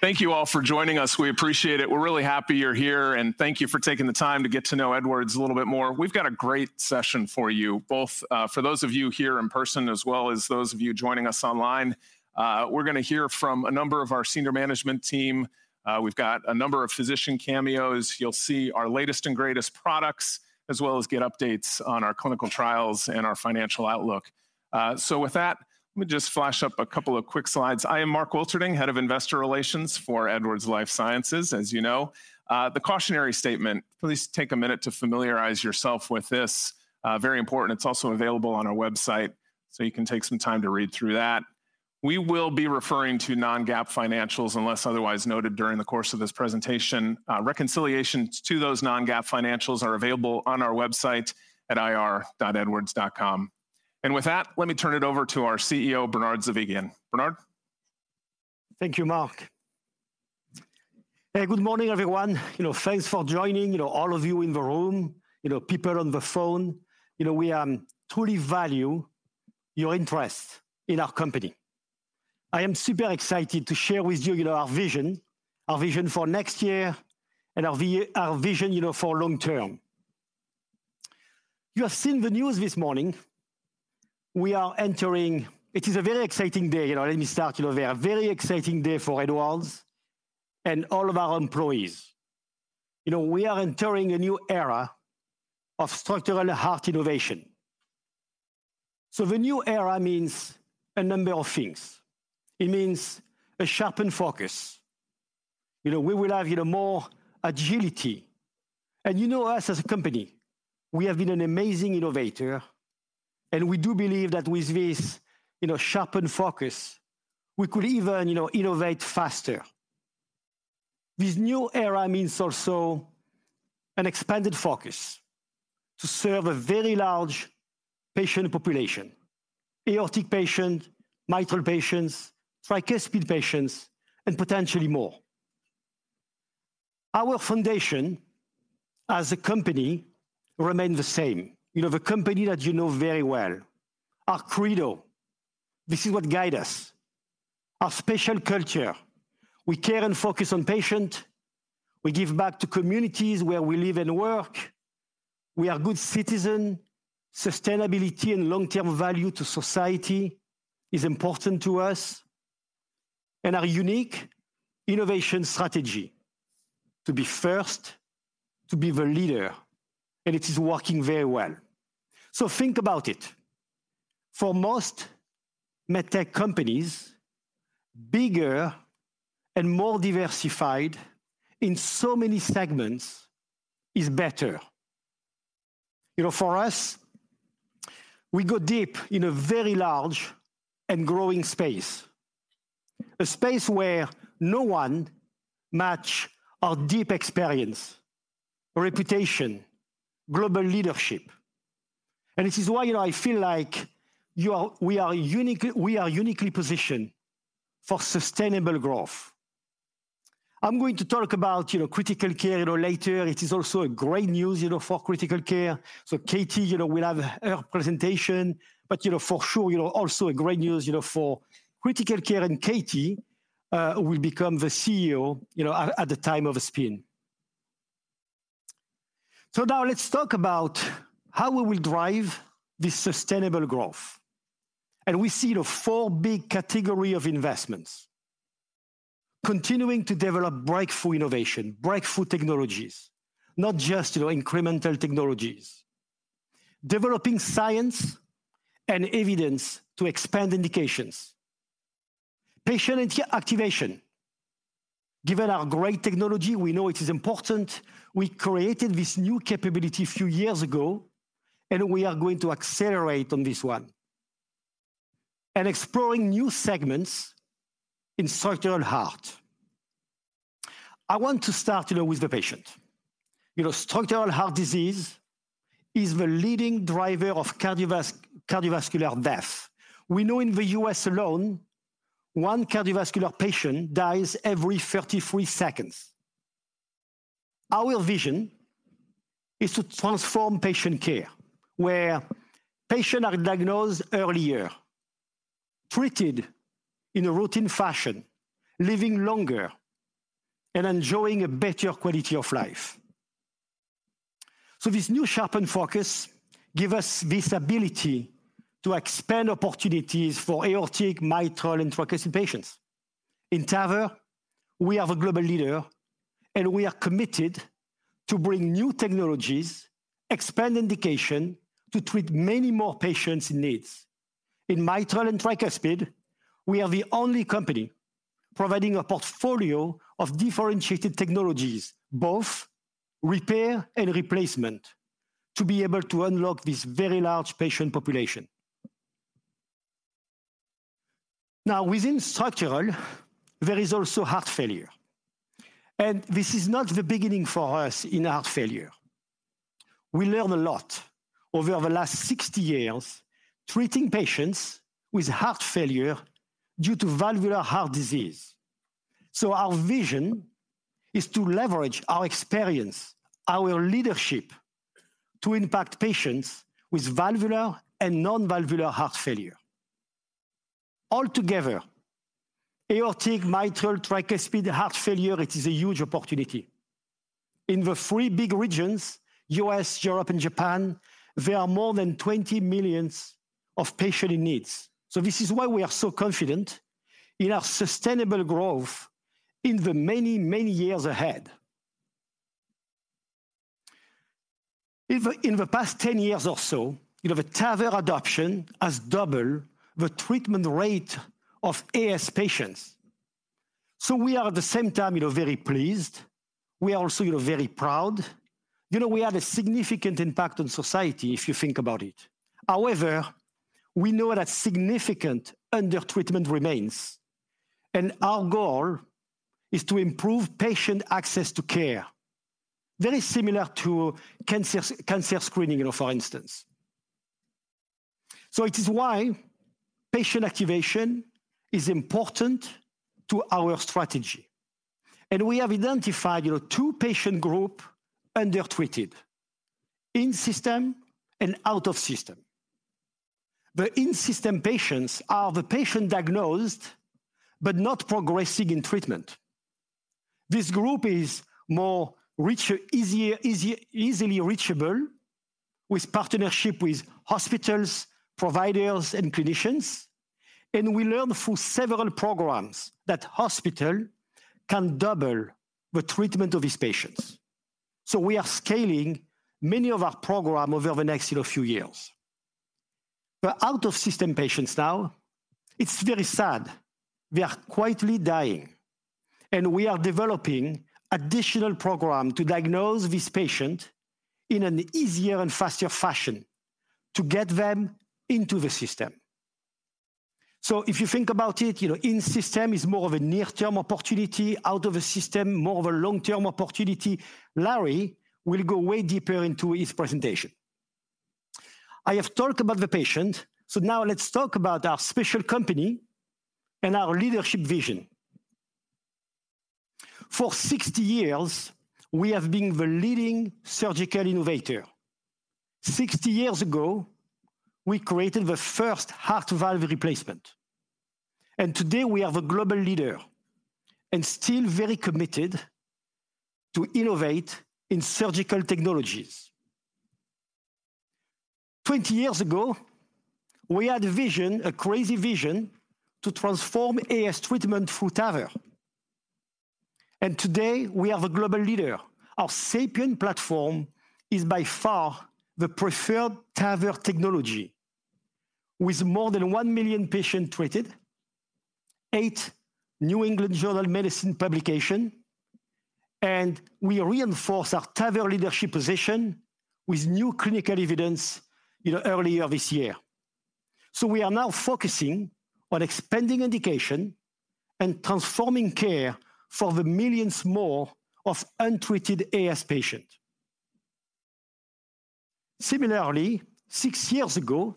Thank you all for joining us. We appreciate it. We're really happy you're here, and thank you for taking the time to get to know Edwards a little bit more. We've got a great session for you, both, for those of you here in person, as well as those of you joining us online. We're gonna hear from a number of our senior management team. We've got a number of physician cameos. You'll see our latest and greatest products, as well as get updates on our clinical trials and our financial outlook. So with that, let me just flash up a couple of quick slides. I am Mark Wilterding, Head of Investor Relations for Edwards Lifesciences, as you know. The cautionary statement, please take a minute to familiarize yourself with this. Very important. It's also available on our website, so you can take some time to read through that. We will be referring to non-GAAP financials unless otherwise noted during the course of this presentation. Reconciliations to those non-GAAP financials are available on our website at ir.edwards.com. With that, let me turn it over to our CEO, Bernard Zovighian. Bernard? Thank you, Mark. Hey, good morning, everyone. You know, thanks for joining, you know, all of you in the room, you know, people on the phone. You know, we truly value your interest in our company. I am super excited to share with you, you know, our vision for next year and our vision, you know, for long term. You have seen the news this morning. We are entering. It is a very exciting day. You know, let me start, you know, there, a very exciting day for Edwards and all of our employees. You know, we are entering a new era of structural heart innovation. So the new era means a number of things. It means a sharpened focus. You know, we will have, you know, more agility. And you know us as a company, we have been an amazing innovator, and we do believe that with this, you know, sharpened focus, we could even, you know, innovate faster. This new era means also an expanded focus to serve a very large patient population: aortic patient, mitral patients, tricuspid patients, and potentially more. Our foundation as a company remain the same. You know, the company that you know very well. Our credo, this is what guide us. Our special culture, we care and focus on patient, we give back to communities where we live and work. We are good citizen. Sustainability and long-term value to society is important to us, and our unique innovation strategy: to be first, to be the leader, and it is working very well. So think about it. For most medtech companies, bigger and more diversified in so many segments is better. You know, for us, we go deep in a very large and growing space. A space where no one matches our deep experience, reputation, global leadership, and this is why, you know, I feel like we are uniquely, we are uniquely positioned for sustainable growth. I'm going to talk about, you know, critical care, you know, later. It is also a great news, you know, for critical care. So Katie, you know, will have her presentation, but, you know, for sure, you know, also a great news, you know, for Critical Care, and Katie will become the CEO, you know, at the time of the spin. So now let's talk about how we will drive this sustainable growth, and we see the four big category of investments: continuing to develop breakthrough innovation, breakthrough technologies, not just, you know, incremental technologies. Developing science and evidence to expand indications. Patient and care activation. Given our great technology, we know it is important. We created this new capability a few years ago, and we are going to accelerate on this one. And exploring new segments in structural heart. I want to start, you know, with the patient. You know, structural heart disease is the leading driver of cardiovascular death. We know in the U.S. alone, 1 cardiovascular patient dies every 33 seconds. Our vision is to transform patient care, where patient are diagnosed earlier, treated in a routine fashion, living longer, and enjoying a better quality of life. So this new sharpened focus give us this ability to expand opportunities for aortic, mitral, and tricuspid patients. In TAVR, we are a global leader, and we are committed to bring new technologies, expand indication to treat many more patients in needs. In mitral and tricuspid, we are the only company providing a portfolio of differentiated technologies, both repair and replacement, to be able to unlock this very large patient population. Now, within structural, there is also heart failure, and this is not the beginning for us in heart failure. We learned a lot over the last 60 years, treating patients with heart failure due to valvular heart disease. So our vision is to leverage our experience, our leadership to impact patients with valvular and non-valvular heart failure. Altogether, aortic, mitral, tricuspid heart failure, it is a huge opportunity. In the three big regions, U.S., Europe, and Japan, there are more than 20 million patients in need. So this is why we are so confident in our sustainable growth in the many, many years ahead. If in the past 10 years or so, you know, the TAVR adoption has doubled the treatment rate of AS patients. So we are at the same time, you know, very pleased. We are also, you know, very proud. You know, we had a significant impact on society, if you think about it. However, we know that significant undertreatment remains, and our goal is to improve patient access to care, very similar to cancer screening, you know, for instance. So it is why patient activation is important to our strategy, and we have identified, you know, two patient groups undertreated: in-system and out-of-system. The in-system patients are the patient diagnosed but not progressing in treatment. This group is more easily reachable with partnership with hospitals, providers, and clinicians. And we learn through several programs that hospital can double the treatment of these patients. So we are scaling many of our program over the next few years. But out-of-system patients now, it's very sad. They are quietly dying, and we are developing additional program to diagnose this patient in an easier and faster fashion to get them into the system. So if you think about it, you know, in-system is more of a near-term opportunity, out-of-system, more of a long-term opportunity. Larry will go way deeper into his presentation. I have talked about the patient, so now let's talk about our special company and our leadership vision. For 60 years, we have been the leading surgical innovator. 60 years ago, we created the first heart valve replacement, and today we are the global leader and still very committed to innovate in surgical technologies. 20 years ago, we had a vision, a crazy vision, to transform AS treatment through TAVR, and today we are the global leader. Our SAPIEN platform is by far the preferred TAVR technology, with more than 1 million patients treated, eight New England Journal of Medicine publication, and we reinforce our TAVR leadership position with new clinical evidence, you know, earlier this year. So we are now focusing on expanding indication and transforming care for the millions more of untreated AS patient. Similarly, six years ago,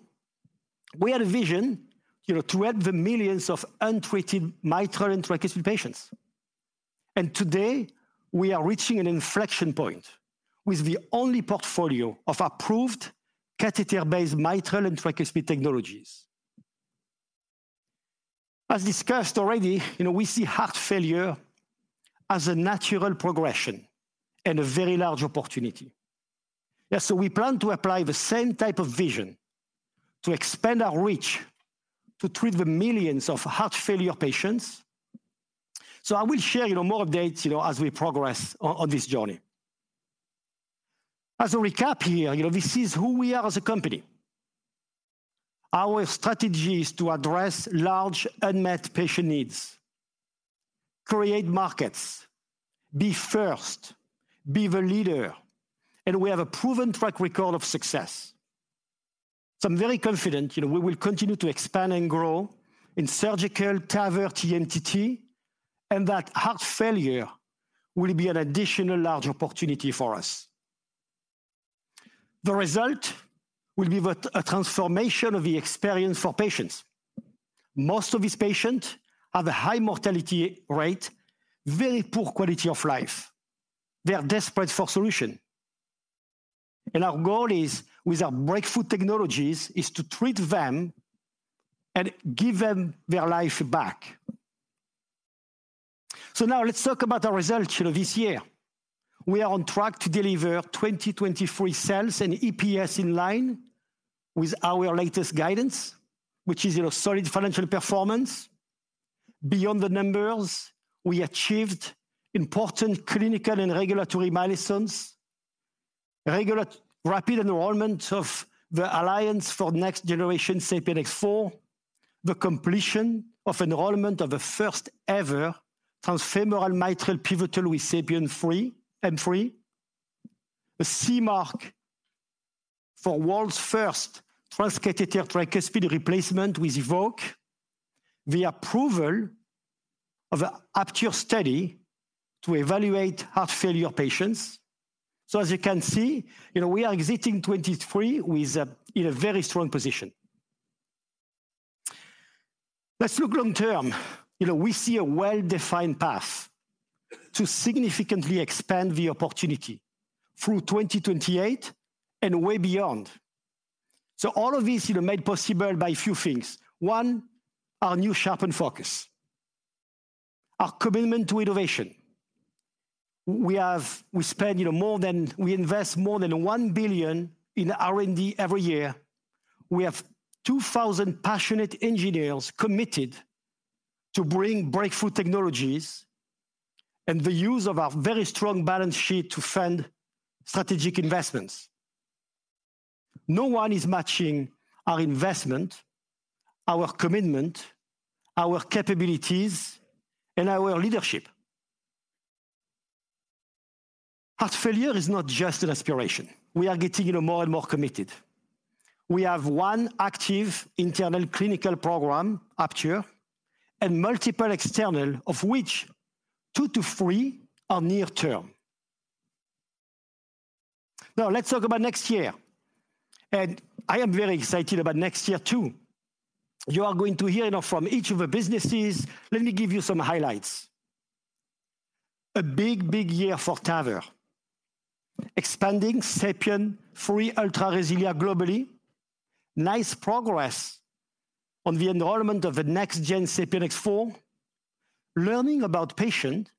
we had a vision, you know, to help the millions of untreated mitral and tricuspid patients. And today, we are reaching an inflection point with the only portfolio of approved catheter-based mitral and tricuspid technologies. As discussed already, you know, we see heart failure as a natural progression and a very large opportunity. Yeah, so we plan to apply the same type of vision to expand our reach to treat the millions of heart failure patients. So I will share, you know, more updates, you know, as we PROGRESS on, on this journey. As a recap here, you know, this is who we are as a company. Our strategy is to address large unmet patient needs, create markets, be first, be the leader, and we have a proven track record of success. So I'm very confident, you know, we will continue to expand and grow in surgical TAVR, TMTT, and that heart failure will be an additional large opportunity for us. The result will be a transformation of the experience for patients. Most of these patients have a high mortality rate, very poor quality of life. They are desperate for solution. And our goal is, with our breakthrough technologies, is to treat them and give them their life back. So now let's talk about our results, you know, this year. We are on track to deliver 2023 sales and EPS in line with our latest guidance, which is, you know, solid financial performance. Beyond the numbers, we achieved important clinical and regulatory milestones, regulatory rapid enrollment of the ALLIANCE for next generation SAPIEN X4, the completion of enrollment of the first-ever transfemoral mitral pivotal with SAPIEN 3, M3, a CE mark for world's first transcatheter tricuspid replacement with EVOQUE, the approval of the APTURE study to evaluate heart failure patients. So as you can see, you know, we are exiting 2023 with a, in a very strong position.... Let's look long term. You know, we see a well-defined path to significantly expand the opportunity through 2028 and way beyond. So all of this, you know, made possible by a few things. One, our new sharpened focus, our commitment to innovation. We invest more than $1 billion in R&D every year. We have 2,000 passionate engineers committed to bring breakthrough technologies, and the use of our very strong balance sheet to fund strategic investments. No one is matching our investment, our commitment, our capabilities, and our leadership. Heart failure is not just an aspiration, we are getting, you know, more and more committed. We have 1 active internal clinical program, APTURE, and multiple external, of which two-three are near term. Now, let's talk about next year, and I am very excited about next year, too. You are going to hear, you know, from each of the businesses. Let me give you some highlights. A big, big year for TAVR. Expanding SAPIEN 3 Ultra RESILIA globally. Nice progress on the enrollment of the next-gen SAPIEN X4. Learning about patient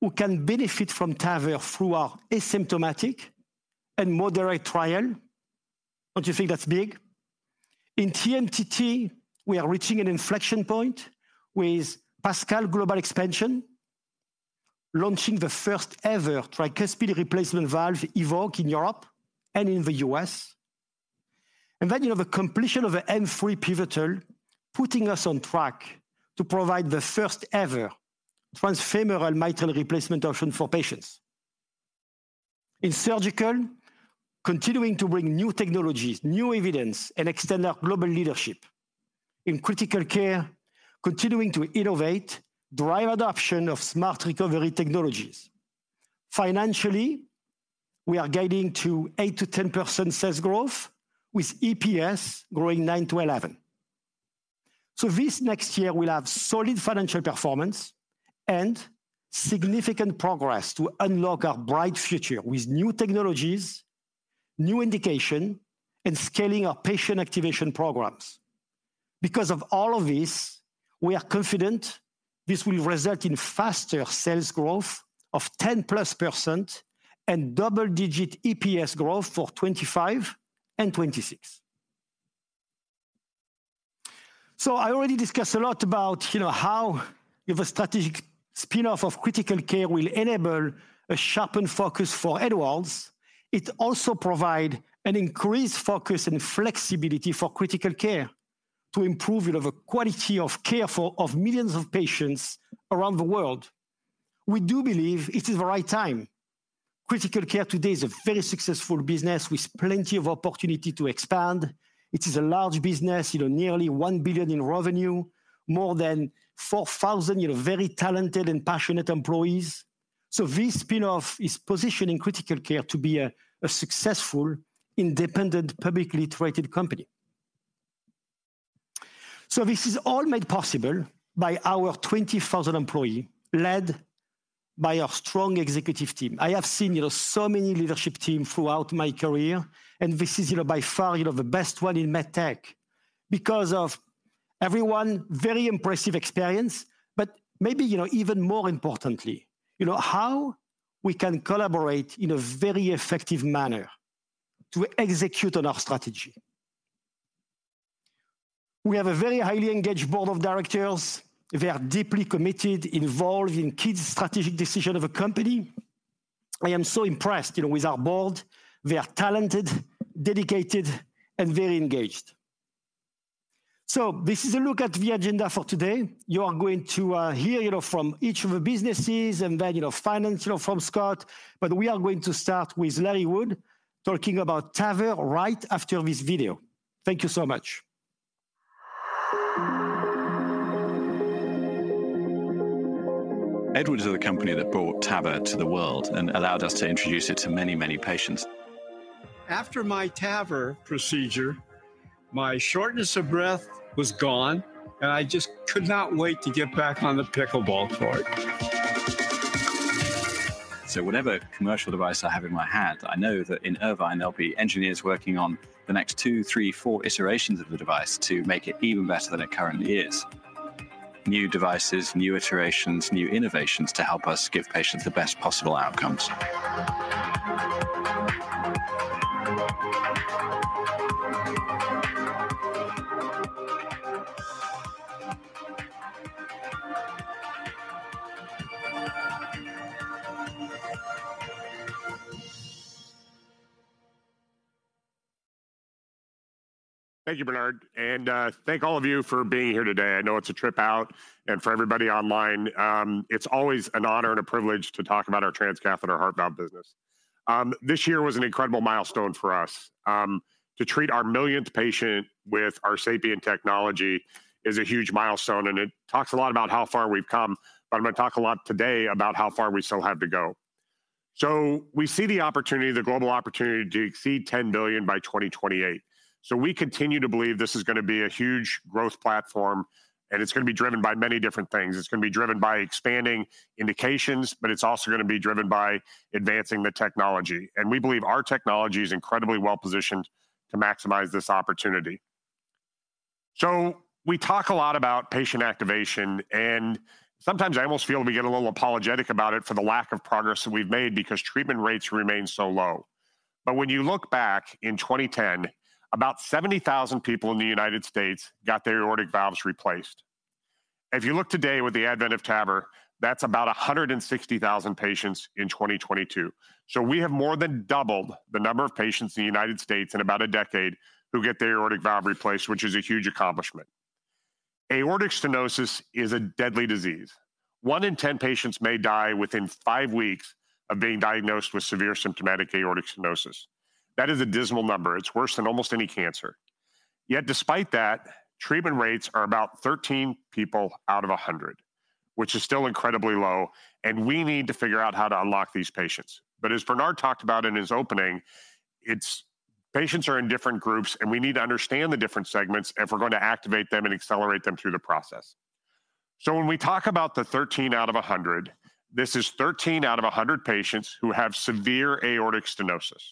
who can benefit from TAVR through our asymptomatic and moderate trial. Don't you think that's big? In TMTT, we are reaching an inflection point with PASCAL global expansion, launching the first-ever tricuspid replacement valve, EVOQUE, in Europe and in the U.S. And then, you know, the completion of the M3 PIVOTAL, putting us on track to provide the first-ever transfemoral mitral replacement option for patients. In surgical, continuing to bring new technologies, new evidence, and extend our global leadership. In critical care, continuing to innovate, drive adoption of smart recovery technologies. Financially, we are guiding to 8%-10% sales growth, with EPS growing 9-11. So this next year, we'll have solid financial performance and significant progress to unlock our bright future with new technologies, new indication, and scaling our patient activation programs. Because of all of this, we are confident this will result in faster sales growth of 10%+ and double-digit EPS growth for 2025 and 2026. So I already discussed a lot about, you know, how the strategic spin-off of Critical Care will enable a sharpened focus for Edwards. It also provide an increased focus and flexibility for Critical Care to improve, you know, the quality of care for of millions of patients around the world. We do believe it is the right time. Critical Care today is a very successful business with plenty of opportunity to expand. It is a large business, you know, nearly $1 billion in revenue, more than 4,000, you know, very talented and passionate employees. So this spin-off is positioning Critical Care to be a, a successful, independent, publicly traded company. So this is all made possible by our 20,000 employee, led by our strong executive team. I have seen, you know, so many leadership team throughout my career, and this is, you know, by far, you know, the best one in med tech because of everyone, very impressive experience, but maybe, you know, even more importantly, you know, how we can collaborate in a very effective manner to execute on our strategy. We have a very highly engaged board of directors. They are deeply committed, involved in key strategic decision of the company. I am so impressed, you know, with our board. They are talented, dedicated, and very engaged. So this is a look at the agenda for today. You are going to hear, you know, from each of the businesses and then, you know, financial from Scott, but we are going to start with Larry Wood talking about TAVR right after this video. Thank you so much. Edwards is the company that brought TAVR to the world and allowed us to introduce it to many, many patients. After my TAVR procedure, my shortness of breath was gone, and I just could not wait to get back on the pickleball court. So whatever commercial device I have in my hand, I know that in Irvine, there'll be engineers working on the next two, three, four iterations of the device to make it even better than it currently is. New devices, new iterations, new innovations to help us give patients the best possible outcomes. Thank you, Bernard, and thank all of you for being here today. I know it's a trip out, and for everybody online, it's always an honor and a privilege to talk about our transcatheter heart valve business. This year was an incredible milestone for us. To treat our millionth patient with our SAPIEN technology is a huge milestone, and it talks a lot about how far we've come. But I'm going to talk a lot today about how far we still have to go... So we see the opportunity, the global opportunity, to exceed $10 billion by 2028. So we continue to believe this is going to be a huge growth platform, and it's going to be driven by many different things. It's going to be driven by expanding indications, but it's also going to be driven by advancing the technology. We believe our technology is incredibly well-positioned to maximize this opportunity. We talk a lot about patient activation, and sometimes I almost feel we get a little apologetic about it for the lack of progress that we've made because treatment rates remain so low. When you look back in 2010, about 70,000 people in the United States got their aortic valves replaced. If you look today with the advent of TAVR, that's about 160,000 patients in 2022. We have more than doubled the number of patients in the United States in about a decade who get their aortic valve replaced, which is a huge accomplishment. Aortic stenosis is a deadly disease. One in ten patients may die within five weeks of being diagnosed with severe symptomatic aortic stenosis. That is a dismal number. It's worse than almost any cancer. Yet despite that, treatment rates are about 13 people out of 100, which is still incredibly low, and we need to figure out how to unlock these patients. But as Bernard talked about in his opening, it's patients are in different groups, and we need to understand the different segments if we're going to activate them and accelerate them through the process. So when we talk about the 13 out of 100, this is 13 out of 100 patients who have severe aortic stenosis.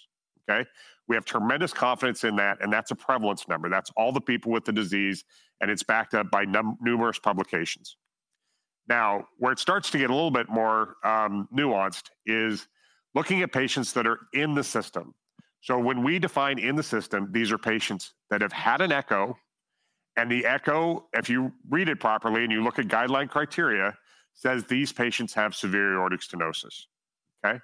Okay? We have tremendous confidence in that, and that's a prevalence number. That's all the people with the disease, and it's backed up by numerous publications. Now, where it starts to get a little bit more nuanced is looking at patients that are in the system. So when we define in the system, these are patients that have had an echo, and the echo, if you read it properly, and you look at guideline criteria, says these patients have severe aortic stenosis. Okay?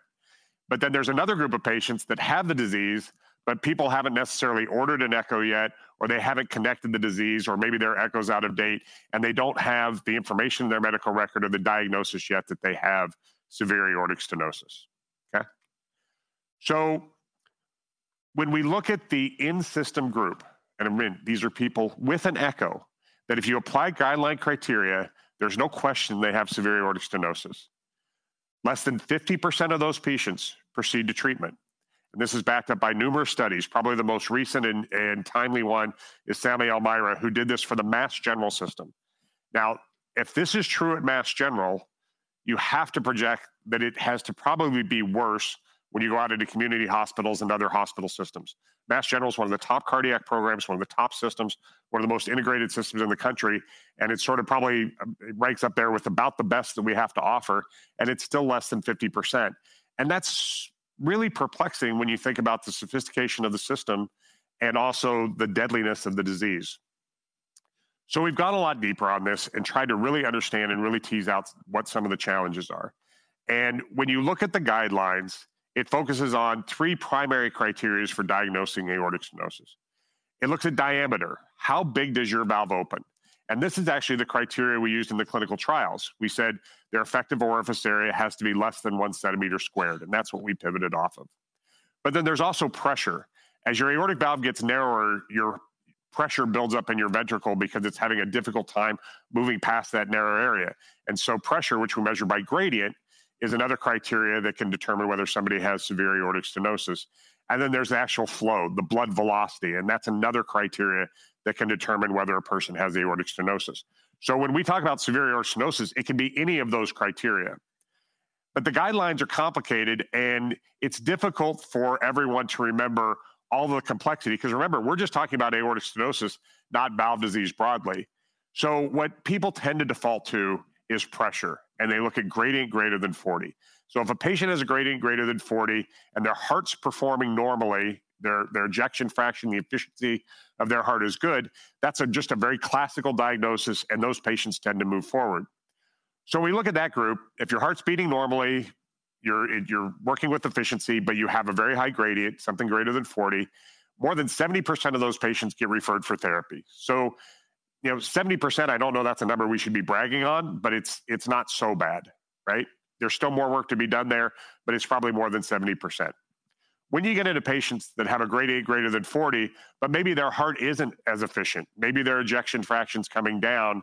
But then there's another group of patients that have the disease, but people haven't necessarily ordered an echo yet, or they haven't connected the disease, or maybe their echo's out of date, and they don't have the information in their medical record or the diagnosis yet that they have severe aortic stenosis. Okay? So when we look at the in-system group, and again, these are people with an echo, that if you apply guideline criteria, there's no question they have severe aortic stenosis. Less than 50% of those patients proceed to treatment, and this is backed up by numerous studies. Probably the most recent and timely one is Sammy Elmariah, who did this for the Mass General system. Now, if this is true at Mass General, you have to project that it has to probably be worse when you go out into community hospitals and other hospital systems. Mass General is one of the top cardiac programs, one of the top systems, one of the most integrated systems in the country, and it sort of probably it ranks up there with about the best that we have to offer, and it's still less than 50%. And that's really perplexing when you think about the sophistication of the system and also the deadliness of the disease. So we've gone a lot deeper on this and tried to really understand and really tease out what some of the challenges are. When you look at the guidelines, it focuses on three primary criteria for diagnosing aortic stenosis. It looks at diameter. How big does your valve open? This is actually the criteria we used in the clinical trials. We said their effective orifice area has to be less than 1 centimeter squared, and that's what we pivoted off of. But then there's also pressure. As your aortic valve gets narrower, your pressure builds up in your ventricle because it's having a difficult time moving past that narrow area. And so pressure, which we measure by gradient, is another criteria that can determine whether somebody has severe aortic stenosis. And then there's the actual flow, the blood velocity, and that's another criteria that can determine whether a person has aortic stenosis. So when we talk about severe aortic stenosis, it can be any of those criteria. The guidelines are complicated, and it's difficult for everyone to remember all the complexity, because remember, we're just talking about aortic stenosis, not valve disease broadly. So what people tend to default to is pressure, and they look at gradient greater than 40. So if a patient has a gradient greater than 40 and their heart's performing normally, their ejection fraction, the efficiency of their heart is good, that's just a very classical diagnosis, and those patients tend to move forward. So we look at that group. If your heart's beating normally, you're working with efficiency, but you have a very high gradient, something greater than 40, more than 70% of those patients get referred for therapy. So, you know, 70%, I don't know if that's a number we should be bragging on, but it's, it's not so bad, right? There's still more work to be done there, but it's probably more than 70%. When you get into patients that have a gradient greater than 40, but maybe their heart isn't as efficient, maybe their ejection fraction's coming down,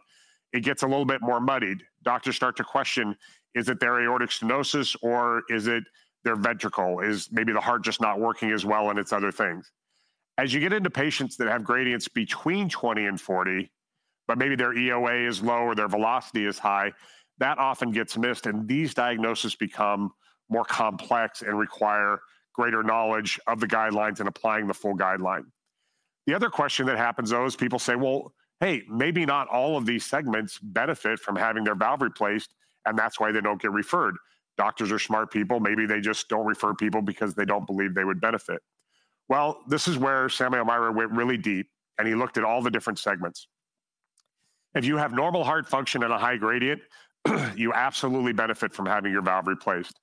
it gets a little bit more muddied. Doctors start to question, is it their aortic stenosis or is it their ventricle? Is maybe the heart just not working as well, and it's other things? As you get into patients that have gradients between 20 and 40, but maybe their EOA is low or their velocity is high, that often gets missed, and these diagnoses become more complex and require greater knowledge of the guidelines and applying the full guideline. The other question that happens, though, is people say, "Well, hey, maybe not all of these segments benefit from having their valve replaced, and that's why they don't get referred." Doctors are smart people. Maybe they just don't refer people because they don't believe they would benefit. Well, this is where Sammy Elmariah went really deep, and he looked at all the different segments. If you have normal heart function and a high gradient, you absolutely benefit from having your valve replaced.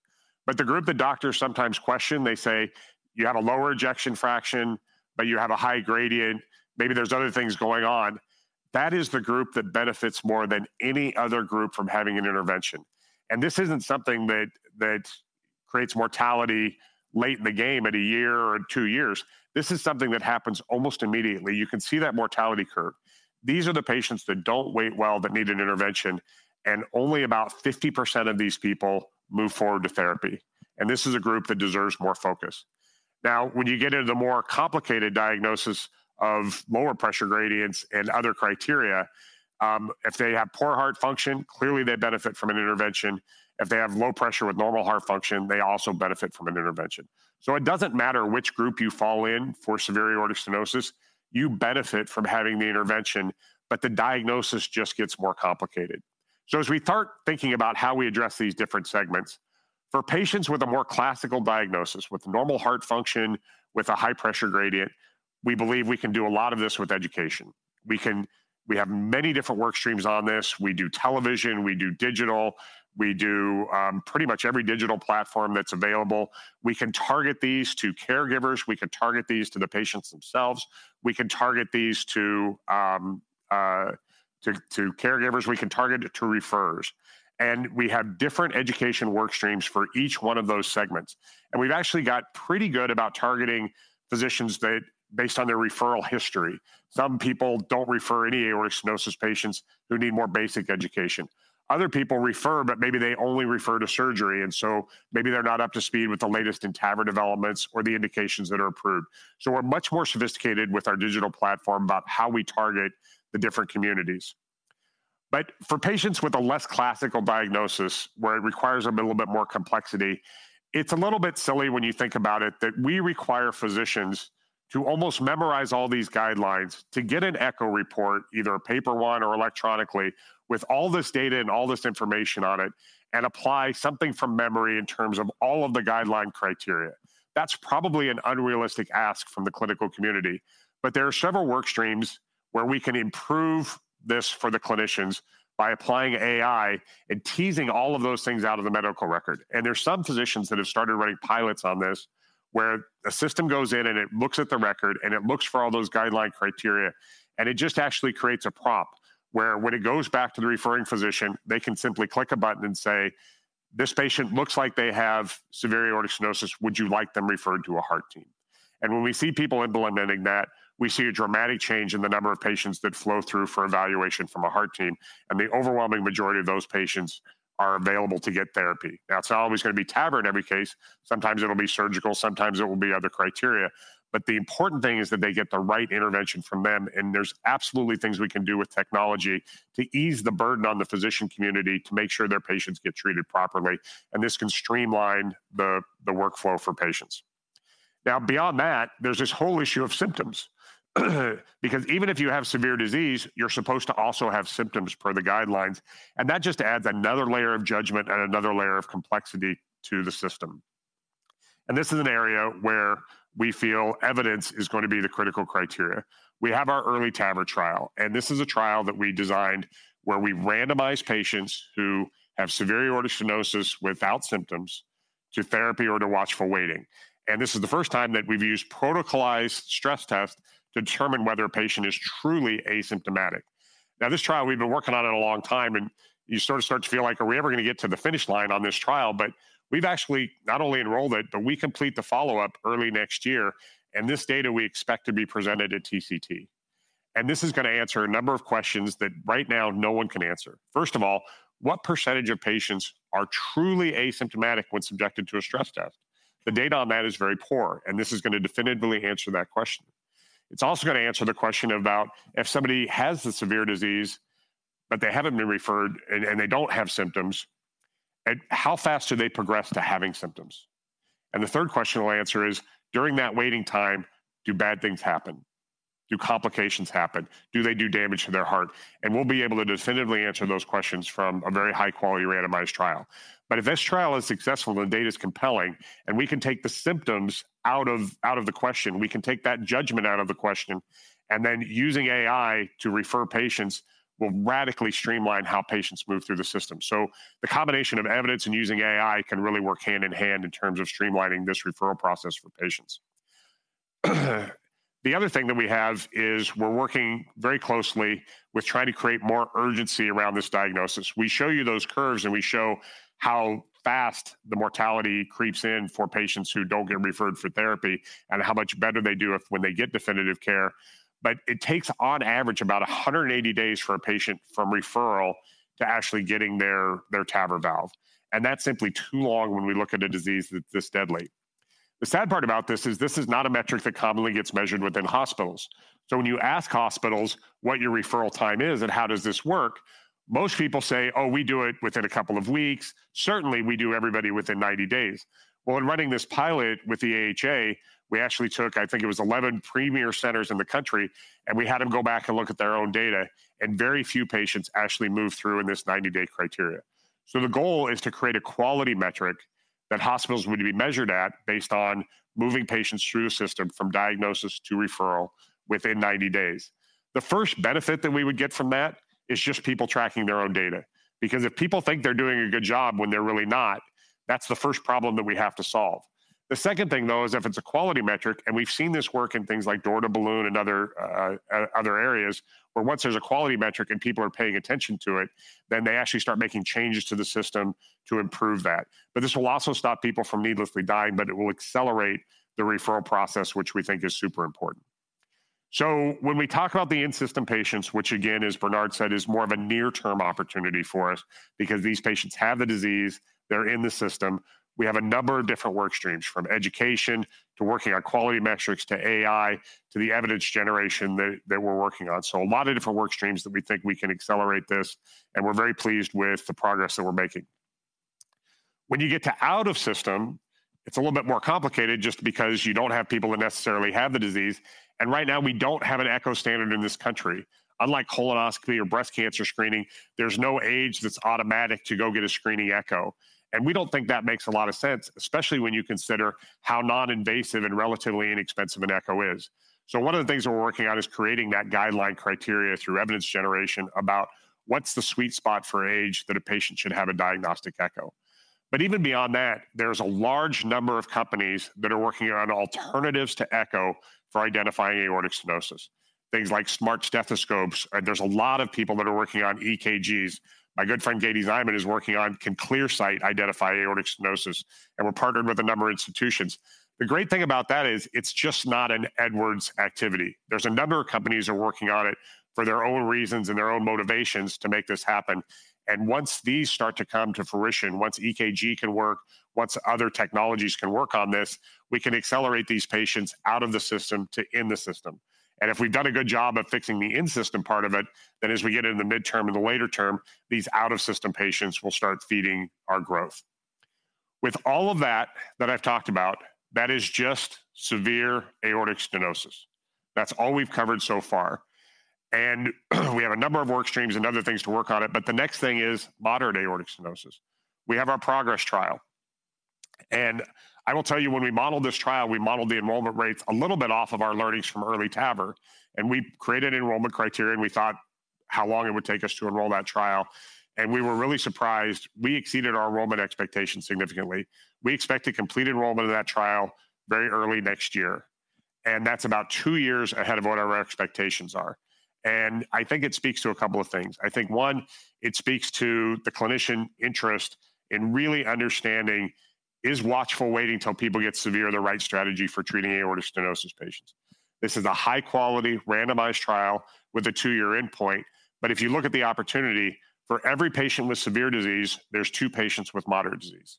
But the group that doctors sometimes question, they say, "You have a lower ejection fraction, but you have a high gradient. Maybe there's other things going on," that is the group that benefits more than any other group from having an intervention. And this isn't something that, that creates mortality late in the game, at a year or two years. This is something that happens almost immediately. You can see that mortality curve. These are the patients that don't wait well, but need an intervention, and only about 50% of these people move forward to therapy. This is a group that deserves more focus... Now, when you get into the more complicated diagnosis of lower pressure gradients and other criteria, if they have poor heart function, clearly they benefit from an intervention. If they have low pressure with normal heart function, they also benefit from an intervention. It doesn't matter which group you fall in for severe aortic stenosis, you benefit from having the intervention, but the diagnosis just gets more complicated. As we start thinking about how we address these different segments, for patients with a more classical diagnosis, with normal heart function, with a high pressure gradient, we believe we can do a lot of this with education. We have many different work streams on this. We do television, we do digital, we do pretty much every digital platform that's available. We can target these to caregivers, we can target these to the patients themselves, we can target these to caregivers, we can target it to referrers. And we have different education work streams for each one of those segments. And we've actually got pretty good about targeting physicians based on their referral history. Some people don't refer any aortic stenosis patients who need more basic education. Other people refer, but maybe they only refer to surgery, and so maybe they're not up to speed with the latest in TAVR developments or the indications that are approved. So we're much more sophisticated with our digital platform about how we target the different communities. But for patients with a less classical diagnosis, where it requires a little bit more complexity, it's a little bit silly when you think about it, that we require physicians to almost memorize all these guidelines to get an echo report, either a paper one or electronically, with all this data and all this information on it, and apply something from memory in terms of all of the guideline criteria. That's probably an unrealistic ask from the clinical community, but there are several work streams where we can improve this for the clinicians by applying AI and teasing all of those things out of the medical record. There are some physicians that have started running pilots on this, where a system goes in and it looks at the record, and it looks for all those guideline criteria, and it just actually creates a prompt, where when it goes back to the referring physician, they can simply click a button and say, "This patient looks like they have severe aortic stenosis. Would you like them referred to a heart team?" And when we see people implementing that, we see a dramatic change in the number of patients that flow through for evaluation from a heart team, and the overwhelming majority of those patients are available to get therapy. Now, it's not always going to be TAVR in every case. Sometimes it'll be surgical, sometimes it will be other criteria, but the important thing is that they get the right intervention from them, and there's absolutely things we can do with technology to ease the burden on the physician community to make sure their patients get treated properly, and this can streamline the workflow for patients. Now, beyond that, there's this whole issue of symptoms, because even if you have severe disease, you're supposed to also have symptoms per the guidelines, and that just adds another layer of judgment and another layer of complexity to the system. This is an area where we feel evidence is going to be the critical criteria. We have our EARLY TAVR trial, and this is a trial that we designed where we randomized patients who have severe aortic stenosis without symptoms to therapy or to watchful waiting. And this is the first time that we've used protocolized stress test to determine whether a patient is truly asymptomatic. Now, this trial, we've been working on it a long time, and you sort of start to feel like, are we ever going to get to the finish line on this trial? But we've actually not only enrolled it, but we complete the follow-up early next year, and this data we expect to be presented at TCT. And this is going to answer a number of questions that right now no one can answer. First of all, what percentage of patients are truly asymptomatic when subjected to a stress test? The data on that is very poor, and this is going to definitively answer that question. It's also going to answer the question about if somebody has the severe disease, but they haven't been referred and they don't have symptoms, and how fast do they progress to having symptoms? And the third question it will answer is, during that waiting time, do bad things happen? Do complications happen? Do they do damage to their heart? And we'll be able to definitively answer those questions from a very high-quality randomized trial. But if this trial is successful, the data is compelling, and we can take the symptoms out of the question, we can take that judgment out of the question, and then using AI to refer patients will radically streamline how patients move through the system. So the combination of evidence and using AI can really work hand in hand in terms of streamlining this referral process for patients. The other thing that we have is we're working very closely with trying to create more urgency around this diagnosis. We show you those curves, and we show how fast the mortality creeps in for patients who don't get referred for therapy and how much better they do if, when they get definitive care. But it takes, on average, about 180 days for a patient from referral to actually getting their, their TAVR valve. And that's simply too long when we look at a disease that's this deadly. The sad part about this is this is not a metric that commonly gets measured within hospitals. So when you ask hospitals what your referral time is and how does this work, most people say, "Oh, we do it within a couple of weeks. Certainly, we do everybody within 90 days." Well, in running this pilot with the AHA, we actually took, I think it was 11 premier centers in the country, and we had them go back and look at their own data, and very few patients actually moved through in this 90-day criteria. So the goal is to create a quality metric that hospitals would be measured at, based on moving patients through the system from diagnosis to referral within 90 days. The first benefit that we would get from that is just people tracking their own data, because if people think they're doing a good job when they're really not, that's the first problem that we have to solve. The second thing, though, is if it's a quality metric, and we've seen this work in things like door-to-balloon and other areas, where once there's a quality metric and people are paying attention to it, then they actually start making changes to the system to improve that. But this will also stop people from needlessly dying, but it will accelerate the referral process, which we think is super important. So when we talk about the in-system patients, which again, as Bernard said, is more of a near-term opportunity for us because these patients have the disease, they're in the system, we have a number of different work streams, from education to working on quality metrics, to AI, to the evidence generation that we're working on. So a lot of different work streams that we think we can accelerate this, and we're very pleased with the progress that we're making. When you get to out-of-system, it's a little bit more complicated just because you don't have people that necessarily have the disease, and right now, we don't have an echo standard in this country. Unlike colonoscopy or breast cancer screening, there's no age that's automatic to go get a screening echo. We don't think that makes a lot of sense, especially when you consider how non-invasive and relatively inexpensive an echo is. So one of the things we're working on is creating that guideline criteria through evidence generation about what's the sweet spot for age that a patient should have a diagnostic echo. But even beyond that, there's a large number of companies that are working on alternatives to echo for identifying aortic stenosis. Things like smart stethoscopes, and there's a lot of people that are working on EKGs. My good friend, Gabe Ziman, is working on, can ClearSight identify aortic stenosis? And we're partnered with a number of institutions. The great thing about that is it's just not an Edwards activity. There's a number of companies are working on it for their own reasons and their own motivations to make this happen. And once these start to come to fruition, once EKG can work, once other technologies can work on this, we can accelerate these patients out of the system to in the system. And if we've done a good job of fixing the in-system part of it, then as we get into the midterm and the later term, these out-of-system patients will start feeding our growth. With all of that that I've talked about, that is just severe aortic stenosis. That's all we've covered so far. We have a number of work streams and other things to work on it, but the next thing is moderate aortic stenosis. We have our PROGRESS trial. I will tell you, when we modeled this trial, we modeled the enrollment rates a little bit off of our learnings from EARLY TAVR, and we created enrollment criteria, and we thought how long it would take us to enroll that trial, and we were really surprised. We exceeded our enrollment expectations significantly. We expect to complete enrollment of that trial very early next year, and that's about two years ahead of what our expectations are. I think it speaks to a couple of things. I think, one, it speaks to the clinician interest in really understanding, is watchful waiting till people get severe the right strategy for treating aortic stenosis patients? This is a high-quality randomized trial with a two-year endpoint, but if you look at the opportunity, for every patient with severe disease, there's two patients with moderate disease.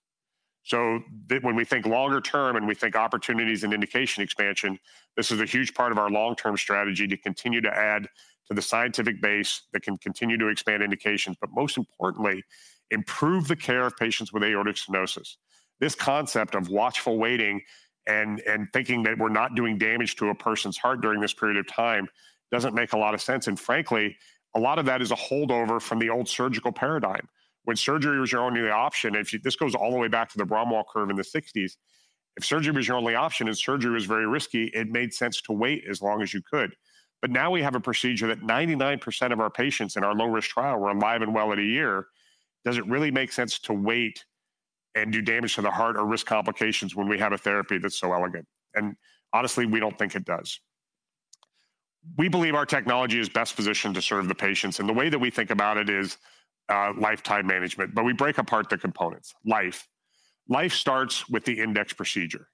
So when we think longer term and we think opportunities and indication expansion, this is a huge part of our long-term strategy to continue to add to the scientific base that can continue to expand indications, but most importantly, improve the care of patients with aortic stenosis. This concept of watchful waiting and thinking that we're not doing damage to a person's heart during this period of time doesn't make a lot of sense, and frankly, a lot of that is a holdover from the old surgical paradigm. When surgery was your only option, this goes all the way back to the Braunwald curve in the 1960s. If surgery was your only option, and surgery was very risky, it made sense to wait as long as you could. But now we have a procedure that 99% of our patients in our low-risk trial were alive and well at a year. Does it really make sense to wait and do damage to the heart or risk complications when we have a therapy that's so elegant? And honestly, we don't think it does. We believe our technology is best positioned to serve the patients, and the way that we think about it is, lifetime management, but we break apart the components. Life. Life starts with the index procedure.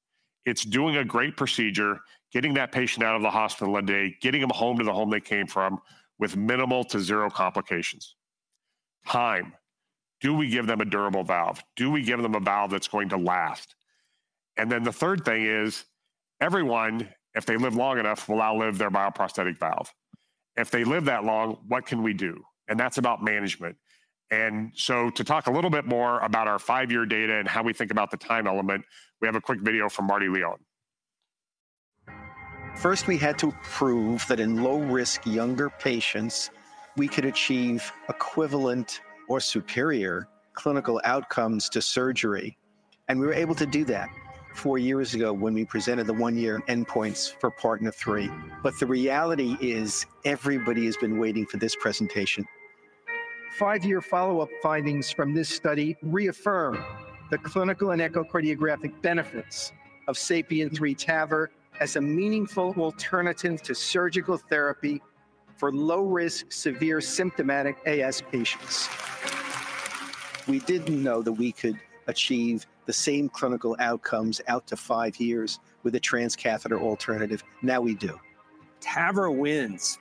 It's doing a great procedure, getting that patient out of the hospital in a day, getting them home to the home they came from, with minimal to zero complications. Time. Do we give them a durable valve? Do we give them a valve that's going to last? And then the third thing is, everyone, if they live long enough, will outlive their bioprosthetic valve. If they live that long, what can we do? And that's about management. And so to talk a little bit more about our five-year data and how we think about the time element, we have a quick video from Martin Leon. First, we had to prove that in low-risk, younger patients, we could achieve equivalent or superior clinical outcomes to surgery, and we were able to do that four years ago when we presented the one-year endpoints for PARTNER 3. But the reality is, everybody has been waiting for this presentation. five-year follow-up findings from this study reaffirm the clinical and echocardiographic benefits of SAPIEN 3 TAVR as a meaningful alternative to surgical therapy for low-risk, severe symptomatic AS patients. We didn't know that we could achieve the same clinical outcomes out to five years with a transcatheter alternative. Now we do. TAVR wins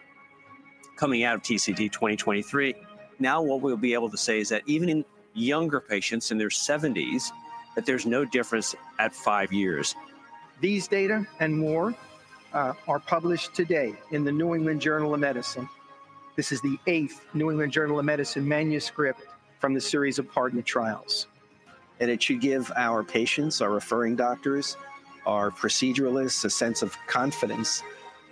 coming out of TCT 2023. Now what we'll be able to say is that even in younger patients in their seventies, that there's no difference at five years. These data and more are published today in the New England Journal of Medicine. This is the eighth New England Journal of Medicine manuscript from the series of PARTNER trials. It should give our patients, our referring doctors, our proceduralists, a sense of confidence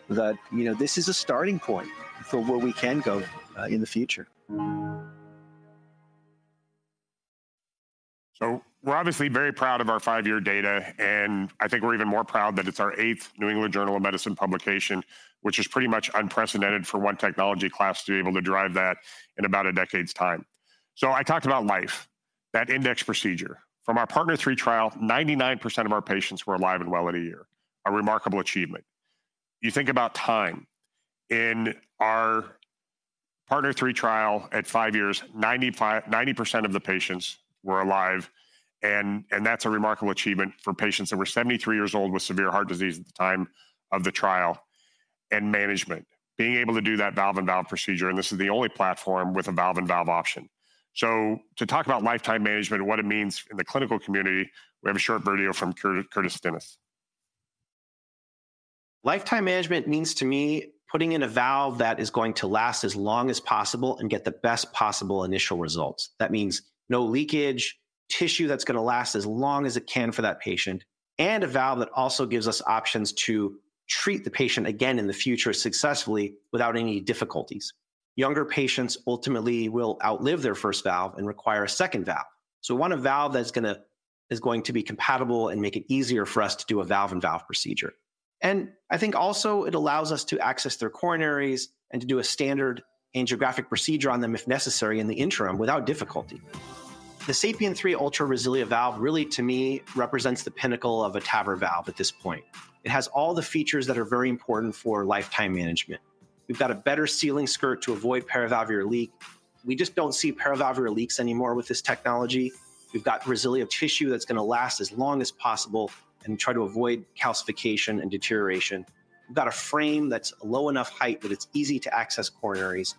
that, you know, this is a starting point for where we can go in the future. So we're obviously very proud of our five-year data, and I think we're even more proud that it's our eighth New England Journal of Medicine publication, which is pretty much unprecedented for one technology class to be able to drive that in about a decade's time. So I talked about life, that index procedure. From our PARTNER 3 trial, 99% of our patients were alive and well in a year, a remarkable achievement. You think about time. In our PARTNER 3 trial at five years, ninety-five, 90% of the patients were alive, and that's a remarkable achievement for patients that were 73 years old with severe heart disease at the time of the trial. Management, being able to do that valve-in-valve procedure, and this is the only platform with a valve-in-valve option. So to talk about lifetime management and what it means in the clinical community, we have a short video from Curtis Stinis. Lifetime management means to me, putting in a valve that is going to last as long as possible and get the best possible initial results. That means no leakage, tissue that's going to last as long as it can for that patient, and a valve that also gives us options to treat the patient again in the future successfully without any difficulties. Younger patients ultimately will outlive their first valve and require a second valve. So we want a valve that's is going to be compatible and make it easier for us to do a valve-in-valve procedure. And I think also it allows us to access their coronaries and to do a standard angiographic procedure on them, if necessary, in the interim, without difficulty. The SAPIEN 3 Ultra RESILIA valve really, to me, represents the pinnacle of a TAVR valve at this point. It has all the features that are very important for lifetime management. We've got a better sealing skirt to avoid paravalvular leak. We just don't see paravalvular leaks anymore with this technology. We've got Resilia tissue that's going to last as long as possible and try to avoid calcification and deterioration. We've got a frame that's low enough height that it's easy to access coronaries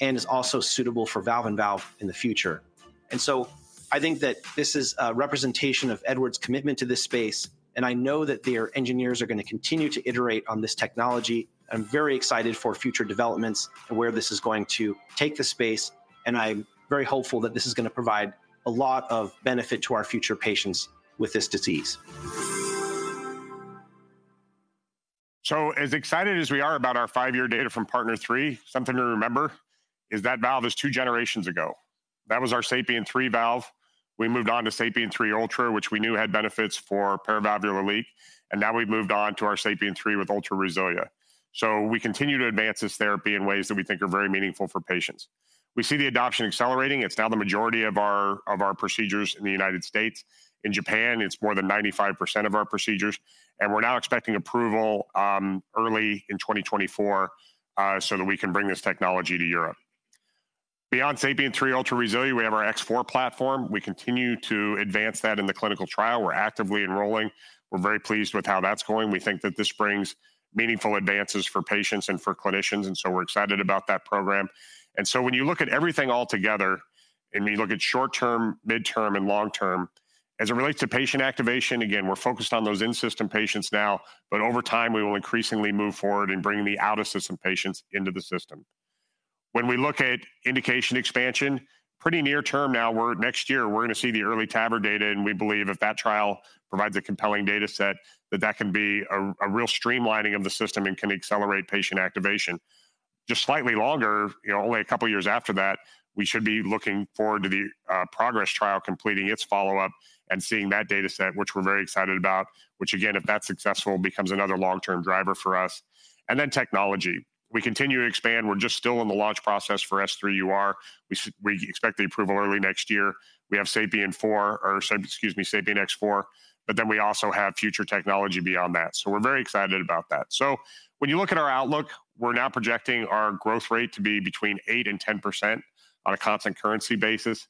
and is also suitable for valve-in-valve in the future. And so I think that this is a representation of Edwards' commitment to this space, and I know that their engineers are going to continue to iterate on this technology. I'm very excited for future developments and where this is going to take the space, and I'm very hopeful that this is going to provide a lot of benefit to our future patients with this disease. So as excited as we are about our five-year data from PARTNER 3, something to remember is that valve is two generations ago. That was our SAPIEN 3 valve. We moved on to SAPIEN 3 Ultra, which we knew had benefits for paravalvular leak, and now we've moved on to our SAPIEN 3 with Ultra RESILIA. So we continue to advance this therapy in ways that we think are very meaningful for patients. We see the adoption accelerating. It's now the majority of our procedures in the United States. In Japan, it's more than 95% of our procedures, and we're now expecting approval early in 2024 so that we can bring this technology to Europe. Beyond SAPIEN 3 Ultra RESILIA, we have our X4 platform. We continue to advance that in the clinical trial. We're actively enrolling. We're very pleased with how that's going. We think that this brings meaningful advances for patients and for clinicians, and so we're excited about that program. And so when you look at everything all together, and we look at short term, midterm, and long term, as it relates to patient activation, again, we're focused on those in-system patients now, but over time, we will increasingly move forward in bringing the out-of-system patients into the system. When we look at indication expansion, pretty near term now, we're, next year, we're going to see the early TAVR data, and we believe if that trial provides a compelling data set, that that can be a, a real streamlining of the system and can accelerate patient activation. Just slightly longer, you know, only a couple of years after that, we should be looking forward to the PROGRESS trial completing its follow-up and seeing that data set, which we're very excited about, which again, if that's successful, becomes another long-term driver for us. And then technology. We continue to expand. We're just still in the launch process for S3 UR. We expect the approval early next year. We have SAPIEN four, or excuse me, SAPIEN X4, but then we also have future technology beyond that. So we're very excited about that. So when you look at our outlook, we're now projecting our growth rate to be between 8% and 10% on a constant currency basis.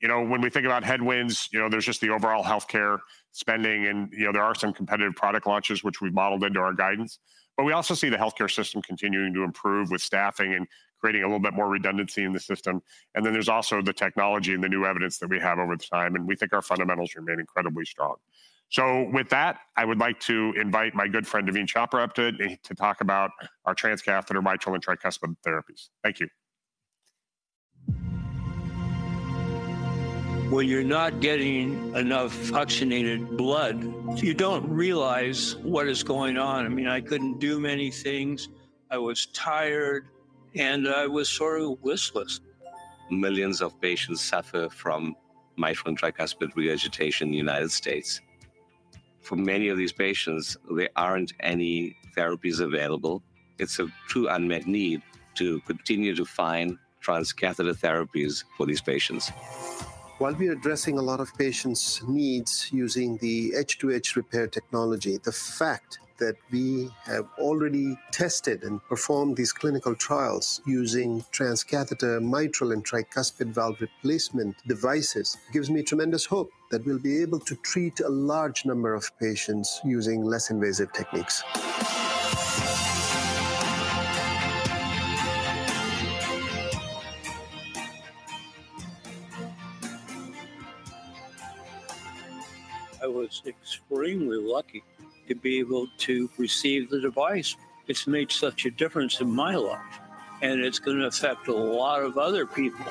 You know, when we think about headwinds, you know, there's just the overall healthcare spending, and, you know, there are some competitive product launches which we've modeled into our guidance. But we also see the healthcare system continuing to improve with staffing and creating a little bit more redundancy in the system. And then there's also the technology and the new evidence that we have over the time, and we think our fundamentals remain incredibly strong. So with that, I would like to invite my good friend, Daveen Chopra, up to talk about our Transcatheter Mitral and Tricuspid Therapies. Thank you. When you're not getting enough oxygenated blood, you don't realize what is going on. I mean, I couldn't do many things. I was tired, and I was sort of listless. Millions of patients suffer from mitral and tricuspid regurgitation in the United States. For many of these patients, there aren't any therapies available. It's a true unmet need to continue to find transcatheter therapies for these patients. While we are addressing a lot of patients' needs using the edge-to-edge repair technology, the fact that we have already tested and performed these clinical trials using transcatheter mitral and tricuspid valve replacement devices gives me tremendous hope that we'll be able to treat a large number of patients using less invasive techniques. I was extremely lucky to be able to receive the device. It's made such a difference in my life, and it's going to affect a lot of other people.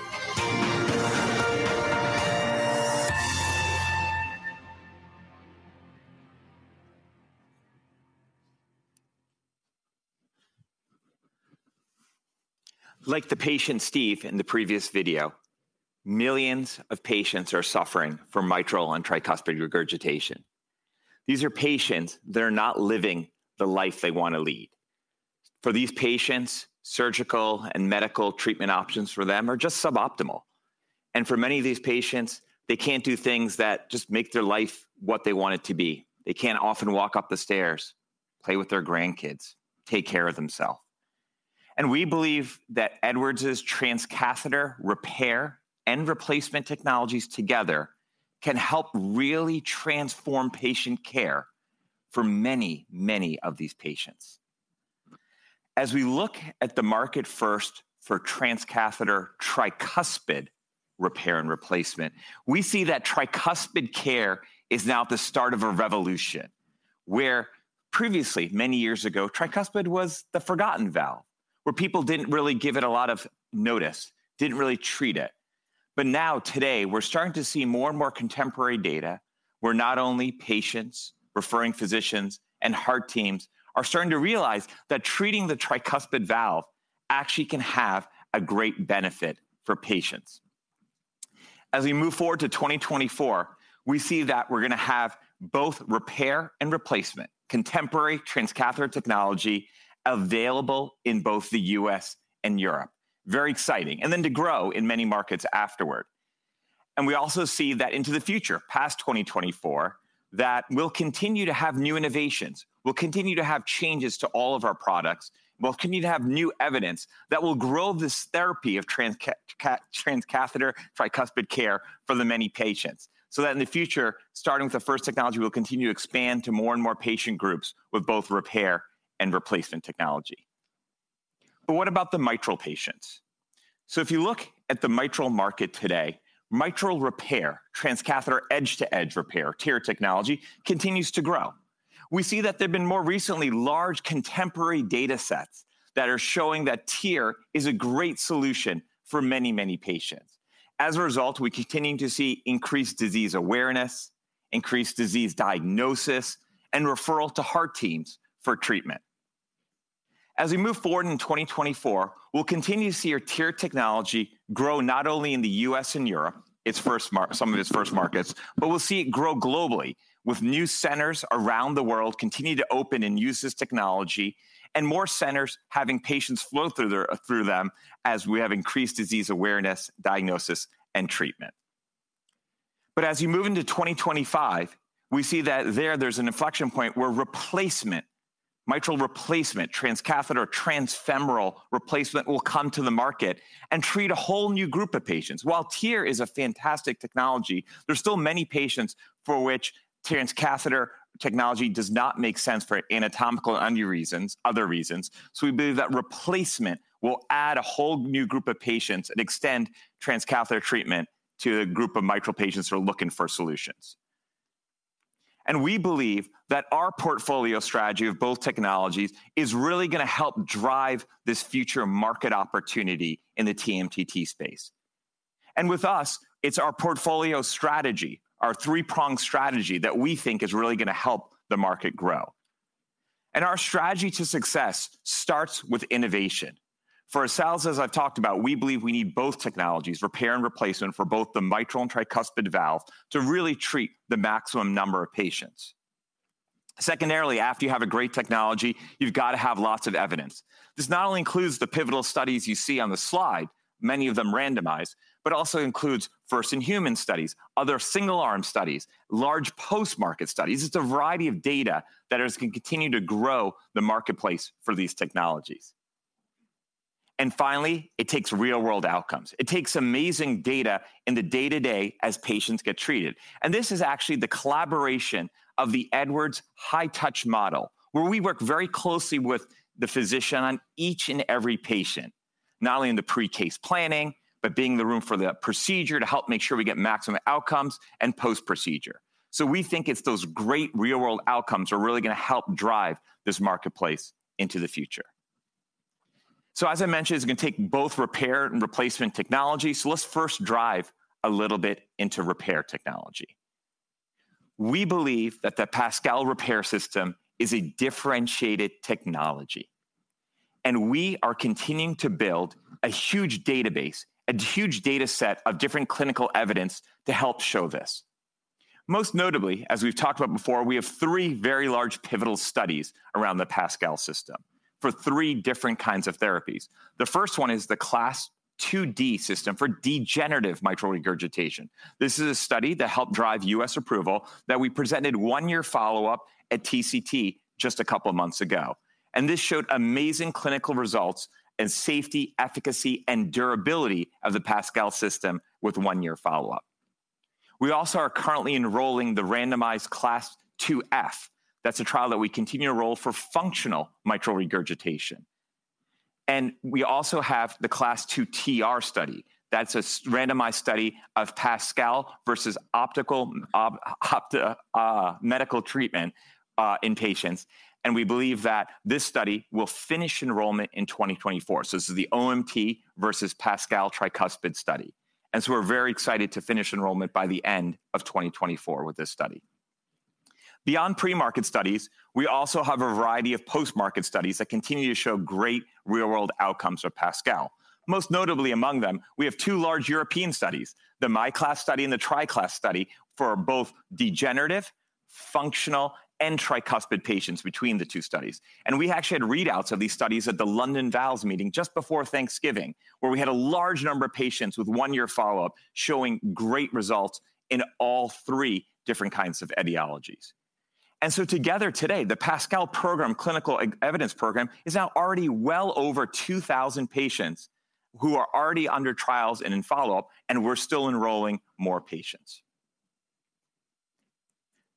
Like the patient, Steve, in the previous video, millions of patients are suffering from mitral and tricuspid regurgitation. These are patients that are not living the life they want to lead. For these patients, surgical and medical treatment options for them are just suboptimal. For many of these patients, they can't do things that just make their life what they want it to be. They can't often walk up the stairs, play with their grandkids, take care of themselves. And we believe that Edwards' transcatheter repair and replacement technologies together can help really transform patient care for many, many of these patients. As we look at the market first for transcatheter tricuspid repair and replacement, we see that tricuspid care is now at the start of a revolution, where previously, many years ago, tricuspid was the forgotten valve, where people didn't really give it a lot of notice, didn't really treat it. But now, today, we're starting to see more and more contemporary data, where not only patients, referring physicians, and heart teams are starting to realize that treating the tricuspid valve actually can have a great benefit for patients. As we move forward to 2024, we see that we're gonna have both repair and replacement, contemporary transcatheter technology available in both the U.S. and Europe. Very exciting, and then to grow in many markets afterward. And we also see that into the future, past 2024, that we'll continue to have new innovations. We'll continue to have changes to all of our products. We'll continue to have new evidence that will grow this therapy of transcatheter tricuspid care for the many patients, so that in the future, starting with the first technology, we'll continue to expand to more and more patient groups with both repair and replacement technology. But what about the mitral patients? So if you look at the mitral market today, mitral repair, transcatheter edge-to-edge repair, TEER technology, continues to grow. We see that there have been more recently large contemporary data sets that are showing that TEER is a great solution for many, many patients. As a result, we're continuing to see increased disease awareness, increased disease diagnosis, and referral to heart teams for treatment. As we move forward in 2024, we'll continue to see our TEER technology grow not only in the US and Europe, its first markets, but we'll see it grow globally, with new centers around the world continue to open and use this technology, and more centers having patients flow through their, through them as we have increased disease awareness, diagnosis, and treatment. But as you move into 2025, we see that there, there's an inflection point where replacement, mitral replacement, transcatheter, transfemoral replacement, will come to the market and treat a whole new group of patients. While TEER is a fantastic technology, there are still many patients for which transcatheter technology does not make sense for anatomical and other reasons, other reasons. So we believe that replacement will add a whole new group of patients and extend transcatheter treatment to a group of mitral patients who are looking for solutions. We believe that our portfolio strategy of both technologies is really gonna help drive this future market opportunity in the TMTT space. With us, it's our portfolio strategy, our three-pronged strategy, that we think is really gonna help the market grow. Our strategy to success starts with innovation. For ourselves, as I've talked about, we believe we need both technologies, repair and replacement, for both the mitral and tricuspid valve, to really treat the maximum number of patients. Secondarily, after you have a great technology, you've got to have lots of evidence. This not only includes the pivotal studies you see on the slide, many of them randomized, but also includes first-in-human studies, other single-arm studies, large post-market studies. It's a variety of data that is going to continue to grow the marketplace for these technologies. Finally, it takes real-world outcomes. It takes amazing data in the day-to-day as patients get treated. This is actually the collaboration of the Edwards high-touch model, where we work very closely with the physician on each and every patient, not only in the pre-case planning, but being in the room for the procedure to help make sure we get maximum outcomes and post-procedure. We think it's those great real-world outcomes are really gonna help drive this marketplace into the future. As I mentioned, it's gonna take both repair and replacement technology, so let's first dive a little bit into repair technology. We believe that the PASCAL repair system is a differentiated technology, and we are continuing to build a huge database, a huge data set of different clinical evidence to help show this. Most notably, as we've talked about before, we have three very large pivotal studies around the PASCAL system for three different kinds of therapies. The first one is the CLASP IID study for degenerative mitral regurgitation. This is a study that helped drive U.S. approval that we presented one-year follow-up at TCT just a couple of months ago. And this showed amazing clinical results and safety, efficacy, and durability of the PASCAL system with one-year follow-up. We also are currently enrolling the randomized CLASP IIF. That's a trial that we continue to enroll for functional mitral regurgitation. We also have the CLASP II TR study. That's a randomized study of PASCAL versus optimal medical treatment in patients, and we believe that this study will finish enrollment in 2024. So this is the OMT versus PASCAL tricuspid study. And so we're very excited to finish enrollment by the end of 2024 with this study. Beyond pre-market studies, we also have a variety of post-market studies that continue to show great real-world outcomes for PASCAL. Most notably among them, we have two large European studies, the MiCLASP study and the TriCLASP study, for both degenerative functional and tricuspid patients between the two studies. And we actually had readouts of these studies at the London Valves meeting just before Thanksgiving, where we had a large number of patients with one-year follow-up showing great results in all three different kinds of etiologies. Together today, the PASCAL program, clinical evidence program, is now already well over 2,000 patients who are already under trials and in follow-up, and we're still enrolling more patients.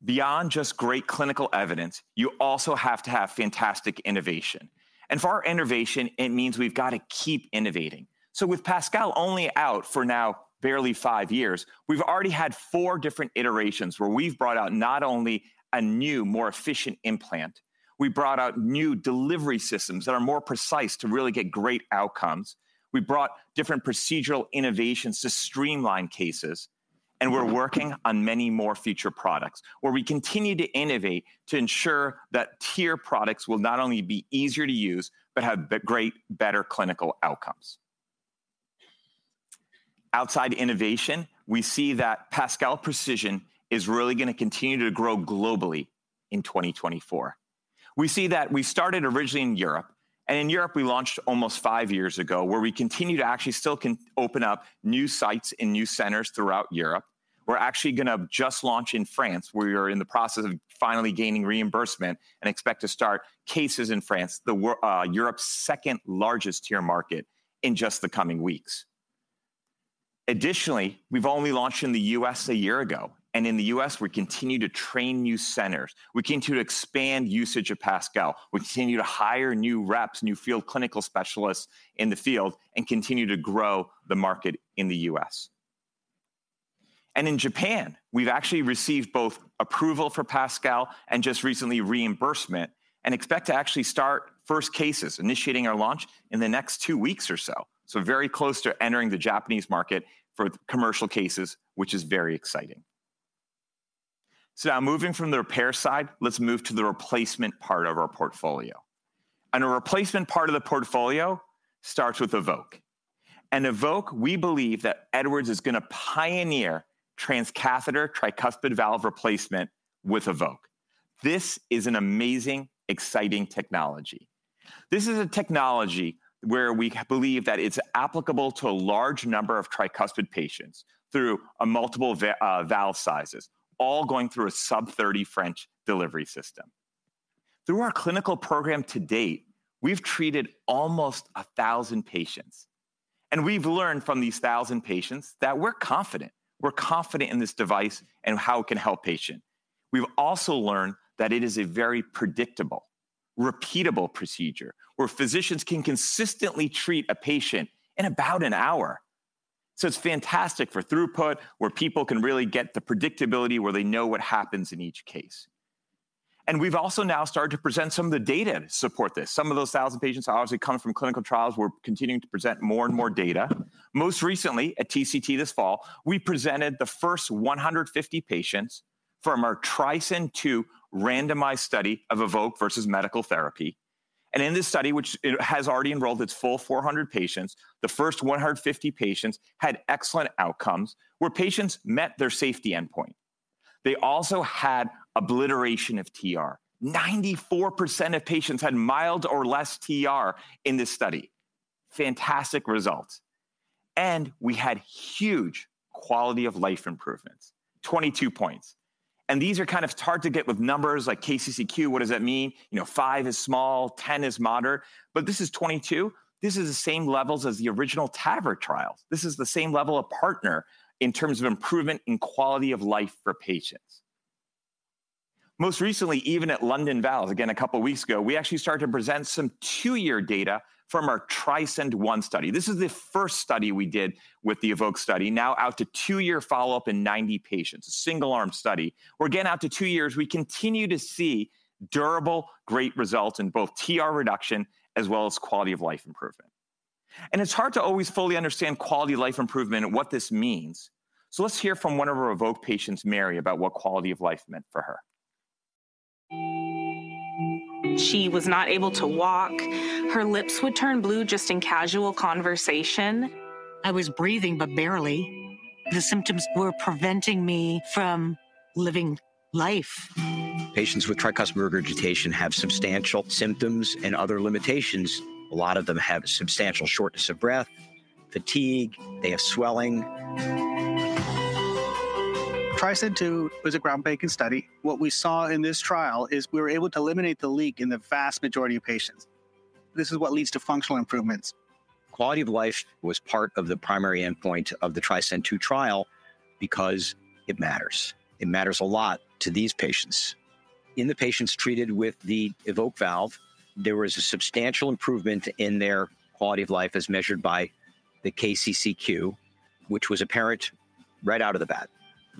Beyond just great clinical evidence, you also have to have fantastic innovation. For our innovation, it means we've got to keep innovating. With PASCAL only out for now barely fiv years, we've already had four different iterations where we've brought out not only a new, more efficient implant, we brought out new delivery systems that are more precise to really get great outcomes. We brought different procedural innovations to streamline cases, and we're working on many more future products, where we continue to innovate to ensure that TEER products will not only be easier to use, but have better clinical outcomes. Outside innovation, we see that PASCAL Precision is really going to continue to grow globally in 2024. We see that we started originally in Europe, and in Europe, we launched almost five years ago, where we continue to actually still open up new sites and new centers throughout Europe. We're actually going to just launch in France, where we are in the process of finally gaining reimbursement and expect to start cases in France, Europe's second-largest tier market, in just the coming weeks. Additionally, we've only launched in the U.S. a year ago, and in the U.S., we continue to train new centers. We continue to expand usage of PASCAL. We continue to hire new reps, new field clinical specialists in the field, and continue to grow the market in the U.S. In Japan, we've actually received both approval for PASCAL and just recently, reimbursement, and expect to actually start first cases, initiating our launch in the next two weeks or so. Very close to entering the Japanese market for commercial cases, which is very exciting. Now moving from the repair side, let's move to the replacement part of our portfolio. The replacement part of the portfolio starts with EVOQUE. EVOQUE, we believe that Edwards is going to pioneer transcatheter tricuspid valve replacement with EVOQUE. This is an amazing, exciting technology. This is a technology where we believe that it's applicable to a large number of tricuspid patients through multiple valve sizes, all going through a sub-30 French delivery system. Through our clinical program to date, we've treated almost 1,000 patients, and we've learned from these 1,000 patients that we're confident. We're confident in this device and how it can help patients. We've also learned that it is a very predictable, repeatable procedure, where physicians can consistently treat a patient in about an hour. So it's fantastic for throughput, where people can really get the predictability, where they know what happens in each case. And we've also now started to present some of the data to support this. Some of those 1,000 patients obviously come from clinical trials. We're continuing to present more and more data. Most recently, at TCT this fall, we presented the first 150 patients from our TRISCEND II randomized study of EVOQUE versus medical therapy. And in this study, which it has already enrolled its full 400 patients, the first 150 patients had excellent outcomes, where patients met their safety endpoint. They also had obliteration of TR. 94% of patients had mild or less TR in this study. Fantastic results. We had huge quality-of-life improvements, 22 points. These are kind of hard to get with numbers like KCCQ. What does that mean? You know, five is small, 10 is moderate, but this is 22. This is the same levels as the original TAVR trials. This is the same level of PARTNER in terms of improvement in quality of life for patients. Most recently, even at London Valves, again, a couple of weeks ago, we actually started to present some two-year data from our TRISCEND I study. This is the first study we did with the EVOQUE study. Now, out to two-year follow-up in 90 patients, a single-arm study, where again, out to two years, we continue to see durable, great results in both TR reduction as well as quality-of-life improvement. It's hard to always fully understand quality-of-life improvement and what this means. Let's hear from one of our EVOQUE patients, Mary, about what quality of life meant for her. She was not able to walk. Her lips would turn blue just in casual conversation. I was breathing, but barely. The symptoms were preventing me from living life. Patients with tricuspid regurgitation have substantial symptoms and other limitations. A lot of them have substantial shortness of breath, fatigue, they have swelling. TRISCEND II was a groundbreaking study. What we saw in this trial is we were able to eliminate the leak in the vast majority of patients. This is what leads to functional improvements. Quality of life was part of the primary endpoint of the TRISCEND II trial because it matters. It matters a lot to these patients. In the patients treated with the EVOQUE valve, there was a substantial improvement in their quality of life as measured by the KCCQ, which was apparent right out of the bat.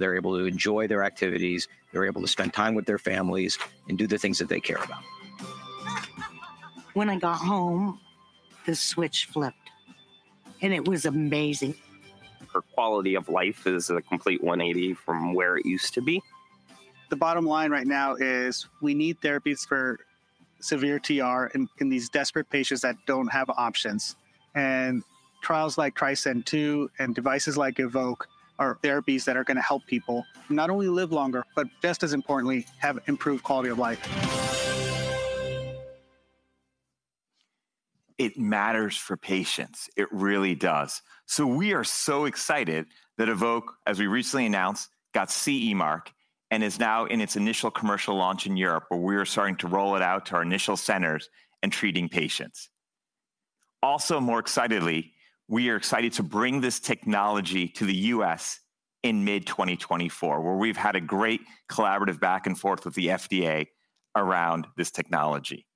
They're able to enjoy their activities, they're able to spend time with their families, and do the things that they care about. When I got home, the switch flipped, and it was amazing. Her quality of life is a complete 180 from where it used to be. The bottom line right now is we need therapies for-... severe TR in these desperate patients that don't have options. Trials like TRISCEND II and devices like EVOQUE are therapies that are gonna help people not only live longer, but just as importantly, have improved quality of life. It matters for patients. It really does. So we are so excited that EVOQUE, as we recently announced, got CE mark and is now in its initial commercial launch in Europe, where we are starting to roll it out to our initial centers and treating patients. Also, more excitedly, we are excited to bring this technology to the U.S. in mid-2024, where we've had a great collaborative back and forth with the FDA around this technology.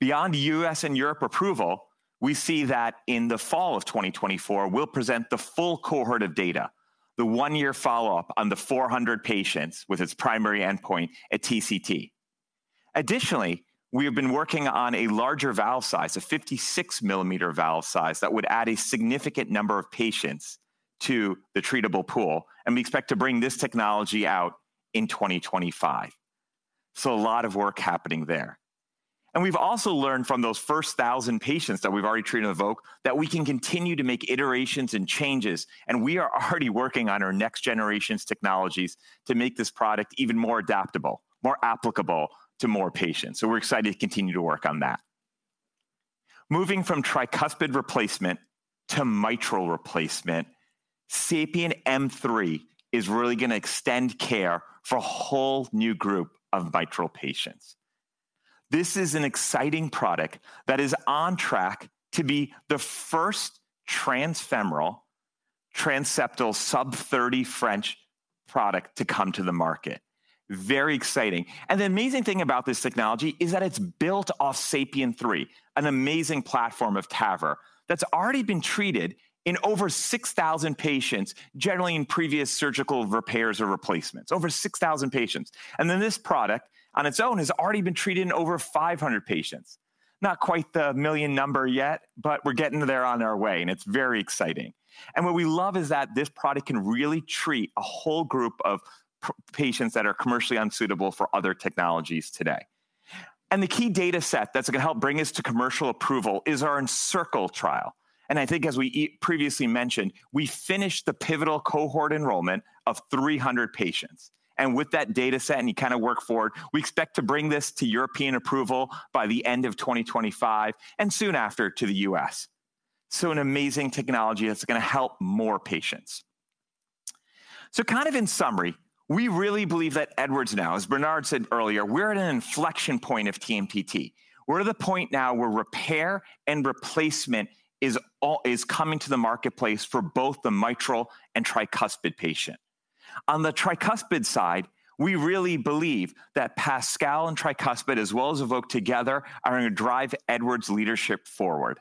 Beyond U.S. and Europe approval, we see that in the fall of 2024, we'll present the full cohort of data, the one-year follow-up on the 400 patients with its primary endpoint at TCT. Additionally, we have been working on a larger valve size, a 56 mm valve size, that would add a significant number of patients to the treatable pool, and we expect to bring this technology out in 2025. So a lot of work happening there. And we've also learned from those first 1,000 patients that we've already treated with EVOQUE, that we can continue to make iterations and changes, and we are already working on our next generations technologies to make this product even more adaptable, more applicable to more patients. So we're excited to continue to work on that. Moving from tricuspid replacement to mitral replacement, SAPIEN M3 is really gonna extend care for a whole new group of mitral patients. This is an exciting product that is on track to be the first transfemoral, transseptal, sub-30 French product to come to the market. Very exciting. And the amazing thing about this technology is that it's built off SAPIEN 3, an amazing platform of TAVR, that's already been treated in over 6,000 patients, generally in previous surgical repairs or replacements, over 6,000 patients. And then this product, on its own, has already been treated in over 500 patients. Not quite the one million number yet, but we're getting there on our way, and it's very exciting. And what we love is that this product can really treat a whole group of patients that are commercially unsuitable for other technologies today. And the key data set that's gonna help bring us to commercial approval is our ENCIRCLE trial, and I think as we previously mentioned, we finished the pivotal cohort enrollment of 300 patients. And with that data set, and you kind of work forward, we expect to bring this to European approval by the end of 2025, and soon after, to the US. So an amazing technology that's gonna help more patients. So kind of in summary, we really believe that Edwards now, as Bernard said earlier, we're at an inflection point of TMTT. We're at the point now where repair and replacement is coming to the marketplace for both the mitral and tricuspid patient. On the tricuspid side, we really believe that PASCAL and Tricuspid, as well as EVOQUE together, are gonna drive Edwards' leadership forward.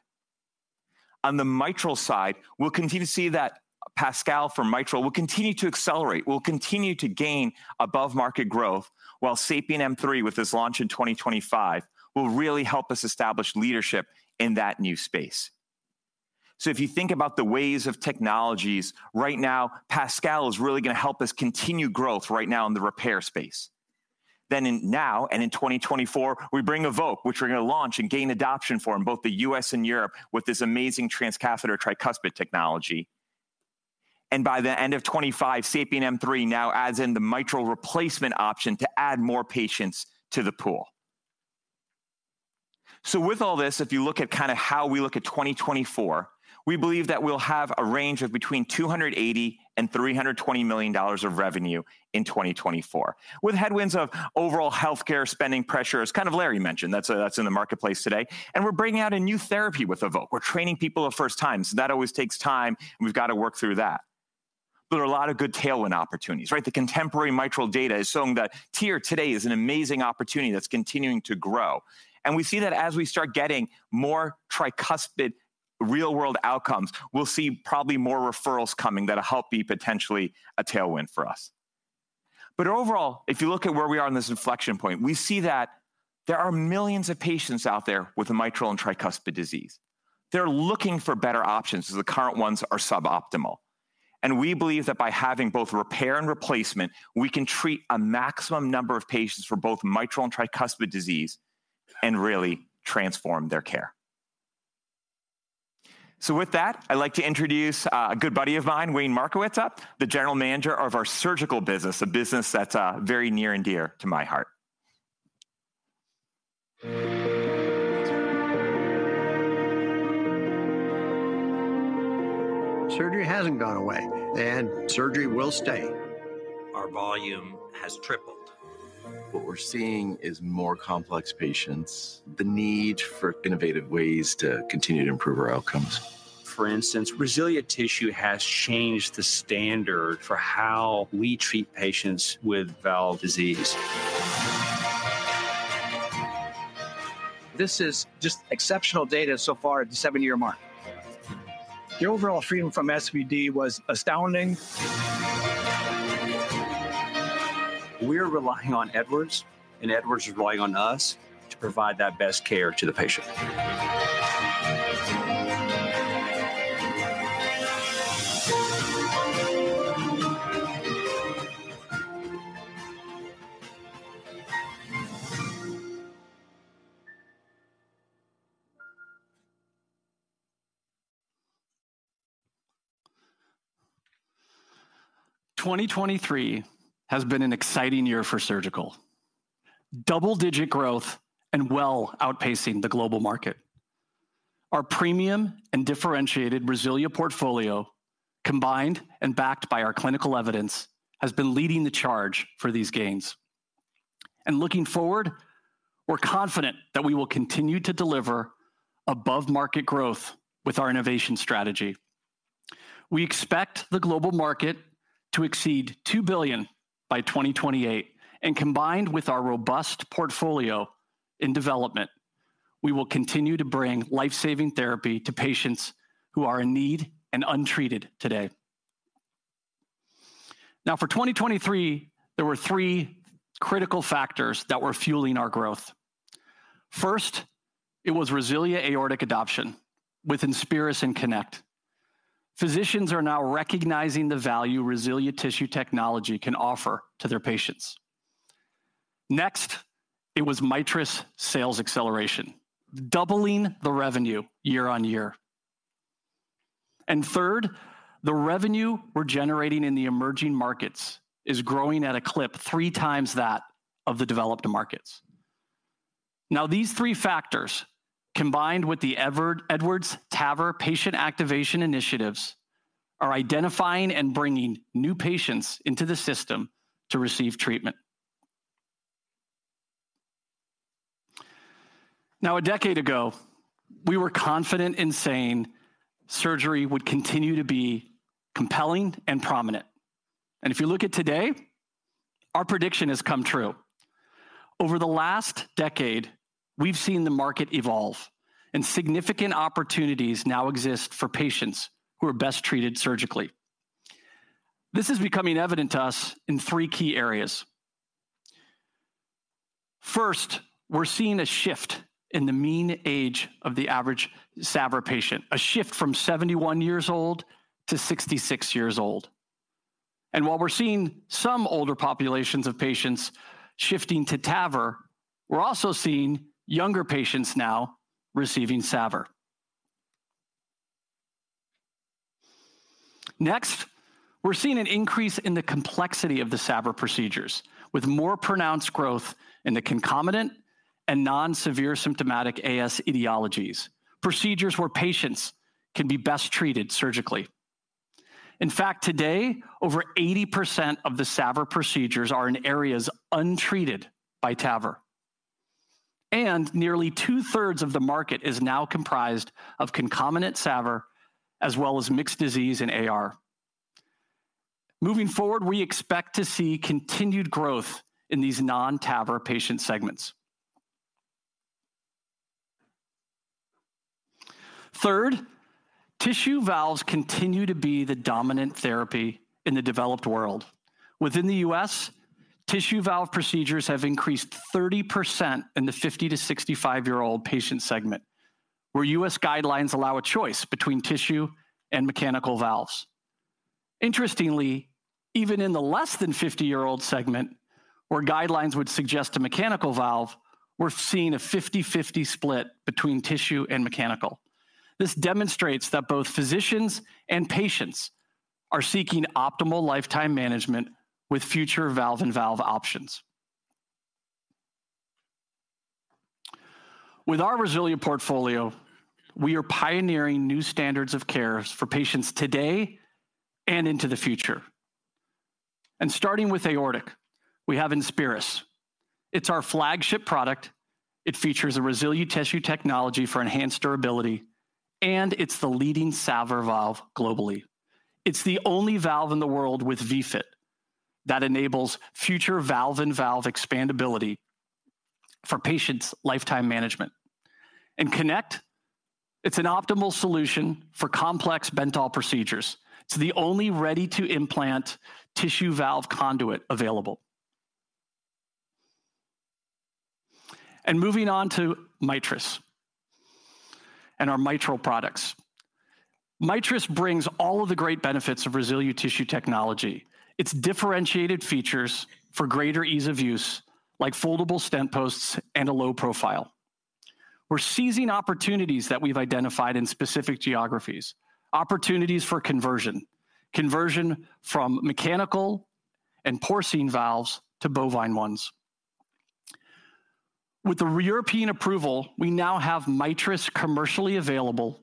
On the mitral side, we'll continue to see that PASCAL for mitral will continue to accelerate, will continue to gain above-market growth, while SAPIEN M3, with this launch in 2025, will really help us establish leadership in that new space. So if you think about the waves of technologies, right now, PASCAL is really gonna help us continue growth right now in the repair space. Then, in 2024, we bring EVOQUE, which we're gonna launch and gain adoption for in both the US and Europe, with this amazing transcatheter tricuspid technology. By the end of 2025, SAPIEN M3 now adds in the mitral replacement option to add more patients to the pool. So with all this, if you look at kind of how we look at 2024, we believe that we'll have a range of between $280 million and $320 million of revenue in 2024, with headwinds of overall healthcare spending pressure, as kind of Larry mentioned, that's, that's in the marketplace today. And we're bringing out a new therapy with EVOQUE. We're training people a first time, so that always takes time, and we've got to work through that. But there are a lot of good tailwind opportunities, right? The contemporary mitral data is showing that TEER today is an amazing opportunity that's continuing to grow. And we see that as we start getting more tricuspid real-world outcomes, we'll see probably more referrals coming that'll help be potentially a tailwind for us. But overall, if you look at where we are in this inflection point, we see that there are millions of patients out there with a mitral and tricuspid disease. They're looking for better options, as the current ones are suboptimal. And we believe that by having both repair and replacement, we can treat a maximum number of patients for both mitral and tricuspid disease and really transform their care. So with that, I'd like to introduce a good buddy of mine, Wayne Markowitz, the General Manager of our surgical business, a business that's very near and dear to my heart. 2023 has been an exciting year for Surgical. Double-digit growth and well outpacing the global market. Our premium and differentiated RESILIA portfolio, combined and backed by our clinical evidence, has been leading the charge for these gains. Looking forward, we're confident that we will continue to deliver above-market growth with our innovation strategy. We expect the global market to exceed $2 billion by 2028, and combined with our robust portfolio in development, we will continue to bring life-saving therapy to patients who are in need and untreated today. Now, for 2023, there were three critical factors that were fueling our growth. First, it was RESILIA aortic adoption with INSPIRIS and KONECT. Physicians are now recognizing the value RESILIA tissue technology can offer to their patients. Next, it was MITRIS sales acceleration, doubling the revenue year-over-year. And third, the revenue we're generating in the emerging markets is growing at a clip three times that of the developed markets. Now, these three factors, combined with the Edwards TAVR patient activation initiatives, are identifying and bringing new patients into the system to receive treatment. Now, a decade ago, we were confident in saying surgery would continue to be compelling and prominent, and if you look at today, our prediction has come true. Over the last decade, we've seen the market evolve, and significant opportunities now exist for patients who are best treated surgically. This is becoming evident to us in three key areas. First, we're seeing a shift in the mean age of the average SAVR patient, a shift from 71 years old to 66 years old. While we're seeing some older populations of patients shifting to TAVR, we're also seeing younger patients now receiving SAVR. Next, we're seeing an increase in the complexity of the SAVR procedures, with more pronounced growth in the concomitant and non-severe symptomatic AS etiologies, procedures where patients can be best treated surgically. In fact, today, over 80% of the SAVR procedures are in areas untreated by TAVR, and nearly 2/3 of the market is now comprised of concomitant SAVR as well as mixed disease and AR. Moving forward, we expect to see continued growth in these non-TAVR patient segments. Third, tissue valves continue to be the dominant therapy in the developed world. Within the U.S., tissue valve procedures have increased 30% in the 50- to 65-year-old patient segment, where U.S. guidelines allow a choice between tissue and mechanical valves. Interestingly, even in the less than 50-year-old segment, where guidelines would suggest a mechanical valve, we're seeing a 50/50 split between tissue and mechanical. This demonstrates that both physicians and patients are seeking optimal lifetime management with future valve and valve options. With our RESILIA portfolio, we are pioneering new standards of care for patients today and into the future. Starting with aortic, we have INSPIRIS. It's our flagship product. It features a RESILIA tissue technology for enhanced durability, and it's the leading SAVR valve globally. It's the only valve in the world with VFit that enables future valve-in-valve expandability for patients' lifetime management. KONECT, it's an optimal solution for complex Bentall procedures. It's the only ready-to-implant tissue valve conduit available. Moving on to MITRIS and our mitral products. MITRIS brings all of the great benefits of RESILIA tissue technology, its differentiated features for greater ease of use, like foldable stent posts and a low profile. We're seizing opportunities that we've identified in specific geographies, opportunities for conversion, conversion from mechanical and porcine valves to bovine ones. With the European approval, we now have Mitris commercially available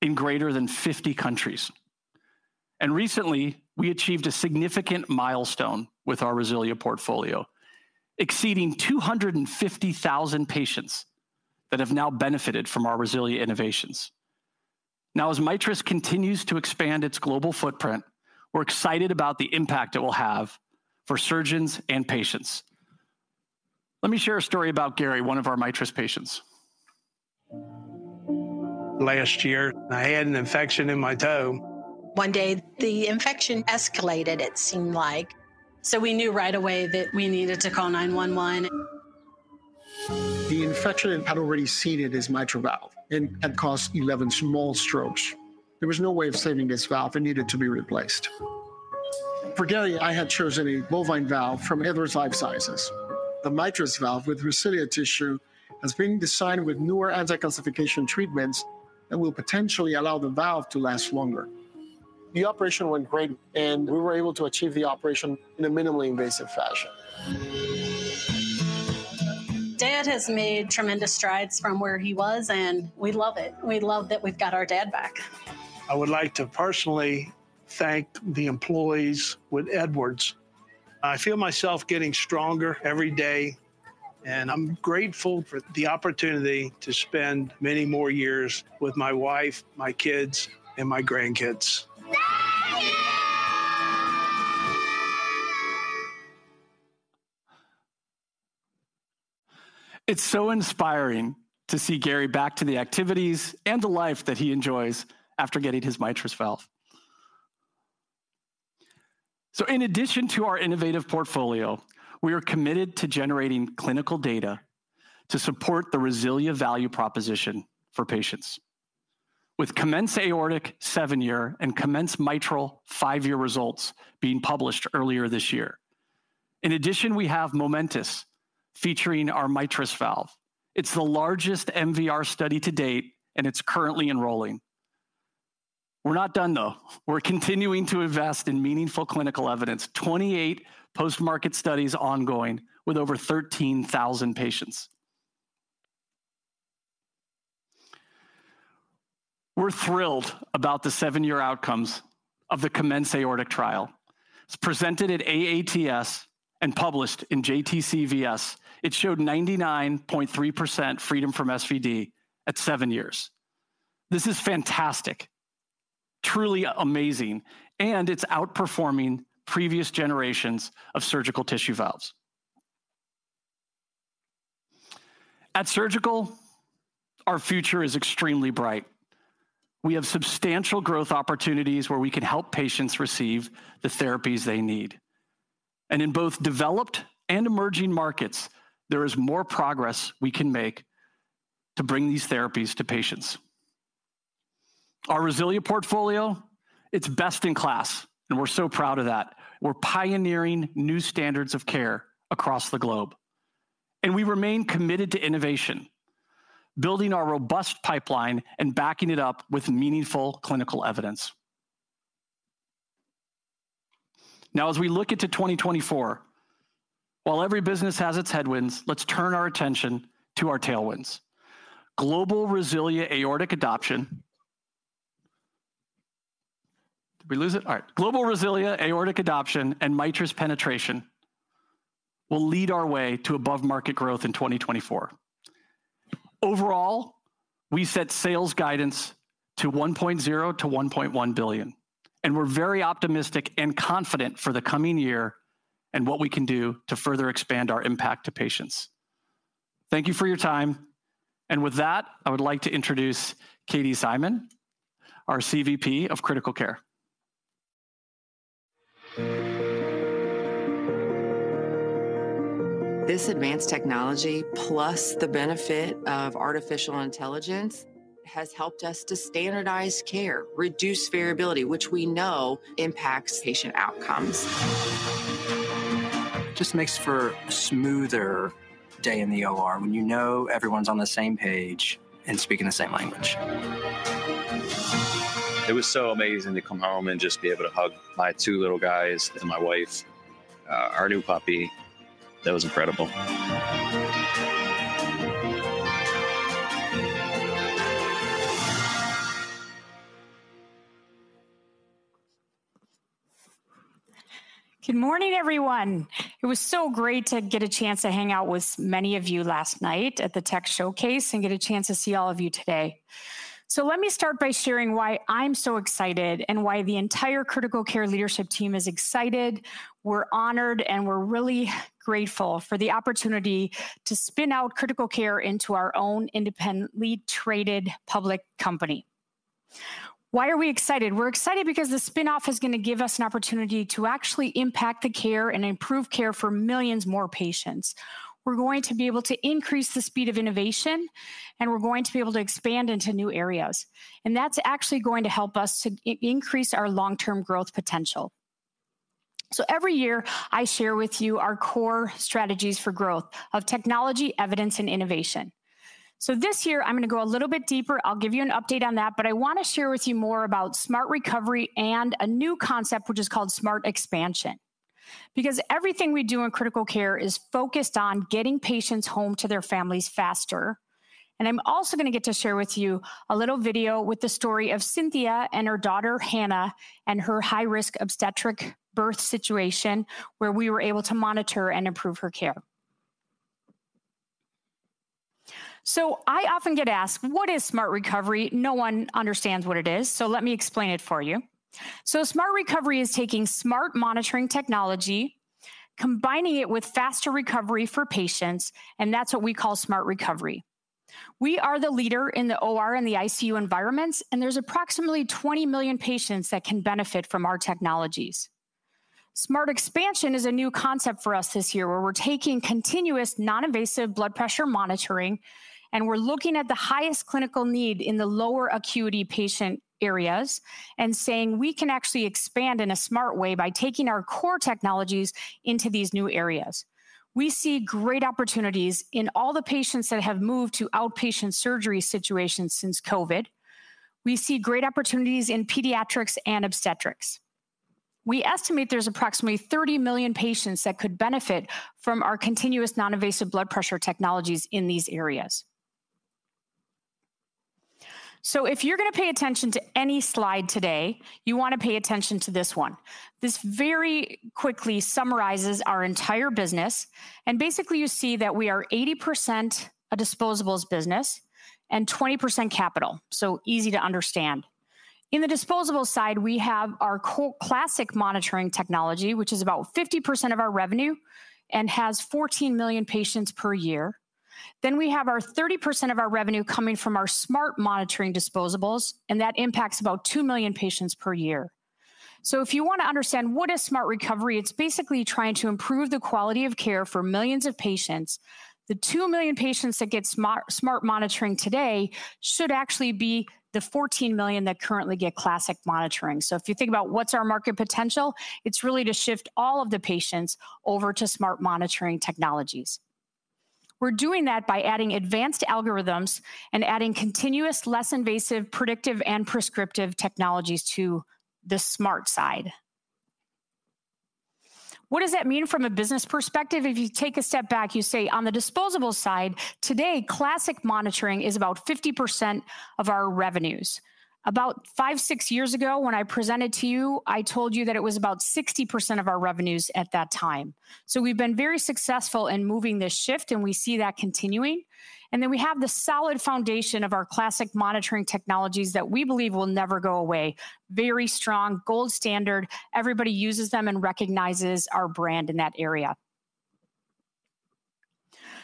in greater than 50 countries. Recently, we achieved a significant milestone with our Resilia portfolio, exceeding 250,000 patients that have now benefited from our Resilia innovations. Now, as Mitris continues to expand its global footprint, we're excited about the impact it will have for surgeons and patients. Let me share a story about Gary, one of our Mitris patients. Last year, I had an infection in my toe. One day, the infection escalated, it seemed like, so we knew right away that we needed to call 911.... The infection had already seeded his mitral valve and had caused 11 small strokes. There was no way of saving this valve. It needed to be replaced. For Gary, I had chosen a bovine valve from Edwards Lifesciences. The MITRIS valve with RESILIA tissue has been designed with newer anti-calcification treatments that will potentially allow the valve to last longer. The operation went great, and we were able to achieve the operation in a minimally invasive fashion. Dad has made tremendous strides from where he was, and we love it. We love that we've got our dad back. I would like to personally thank the employees with Edwards. I feel myself getting stronger every day, and I'm grateful for the opportunity to spend many more years with my wife, my kids, and my grandkids. Thank you! It's so inspiring to see Gary back to the activities and the life that he enjoys after getting his MITRIS valve. So in addition to our innovative portfolio, we are committed to generating clinical data to support the RESILIA value proposition for patients, with COMMENCE aortic seven-year and COMMENCE mitral five-year results being published earlier this year. In addition, we have MOMENTUS, featuring our MITRIS valve. It's the largest MVR study to date, and it's currently enrolling. We're not done, though. We're continuing to invest in meaningful clinical evidence, 28 post-market studies ongoing, with over 13,000 patients. We're thrilled about the seven-year outcomes of the COMMENCE aortic trial. It's presented at AATS and published in JTCVS. It showed 99.3% freedom from SVD at seven years. This is fantastic, truly amazing, and it's outperforming previous generations of surgical tissue valves. At Surgical, our future is extremely bright. We have substantial growth opportunities where we can help patients receive the therapies they need, and in both developed and emerging markets, there is more progress we can make to bring these therapies to patients. Our RESILIA portfolio, it's best in class, and we're so proud of that. We're pioneering new standards of care across the globe, and we remain committed to innovation, building our robust pipeline and backing it up with meaningful clinical evidence. Now, as we look into 2024, while every business has its headwinds, let's turn our attention to our tailwinds. Global RESILIA aortic adoption... Did we lose it? All right. Global RESILIA aortic adoption and MITRIS penetration will lead our way to above-market growth in 2024. Overall, we set sales guidance to $1.0 billion-$1.1 billion, and we're very optimistic and confident for the coming year and what we can do to further expand our impact to patients. Thank you for your time, and with that, I would like to introduce Katie Szyman, our CVP of Critical Care. Good morning, everyone. It was so great to get a chance to hang out with many of you last night at the tech showcase and get a chance to see all of you today. So let me start by sharing why I'm so excited and why the entire Critical Care leadership team is excited. We're honored, and we're really grateful for the opportunity to spin out Critical Care into our own independently traded public company. Why are we excited? We're excited because the spinoff is gonna give us an opportunity to actually impact the care and improve care for millions more patients. We're going to be able to increase the speed of innovation, and we're going to be able to expand into new areas, and that's actually going to help us to increase our long-term growth potential. Every year, I share with you our core strategies for growth of technology, evidence, and innovation. This year, I'm gonna go a little bit deeper. I'll give you an update on that, but I wanna share with you more about smart recovery and a new concept, which is called smart expansion. Because everything we do in Critical Care is focused on getting patients home to their families faster. I'm also gonna get to share with you a little video with the story of Cynthia and her daughter, Hannah, and her high-risk obstetric birth situation, where we were able to monitor and improve her care. I often get asked: What is smart recovery? No one understands what it is, so let me explain it for you. So smart recovery is taking smart monitoring technology, combining it with faster recovery for patients, and that's what we call smart recovery. We are the leader in the OR and the ICU environments, and there's approximately 20 million patients that can benefit from our technologies. Smart expansion is a new concept for us this year, where we're taking continuous non-invasive blood pressure monitoring and we're looking at the highest clinical need in the lower acuity patient areas and saying, "We can actually expand in a smart way by taking our core technologies into these new areas." We see great opportunities in all the patients that have moved to outpatient surgery situations since COVID. We see great opportunities in pediatrics and obstetrics. We estimate there's approximately 30 million patients that could benefit from our continuous non-invasive blood pressure technologies in these areas. So if you're gonna pay attention to any slide today, you wanna pay attention to this one. This very quickly summarizes our entire business, and basically, you see that we are 80% a disposables business and 20% capital, so easy to understand. In the disposable side, we have our classic monitoring technology, which is about 50% of our revenue and has 14 million patients per year. Then we have our 30% of our revenue coming from our smart monitoring disposables, and that impacts about two million patients per year. So if you wanna understand what is smart recovery, it's basically trying to improve the quality of care for millions of patients. The two million patients that get smart monitoring today should actually be the 14 million that currently get classic monitoring. If you think about what's our market potential, it's really to shift all of the patients over to smart monitoring technologies. We're doing that by adding advanced algorithms and adding continuous, less invasive, predictive, and prescriptive technologies to the smart side. What does that mean from a business perspective? If you take a step back, you say, on the disposable side, today, classic monitoring is about 50% of our revenues. About five-six years ago, when I presented to you, I told you that it was about 60% of our revenues at that time. So we've been very successful in moving this shift, and we see that continuing, and then we have the solid foundation of our classic monitoring technologies that we believe will never go away. Very strong, gold standard. Everybody uses them and recognizes our brand in that area.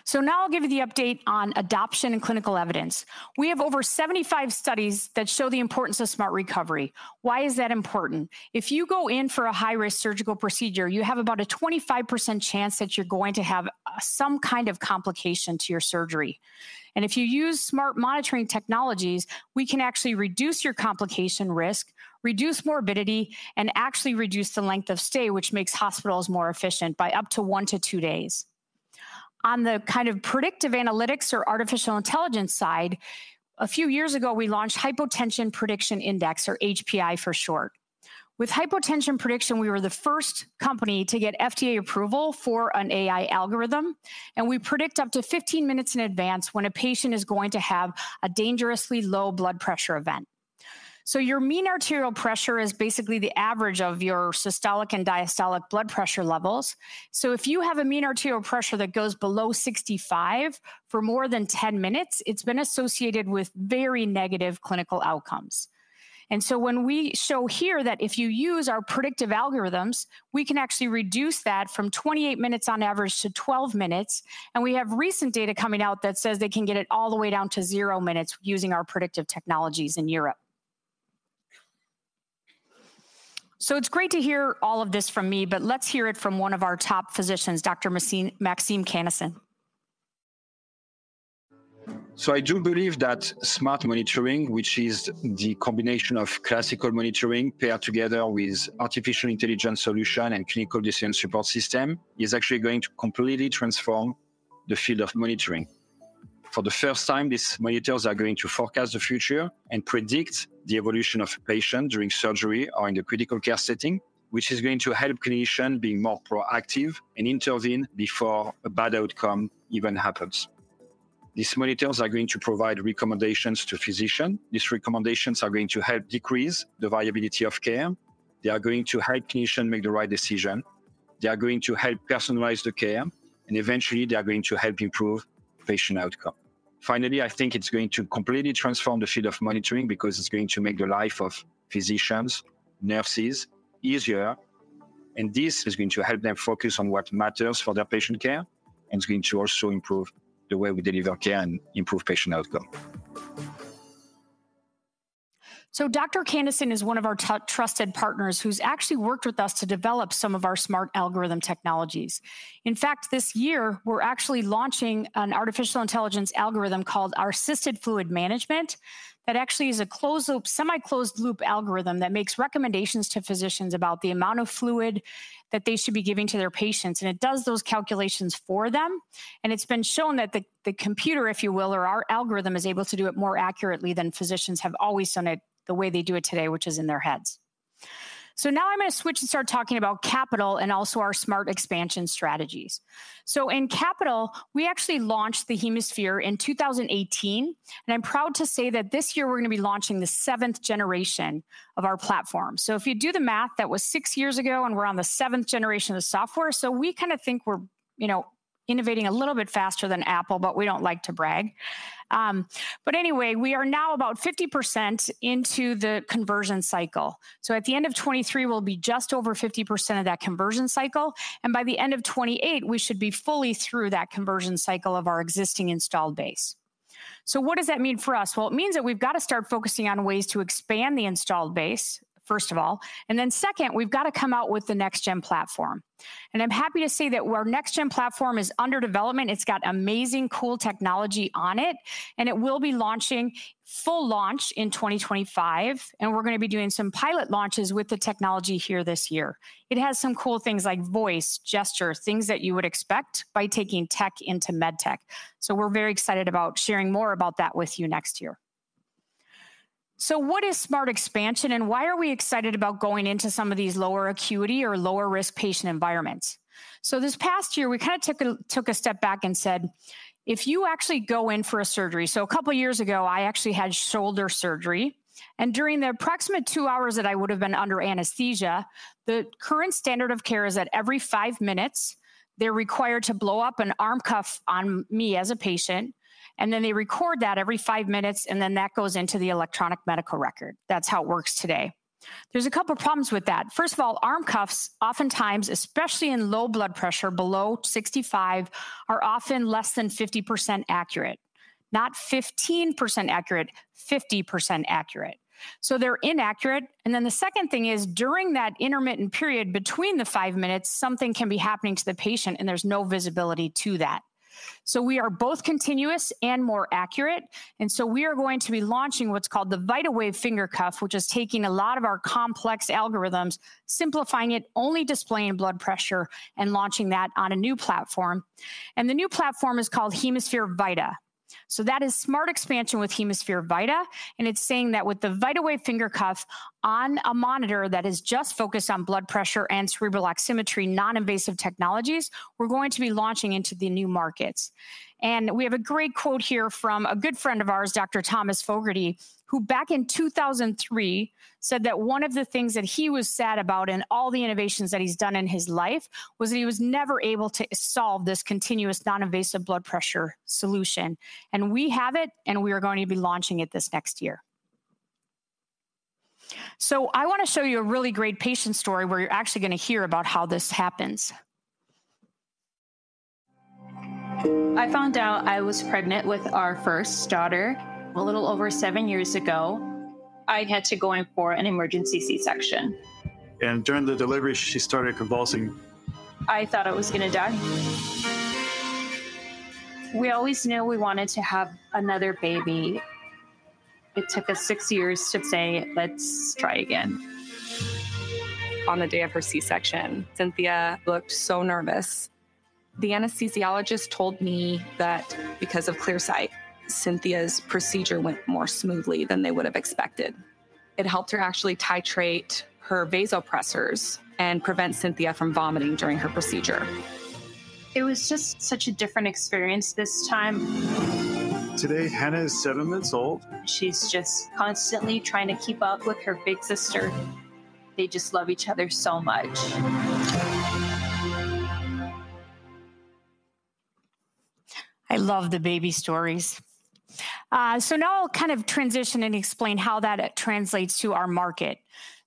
So now I'll give you the update on adoption and clinical evidence. We have over 75 studies that show the importance of smart recovery. Why is that important? If you go in for a high-risk surgical procedure, you have about a 25% chance that you're going to have some kind of complication to your surgery. And if you use smart monitoring technologies, we can actually reduce your complication risk, reduce morbidity, and actually reduce the length of stay, which makes hospitals more efficient by up to one-two days. On the kind of predictive analytics or artificial intelligence side, a few years ago, we launched Hypotension Prediction Index, or HPI for short. With hypotension prediction, we were the first company to get FDA approval for an AI algorithm, and we predict up to 15 minutes in advance when a patient is going to have a dangerously low blood pressure event. So your mean arterial pressure is basically the average of your systolic and diastolic blood pressure levels. So if you have a mean arterial pressure that goes below 65 for more than 10 minutes, it's been associated with very negative clinical outcomes. And so when we show here that if you use our predictive algorithms, we can actually reduce that from 28 minutes on average to 12 minutes, and we have recent data coming out that says they can get it all the way down to zero minutes using our predictive technologies in Europe. It's great to hear all of this from me, but let's hear it from one of our top physicians, Dr. Maxime Cannesson. So I do believe that smart monitoring, which is the combination of classical monitoring paired together with artificial intelligence solution and clinical decision support system, is actually going to completely transform the field of monitoring. For the first time, these monitors are going to forecast the future and predict the evolution of a patient during surgery or in the critical care setting, which is going to help clinician being more proactive and intervene before a bad outcome even happens. These monitors are going to provide recommendations to physician. These recommendations are going to help decrease the variability of care. They are going to help clinician make the right decision. They are going to help personalize the care, and eventually, they are going to help improve patient outcome. Finally, I think it's going to completely transform the field of monitoring because it's going to make the life of physicians, nurses easier, and this is going to help them focus on what matters for their patient care, and it's going to also improve the way we deliver care and improve patient outcome. So Dr. Cannesson is one of our trusted partners who's actually worked with us to develop some of our smart algorithm technologies. In fact, this year, we're actually launching an artificial intelligence algorithm called our Assisted Fluid Management. That actually is a closed-loop, semi-closed loop algorithm that makes recommendations to physicians about the amount of fluid that they should be giving to their patients, and it does those calculations for them, and it's been shown that the, the computer, if you will, or our algorithm, is able to do it more accurately than physicians have always done it, the way they do it today, which is in their heads. So now I'm gonna switch and start talking about capital and also our smart expansion strategies. So in capital, we actually launched the HemoSphere in 2018, and I'm proud to say that this year we're gonna be launching the seventh generation of our platform. So if you do the math, that was six years ago, and we're on the seventh generation of software, so we kinda think we're, you know, innovating a little bit faster than Apple, but we don't like to brag. But anyway, we are now about 50% into the conversion cycle. So at the end of 2023, we'll be just over 50% of that conversion cycle, and by the end of 2028, we should be fully through that conversion cycle of our existing installed base. So what does that mean for us? Well, it means that we've got to start focusing on ways to expand the installed base, first of all, and then second, we've got to come out with the next-gen platform. And I'm happy to say that our next-gen platform is under development. It's got amazing, cool technology on it, and it will be launching full launch in 2025, and we're gonna be doing some pilot launches with the technology here this year. It has some cool things like voice, gesture, things that you would expect by taking tech into med tech. So we're very excited about sharing more about that with you next year. So what is smart expansion, and why are we excited about going into some of these lower acuity or lower-risk patient environments? So this past year, we kind of took a, took a step back and said, "If you actually go in for a surgery." So a couple of years ago, I actually had shoulder surgery, and during the approximate two hours that I would have been under anesthesia, the current standard of care is that every five minutes, they're required to blow up an arm cuff on me as a patient, and then they record that every five minutes, and then that goes into the electronic medical record. That's how it works today. There's a couple of problems with that. First of all, arm cuffs, oftentimes, especially in low blood pressure, below 65, are often less than 50% accurate. Not 15% accurate, 50% accurate. So they're inaccurate, and then the second thing is, during that intermittent period between the five minutes, something can be happening to the patient, and there's no visibility to that. So we are both continuous and more accurate, and so we are going to be launching what's called the Vital Wave Finger Cuff, which is taking a lot of our complex algorithms, simplifying it, only displaying blood pressure, and launching that on a new platform. And the new platform is called HemoSphere Vita. So that is smart expansion with HemoSphere Vita, and it's saying that with the Vital Wave Finger Cuff on a monitor that is just focused on blood pressure and cerebral oximetry, non-invasive technologies, we're going to be launching into the new markets. And we have a great quote here from a good friend of ours, Dr. Thomas Fogarty, who, back in 2003, said that one of the things that he was sad about in all the innovations that he's done in his life, was that he was never able to solve this continuous non-invasive blood pressure solution. And we have it, and we are going to be launching it this next year. So I wanna show you a really great patient story, where you're actually gonna hear about how this happens. I found out I was pregnant with our first daughter a little over seven years ago. I had to go in for an emergency C-section. During the delivery, she started convulsing. I thought I was gonna die. We always knew we wanted to have another baby. It took us six years to say: "Let's try again. On the day of her C-section, Cynthia looked so nervous. The anesthesiologist told me that because of ClearSight, Cynthia's procedure went more smoothly than they would have expected. It helped her actually titrate her vasopressors and prevent Cynthia from vomiting during her procedure. It was just such a different experience this time. Today, Hannah is seven months old. She's just constantly trying to keep up with her big sister. They just love each other so much. I love the baby stories. So now I'll kind of transition and explain how that translates to our market.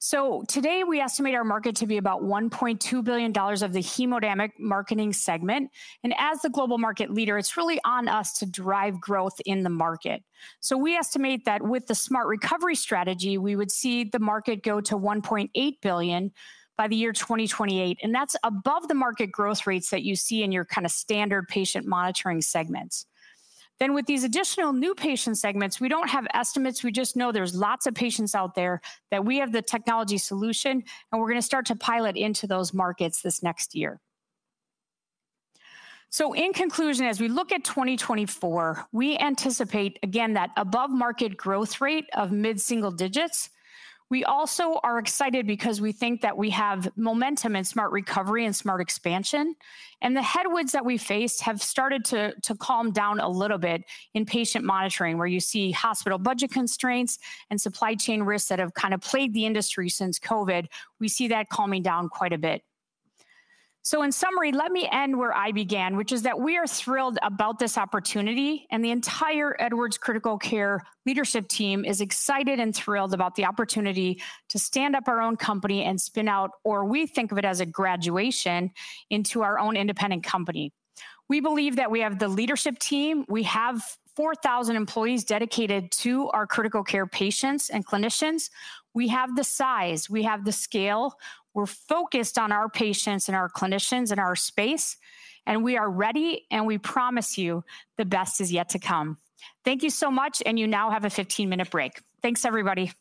So today, we estimate our market to be about $1.2 billion of the hemodynamic monitoring segment, and as the global market leader, it's really on us to drive growth in the market. So we estimate that with the smart recovery strategy, we would see the market go to $1.8 billion by the year 2028, and that's above the market growth rates that you see in your kind of standard patient monitoring segments. Then with these additional new patient segments, we don't have estimates. We just know there's lots of patients out there, that we have the technology solution, and we're gonna start to pilot into those markets this next year. In conclusion, as we look at 2024, we anticipate, again, that above-market growth rate of mid-single digits. We also are excited because we think that we have momentum in smart recovery and smart expansion, and the headwinds that we faced have started to calm down a little bit in patient monitoring, where you see hospital budget constraints and supply chain risks that have kind of plagued the industry since COVID. We see that calming down quite a bit. In summary, let me end where I began, which is that we are thrilled about this opportunity, and the entire Edwards Critical Care leadership team is excited and thrilled about the opportunity to stand up our own company and spin out, or we think of it as a graduation, into our own independent company. We believe that we have the leadership team. We have 4,000 employees dedicated to our critical care patients and clinicians. We have the size. We have the scale. We're focused on our patients and our clinicians and our space, and we are ready, and we promise you, the best is yet to come. Thank you so much, and you now have a 15-minute break. Thanks, everybody.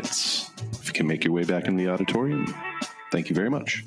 Ladies and gentlemen, the meeting will resume in approximately two minutes. If you can make your way back in the auditorium. Thank you very much.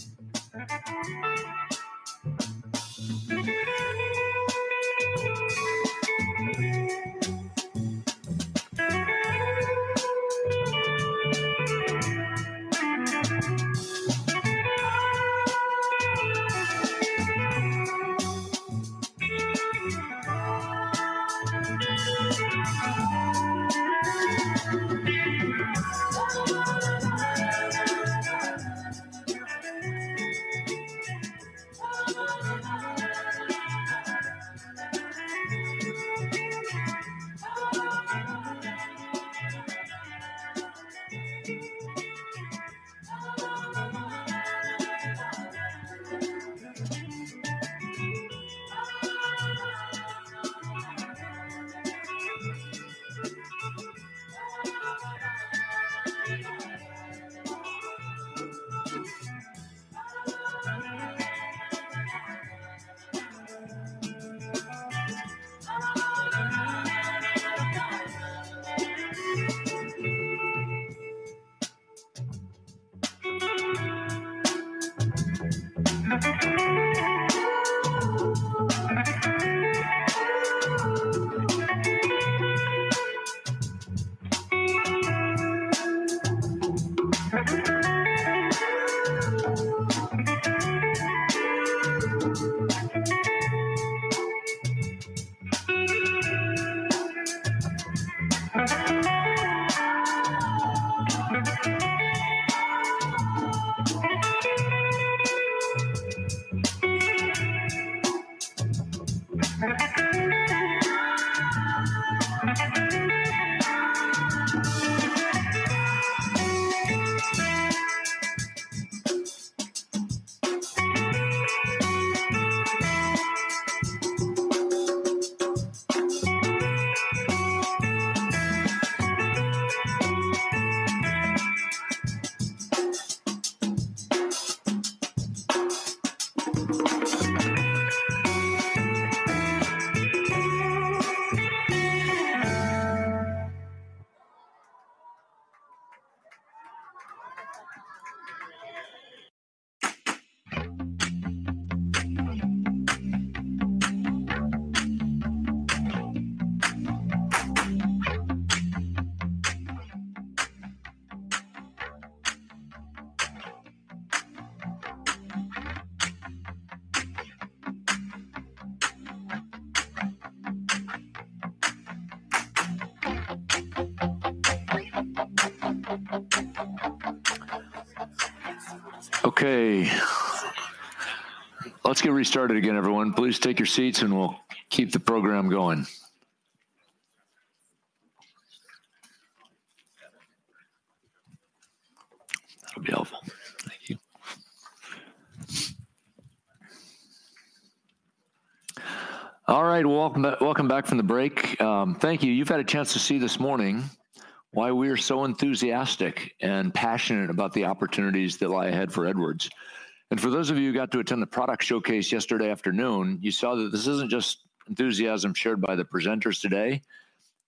Okay, let's get restarted again, everyone. Please take your seats, and we'll keep the program going. That'll be helpful. Thank you.... All right, welcome back, welcome back from the break. Thank you. You've had a chance to see this morning why we are so enthusiastic and passionate about the opportunities that lie ahead for Edwards. For those of you who got to attend the product showcase yesterday afternoon, you saw that this isn't just enthusiasm shared by the presenters today.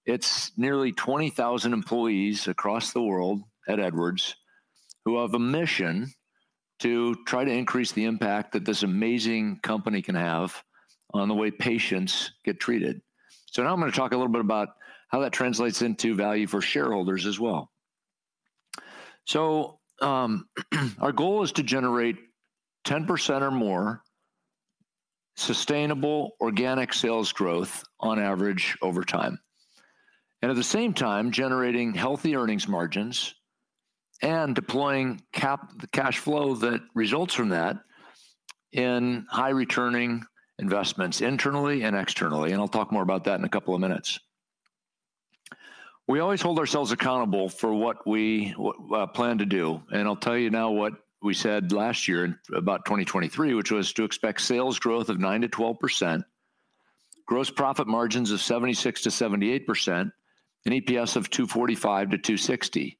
It's nearly 20,000 employees across the world at Edwards who have a mission to try to increase the impact that this amazing company can have on the way patients get treated. Now I'm gonna talk a little bit about how that translates into value for shareholders as well. So, our goal is to generate 10% or more sustainable organic sales growth on average over time, and at the same time, generating healthy earnings margins and deploying the cash flow that results from that in high-returning investments, internally and externally, and I'll talk more about that in a couple of minutes. We always hold ourselves accountable for what we plan to do, and I'll tell you now what we said last year about 2023, which was to expect sales growth of 9%-12%, gross profit margins of 76%-78%, and EPS of $2.45-$2.60.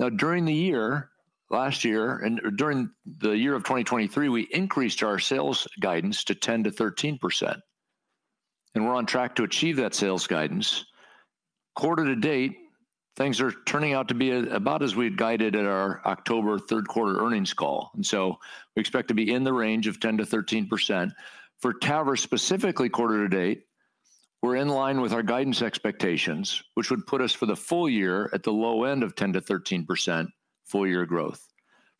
Now, during the year, last year, and, or during the year of 2023, we increased our sales guidance to 10%-13%, and we're on track to achieve that sales guidance. Quarter to date, things are turning out to be about as we had guided at our October third quarter earnings call, and so we expect to be in the range of 10%-13%. For TAVR, specifically quarter to date, we're in line with our guidance expectations, which would put us for the full year at the low end of 10%-13% full year growth.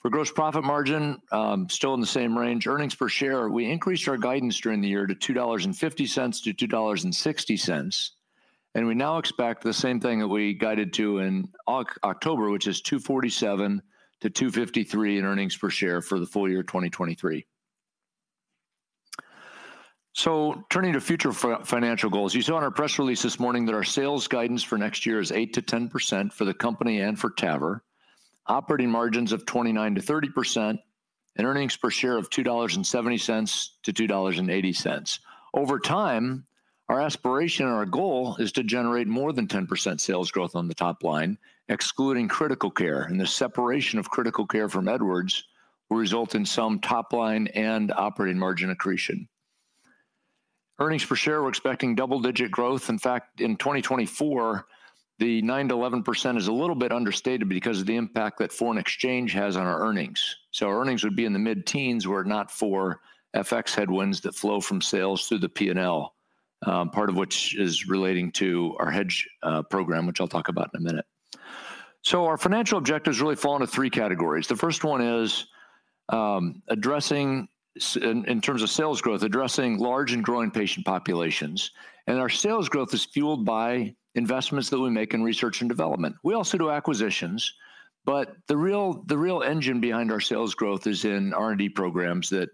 For gross profit margin, still in the same range. Earnings per share, we increased our guidance during the year to $2.50-$2.60, and we now expect the same thing that we guided to in October, which is $2.47-$2.53 in earnings per share for the full year 2023. So turning to future financial goals, you saw in our press release this morning that our sales guidance for next year is 8%-10% for the company and for TAVR, operating margins of 29%-30%, and earnings per share of $2.70-$2.80. Over time, our aspiration and our goal is to generate more than 10% sales growth on the top line, excluding critical care, and the separation of critical care from Edwards will result in some top-line and operating margin accretion. Earnings per share, we're expecting double-digit growth. In fact, in 2024, the 9%-11% is a little bit understated because of the impact that foreign exchange has on our earnings. So our earnings would be in the mid-teens were it not for FX headwinds that flow from sales through the P&L, part of which is relating to our hedge program, which I'll talk about in a minute. So our financial objectives really fall into three categories. The first one is, addressing, in terms of sales growth, addressing large and growing patient populations, and our sales growth is fueled by investments that we make in research and development. We also do acquisitions, but the real, the real engine behind our sales growth is in R&D programs that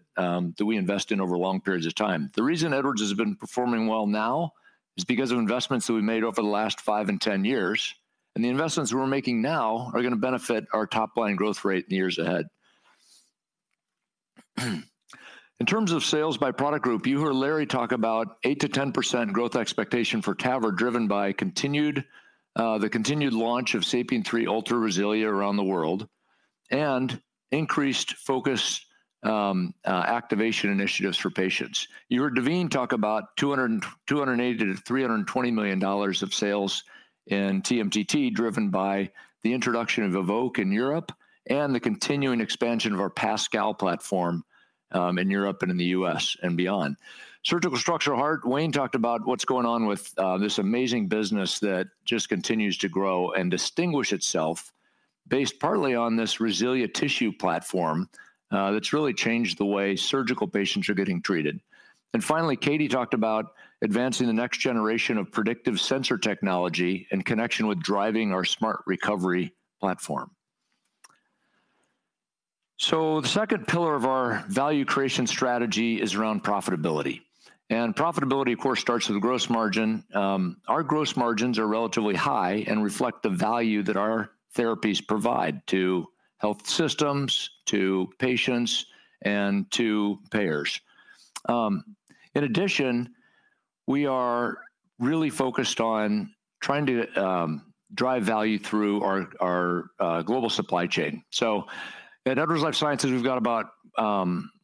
we invest in over long periods of time. The reason Edwards has been performing well now is because of investments that we made over the last 5 and 10 years, and the investments we're making now are gonna benefit our top-line growth rate in the years ahead. In terms of sales by product group, you heard Larry talk about 8%-10% growth expectation for TAVR, driven by the continued launch of SAPIEN 3 Ultra RESILIA around the world, and increased focus, activation initiatives for patients. You heard Daveen talk about $280 million-$320 million of sales in TMTT, driven by the introduction of EVOQUE in Europe and the continuing expansion of our PASCAL platform, in Europe and in the US and beyond. Surgical structural heart, Wayne talked about what's going on with this amazing business that just continues to grow and distinguish itself, based partly on this RESILIA tissue platform, that's really changed the way surgical patients are getting treated. Finally, Katie talked about advancing the next generation of predictive sensor technology in connection with driving our smart recovery platform. The second pillar of our value creation strategy is around profitability, and profitability, of course, starts with gross margin. Our gross margins are relatively high and reflect the value that our therapies provide to health systems, to patients, and to payers. In addition, we are really focused on trying to drive value through our global supply chain. At Edwards Lifesciences,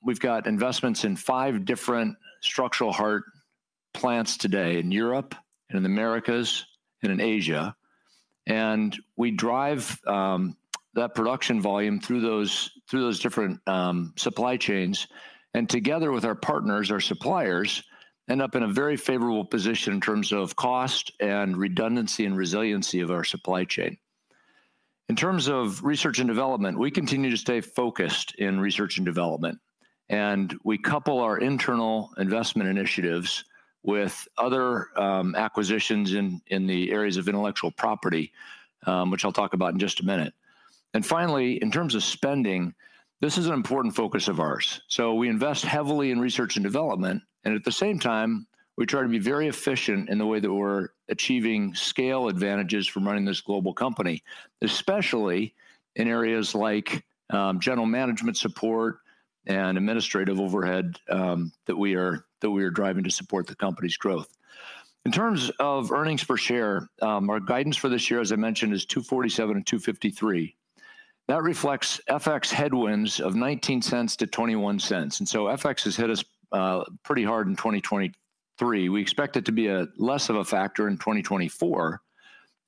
we've got investments in five different structural heart plants today, in Europe and in the Americas and in Asia, and we drive that production volume through those different supply chains. Together with our partners, our suppliers, end up in a very favorable position in terms of cost and redundancy and resiliency of our supply chain. In terms of research and development, we continue to stay focused in research and development, and we couple our internal investment initiatives with other, acquisitions in, in the areas of intellectual property, which I'll talk about in just a minute. Finally, in terms of spending, this is an important focus of ours. We invest heavily in research and development, and at the same time, we try to be very efficient in the way that we're achieving scale advantages from running this global company, especially in areas like, general management support and administrative overhead, that we are driving to support the company's growth. In terms of earnings per share, our guidance for this year, as I mentioned, is $2.47-$2.53. That reflects FX headwinds of $0.19-$0.21, and so FX has hit us pretty hard in 2023. We expect it to be less of a factor in 2024,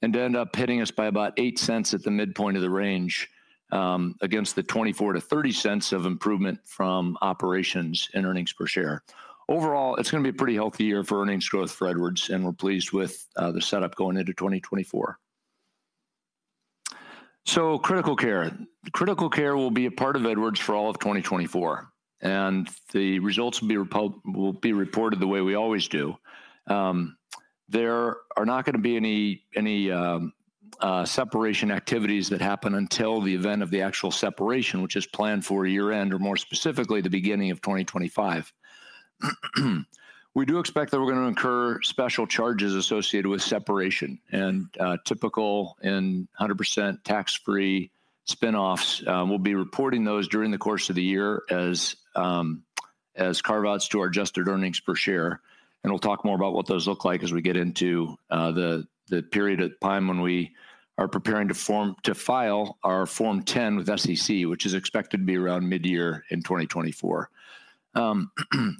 and to end up hitting us by about $0.08 at the midpoint of the range, against the $0.24-$0.30 of improvement from operations and earnings per share. Overall, it's gonna be a pretty healthy year for earnings growth for Edwards, and we're pleased with the setup going into 2024. Critical care will be a part of Edwards for all of 2024, and the results will be reported the way we always do. There are not gonna be any separation activities that happen until the event of the actual separation, which is planned for year-end, or more specifically, the beginning of 2025. We do expect that we're gonna incur special charges associated with separation and typical and 100% tax-free spinoffs. We'll be reporting those during the course of the year as carve-outs to our adjusted earnings per share, and we'll talk more about what those look like as we get into the period of time when we are preparing to file our Form 10 with SEC, which is expected to be around mid-year in 2024.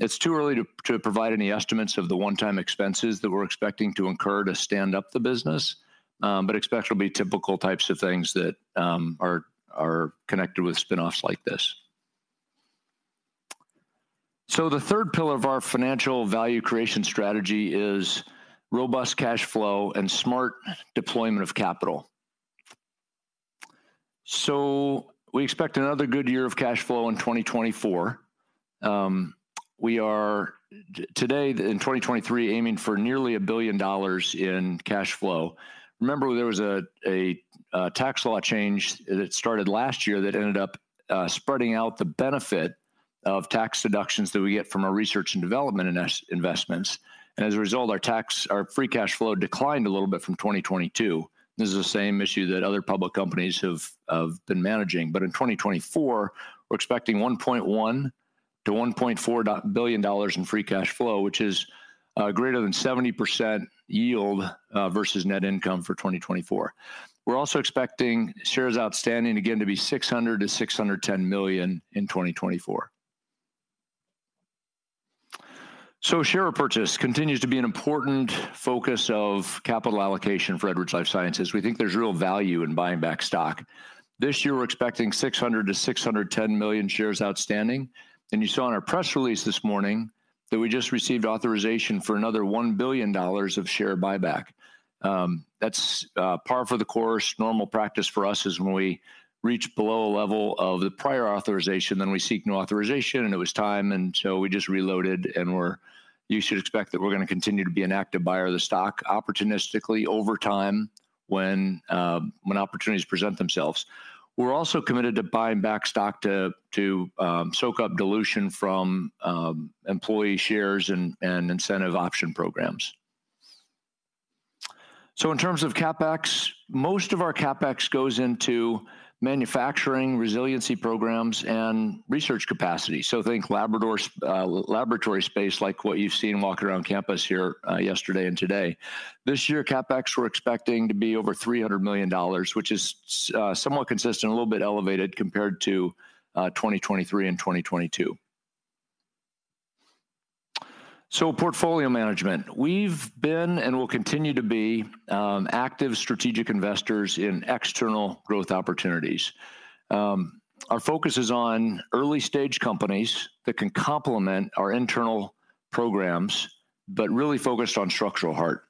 It's too early to provide any estimates of the one-time expenses that we're expecting to incur to stand up the business, but expect it'll be typical types of things that are connected with spinoffs like this. So the third pillar of our financial value creation strategy is robust cash flow and smart deployment of capital. So we expect another good year of cash flow in 2024. We are today, in 2023, aiming for nearly $1 billion in cash flow. Remember, there was a tax law change that started last year that ended up spreading out the benefit of tax deductions that we get from our research and development investments. And as a result, our free cash flow declined a little bit from 2022. This is the same issue that other public companies have, have been managing. But in 2024, we're expecting $1.1 billion-$1.4 billion in free cash flow, which is greater than 70% yield versus net income for 2024. We're also expecting shares outstanding, again, to be 600-610 million in 2024. So share purchase continues to be an important focus of capital allocation for Edwards Lifesciences. We think there's real value in buying back stock. This year, we're expecting 600-610 million shares outstanding, and you saw in our press release this morning that we just received authorization for another $1 billion of share buyback. That's par for the course. Normal practice for us is when we reach below a level of the prior authorization, then we seek new authorization, and it was time, and so we just reloaded, and we're-- You should expect that we're gonna continue to be an active buyer of the stock opportunistically over time when, when opportunities present themselves. We're also committed to buying back stock to soak up dilution from employee shares and incentive option programs. So in terms of CapEx, most of our CapEx goes into manufacturing, resiliency programs, and research capacity, so think laboratory space, like what you've seen walking around campus here, yesterday and today. This year, CapEx, we're expecting to be over $300 million, which is somewhat consistent, a little bit elevated compared to 2023 and 2022. So portfolio management. We've been and will continue to be active strategic investors in external growth opportunities. Our focus is on early-stage companies that can complement our internal programs, but really focused on structural heart.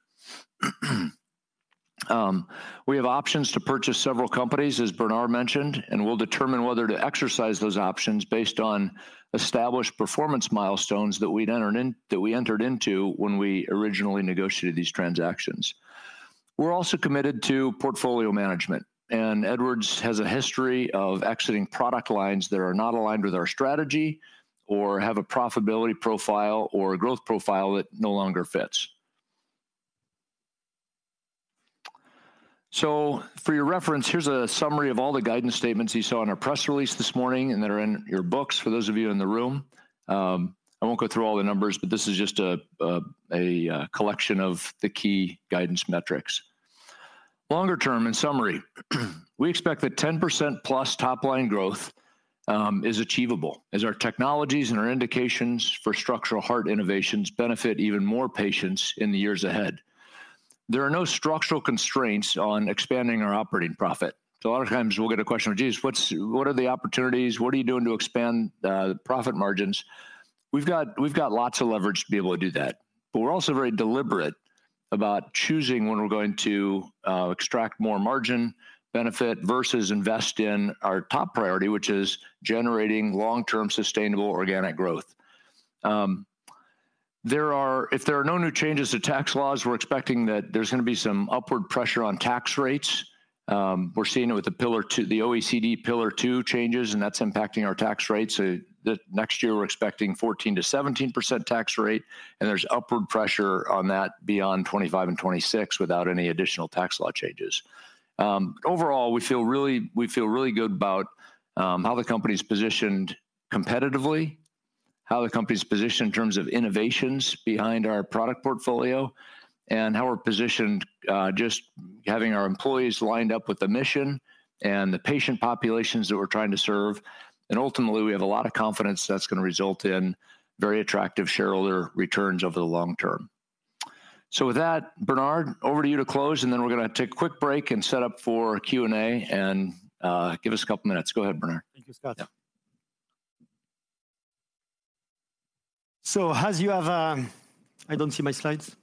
We have options to purchase several companies, as Bernard mentioned, and we'll determine whether to exercise those options based on established performance milestones that we entered into when we originally negotiated these transactions. We're also committed to portfolio management, and Edwards has a history of exiting product lines that are not aligned with our strategy or have a profitability profile or a growth profile that no longer fits. So for your reference, here's a summary of all the guidance statements you saw in our press release this morning and that are in your books, for those of you in the room. I won't go through all the numbers, but this is just a collection of the key guidance metrics. Longer term, in summary, we expect that 10%+ top-line growth is achievable as our technologies and our indications for structural heart innovations benefit even more patients in the years ahead. There are no structural constraints on expanding our operating profit. So a lot of times we'll get a question, "Geez, what are the opportunities? What are you doing to expand profit margins?" We've got, we've got lots of leverage to be able to do that, but we're also very deliberate about choosing when we're going to extract more margin benefit versus invest in our top priority, which is generating long-term, sustainable, organic growth. There are—if there are no new changes to tax laws, we're expecting that there's gonna be some upward pressure on tax rates. We're seeing it with the Pillar Two, the OECD Pillar Two changes, and that's impacting our tax rate. So the next year, we're expecting 14%-17% tax rate, and there's upward pressure on that beyond 2025 and 2026 without any additional tax law changes. Overall, we feel really, we feel really good about how the company's positioned competitively, how the company's positioned in terms of innovations behind our product portfolio, and how we're positioned just having our employees lined up with the mission and the patient populations that we're trying to serve. And ultimately, we have a lot of confidence that's going to result in very attractive shareholder returns over the long term. So with that, Bernard, over to you to close, and then we're going to take a quick break and set up for Q&A and give us a couple of minutes. Go ahead, Bernard. Thank you, Scott. Yeah. So as you have, I don't see my slides.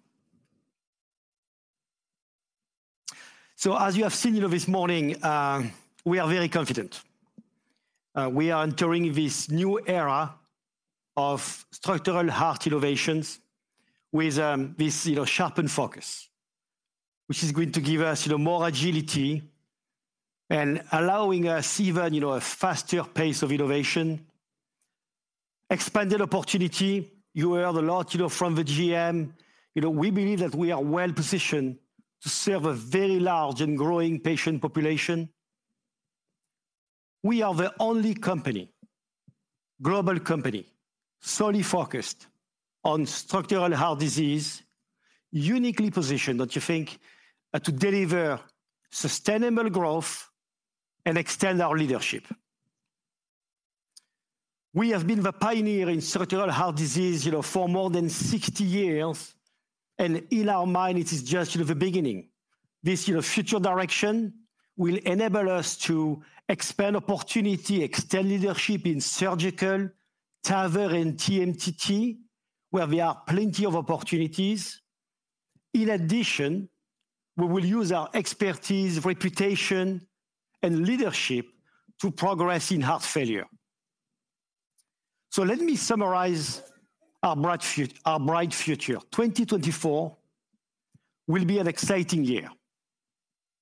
So as you have seen, you know, this morning, we are very confident. We are entering this new era of structural heart innovations with this, you know, sharpened focus, which is going to give us, you know, more agility and allowing us even, you know, a faster pace of innovation. Expanded opportunity, you heard a lot, you know, from the GM. You know, we believe that we are well-positioned to serve a very large and growing patient population. We are the only company, global company, solely focused on structural heart disease, uniquely positioned, don't you think, to deliver sustainable growth and extend our leadership? We have been the pioneer in structural heart disease, you know, for more than 60 years, and in our mind, it is just, you know, the beginning. This, you know, future direction will enable us to expand opportunity, extend leadership in surgical, TAVR, and TMTT, where we have plenty of opportunities. In addition, we will use our expertise, reputation, and leadership to progress in heart failure. So let me summarize our bright future. 2024 will be an exciting year,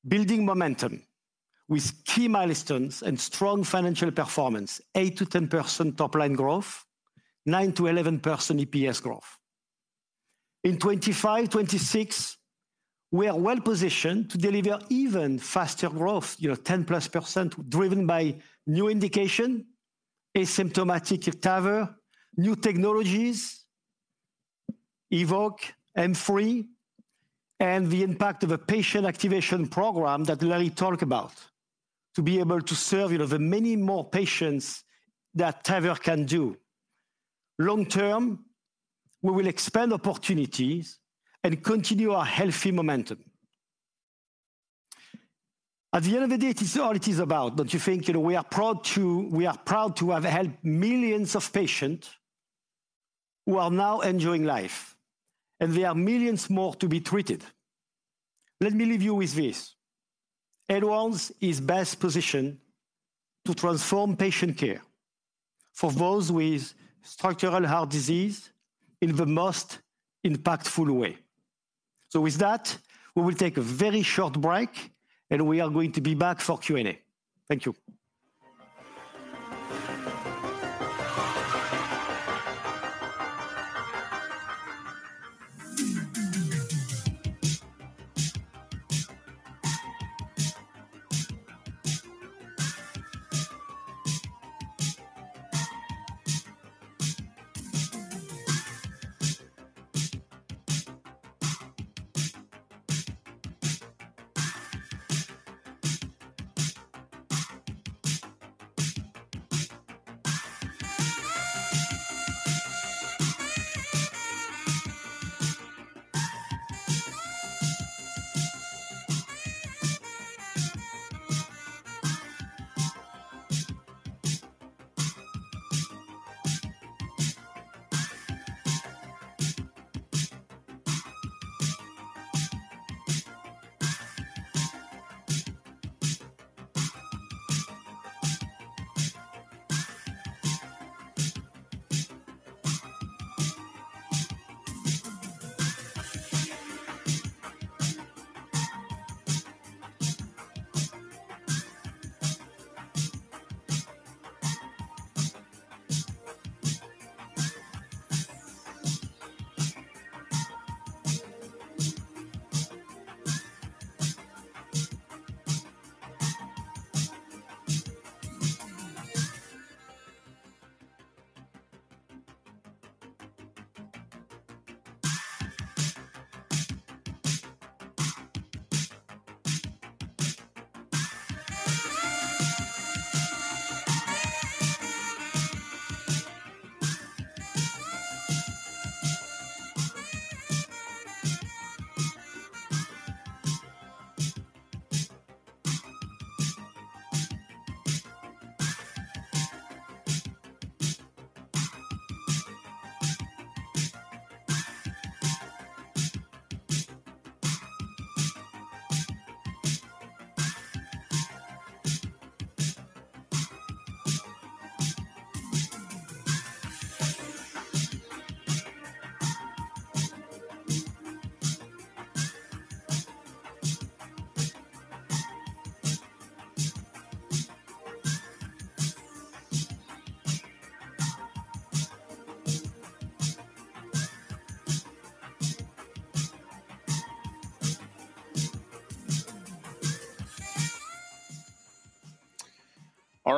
building momentum with key milestones and strong financial performance, 8%-10% top-line growth, 9%-11% EPS growth. In 2025, 2026, we are well-positioned to deliver even faster growth, you know, 10%+, driven by new indication, asymptomatic TAVR, new technologies, EVOQUE, M3, and the impact of a patient activation program that Larry talked about, to be able to serve, you know, the many more patients that TAVR can do. Long term, we will expand opportunities and continue our healthy momentum. At the end of the day, it is all it is about, don't you think? You know, we are proud to, we are proud to have helped millions of patients who are now enjoying life, and there are millions more to be treated. Let me leave you with this: Edwards is best positioned to transform patient care for those with structural heart disease in the most impactful way. So with that, we will take a very short break, and we are going to be back for Q&A. Thank you. ...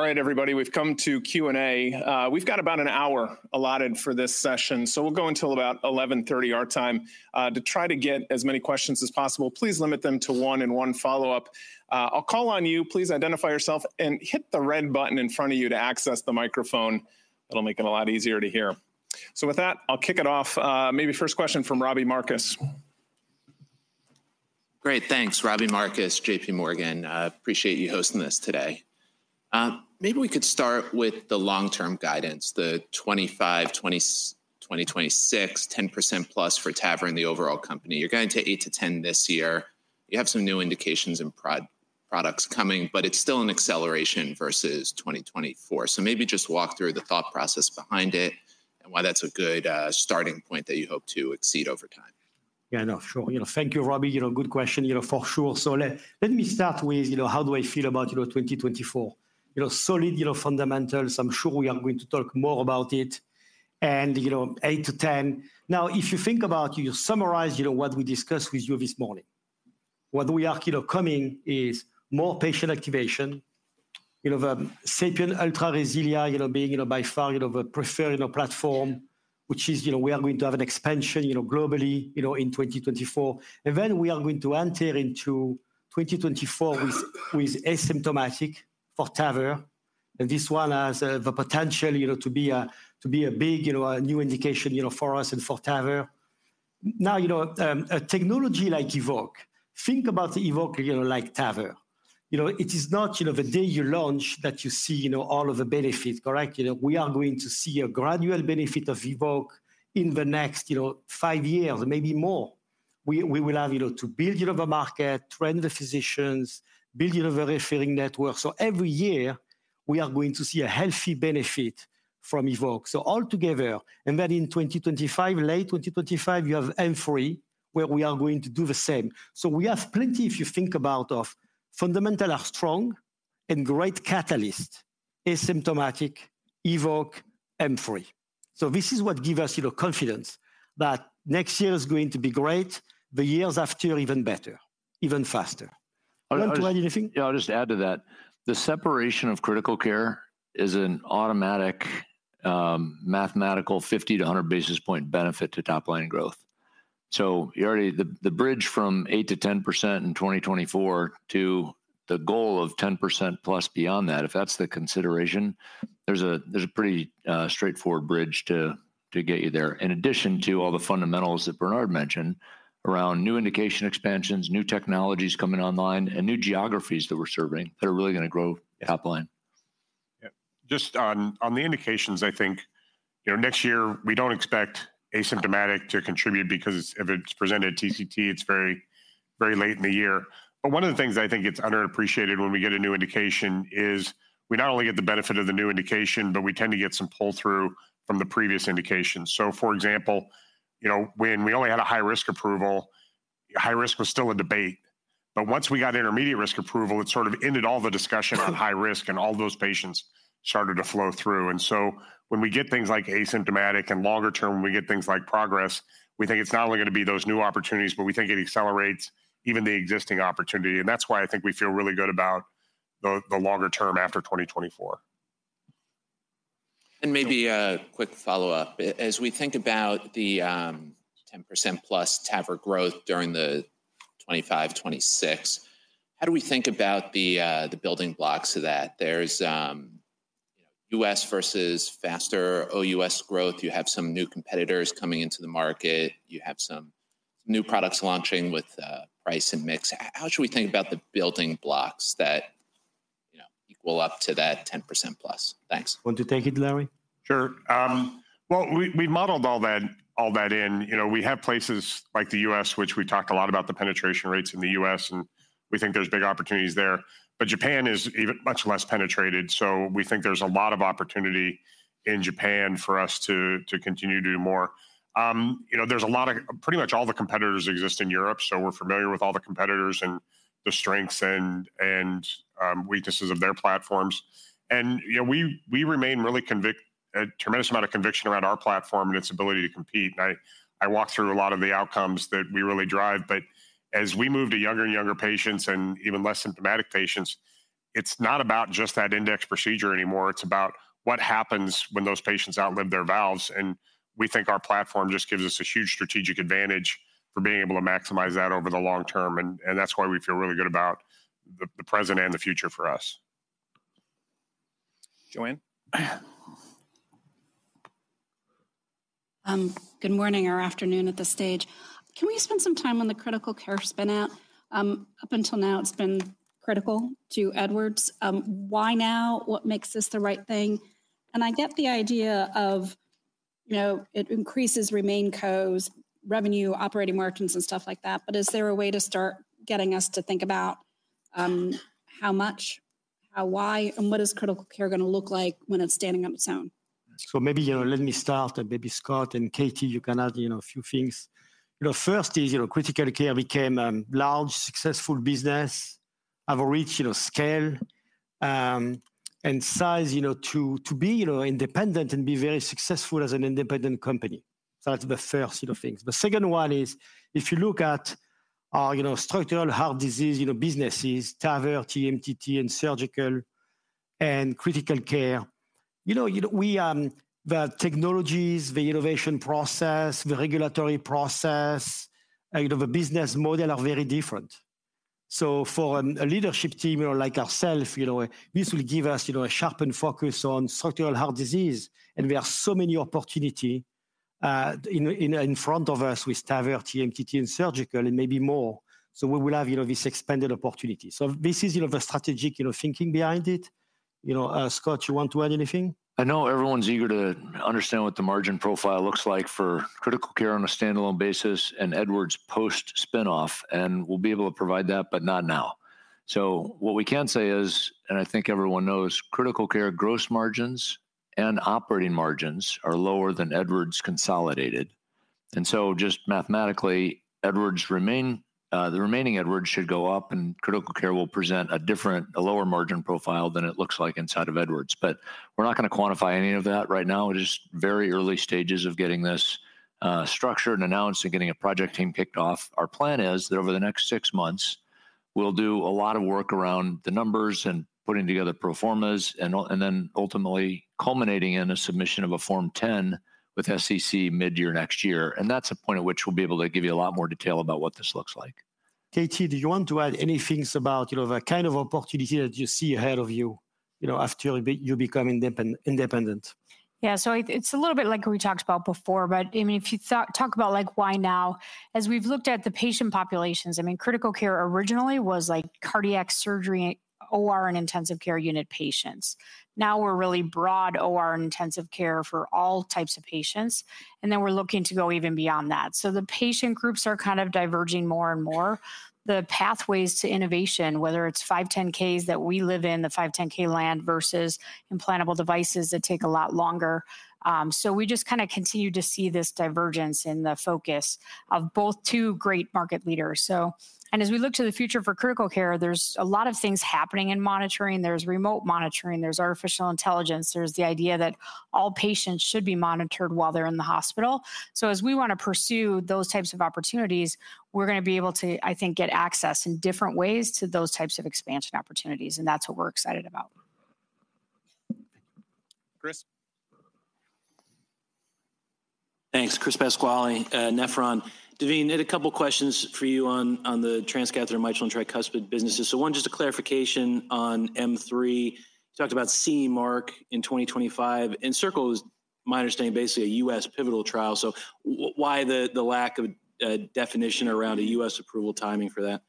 All right, everybody, we've come to Q&A. We've got about an hour allotted for this session, so we'll go until about 11:30 our time. To try to get as many questions as possible, please limit them to one and one follow-up. I'll call on you. Please identify yourself and hit the red button in front of you to access the microphone. It'll make it a lot easier to hear. So with that, I'll kick it off. Maybe first question from Robbie Marcus. Great, thanks. Robbie Marcus, JP Morgan. Appreciate you hosting this today. Maybe we could start with the long-term guidance, the 2025, 2026, 10%+ for TAVR and the overall company. You're going to 8%-10% this year. You have some new indications and products coming, but it's still an acceleration versus 2024. So maybe just walk through the thought process behind it and why that's a good starting point that you hope to exceed over time. Yeah, no, sure. You know, thank you, Robbie. You know, good question, you know, for sure. So let me start with, you know, how do I feel about, you know, 2024? You know, solid, you know, fundamentals. I'm sure we are going to talk more about it and, you know, eight-10. Now, if you think about, you summarize, you know, what we discussed with you this morning. What we are, you know, coming is more patient activation, you know, the SAPIEN Ultra RESILIA, you know, being, you know, by far, you know, the preferred, you know, platform, which is, you know, we are going to have an expansion, you know, globally, you know, in 2024. Then we are going to enter into 2024 with asymptomatic for TAVR, and this one has the potential, you know, to be a big, you know, a new indication, you know, for us and for TAVR. Now, you know, a technology like EVOQUE, think about EVOQUE, you know, like TAVR. You know, it is not, you know, the day you launch that you see, you know, all of the benefits, correct? You know, we are going to see a gradual benefit of EVOQUE in the next, you know, five years, maybe more. We will have, you know, to build, you know, the market, train the physicians, build, you know, the referring network. So every year, we are going to see a healthy benefit from EVOQUE. So altogether, and then in 2025, late 2025, you have M3, where we are going to do the same. So we have plenty, if you think about, of fundamental are strong and great catalyst, asymptomatic, EVOQUE, M3. So this is what give us, you know, confidence that next year is going to be great, the years after, even better, even faster. Want to add anything? Yeah, I'll just add to that. The separation of critical care is an automatic mathematical 50-100 basis point benefit to top-line growth. So you already—the bridge from 8%-10% in 2024 to the goal of 10%+ beyond that, if that's the consideration, there's a pretty straightforward bridge to get you there. In addition to all the fundamentals that Bernard mentioned around new indication expansions, new technologies coming online, and new geographies that we're serving, that are really going to grow top-line. Yeah. Just on the indications, I think, you know, next year we don't expect asymptomatic to contribute because if it's presented TCT, it's very, very late in the year. But one of the things I think gets underappreciated when we get a new indication is we not only get the benefit of the new indication, but we tend to get some pull-through from the previous indication. So, for example, you know, when we only had a high-risk approval, high risk was still a debate, but once we got intermediate risk approval, it sort of ended all the discussion on high risk, and all those patients started to flow through. And so when we get things like asymptomatic and longer term, when we get things like progress, we think it's not only going to be those new opportunities, but we think it accelerates even the existing opportunity, and that's why I think we feel really good about the longer term after 2024. Maybe a quick follow-up. As we think about the 10%+ TAVR growth during the 2025, 2026, how do we think about the building blocks to that? There's US versus faster OUS growth. You have some new competitors coming into the market. You have some new products launching with price and mix. How should we think about the building blocks that, you know, equal up to that 10%+? Thanks. Want to take it, Larry? Sure. Well, we modeled all that in. You know, we have places like the U.S., which we talked a lot about the penetration rates in the U.S., and we think there's big opportunities there. But Japan is even much less penetrated, so we think there's a lot of opportunity in Japan for us to continue to do more. You know, there's a lot of competition, pretty much all the competitors exist in Europe, so we're familiar with all the competitors and the strengths and weaknesses of their platforms. You know, we remain really convinced with a tremendous amount of conviction around our platform and its ability to compete. I walked through a lot of the outcomes that we really drive, but as we move to younger and younger patients and even less symptomatic patients, it's not about just that index procedure anymore. It's about what happens when those patients outlive their valves, and we think our platform just gives us a huge strategic advantage for being able to maximize that over the long term, and that's why we feel really good about the present and the future for us. Joanne? Good morning or afternoon at this stage. Can we spend some time on the critical care spin-out? Up until now, it's been critical to Edwards. Why now? What makes this the right thing? And I get the idea of, you know, it increases the remaining company's revenue, operating margins, and stuff like that, but is there a way to start getting us to think about how much? Why and what is critical care going to look like when it's standing on its own? So maybe, you know, let me start, and maybe Scott and Katie, you can add, you know, a few things. You know, first is, you know, critical care became a large, successful business, have reached, you know, scale, and size, you know, to, to be, you know, independent and be very successful as an independent company. So that's the first, you know, things. The second one is, if you look at our, you know, structural heart disease, you know, businesses, TAVR, TMTT, and surgical and critical care, you know, you know, we, the technologies, the innovation process, the regulatory process, you know, the business model are very different. So for a leadership team, you know, like ourself, you know, this will give us, you know, a sharpened focus on structural heart disease, and there are so many opportunity in front of us with TAVR, TMTT, and surgical, and maybe more. So we will have, you know, this expanded opportunity. So this is, you know, the strategic, you know, thinking behind it. You know, Scott, you want to add anything? I know everyone's eager to understand what the margin profile looks like for critical care on a standalone basis and Edwards post-spin-off, and we'll be able to provide that, but not now. So what we can say is, and I think everyone knows, critical care gross margins and operating margins are lower than Edwards consolidated. And so just mathematically, the remaining Edwards should go up, and critical care will present a different, a lower margin profile than it looks like inside of Edwards. But we're not going to quantify any of that right now. It is very early stages of getting this structured and announced and getting a project team kicked off. Our plan is that over the next six months, we'll do a lot of work around the numbers and putting together pro formas and then ultimately culminating in a submission of a Form 10 with SEC midyear next year. And that's a point at which we'll be able to give you a lot more detail about what this looks like. Katie, do you want to add any things about, you know, the kind of opportunity that you see ahead of you, you know, after you become independent? Yeah. So it's a little bit like what we talked about before, but, I mean, if you talk about, like, why now? As we've looked at the patient populations, I mean, critical care originally was like cardiac surgery, OR, and intensive care unit patients. Now, we're really broad OR and intensive care for all types of patients, and then we're looking to go even beyond that. So the patient groups are kind of diverging more and more. The pathways to innovation, whether it's 510(k)s that we live in, the 510(k) land, versus implantable devices that take a lot longer. So we just kind of continue to see this divergence in the focus of both two great market leaders. So, as we look to the future for critical care, there's a lot of things happening in monitoring. There's remote monitoring, there's artificial intelligence, there's the idea that all patients should be monitored while they're in the hospital. So as we want to pursue those types of opportunities, we're going to be able to, I think, get access in different ways to those types of expansion opportunities, and that's what we're excited about. Chris? Thanks. Chris Pasquale, Nephron. Devin, I had a couple questions for you on the transcatheter mitral and tricuspid businesses. So one, just a clarification on M3. You talked about CE mark in 2025, and CIRCLE is, my understanding, basically a US pivotal trial. So why the lack of a definition around a US approval timing for that?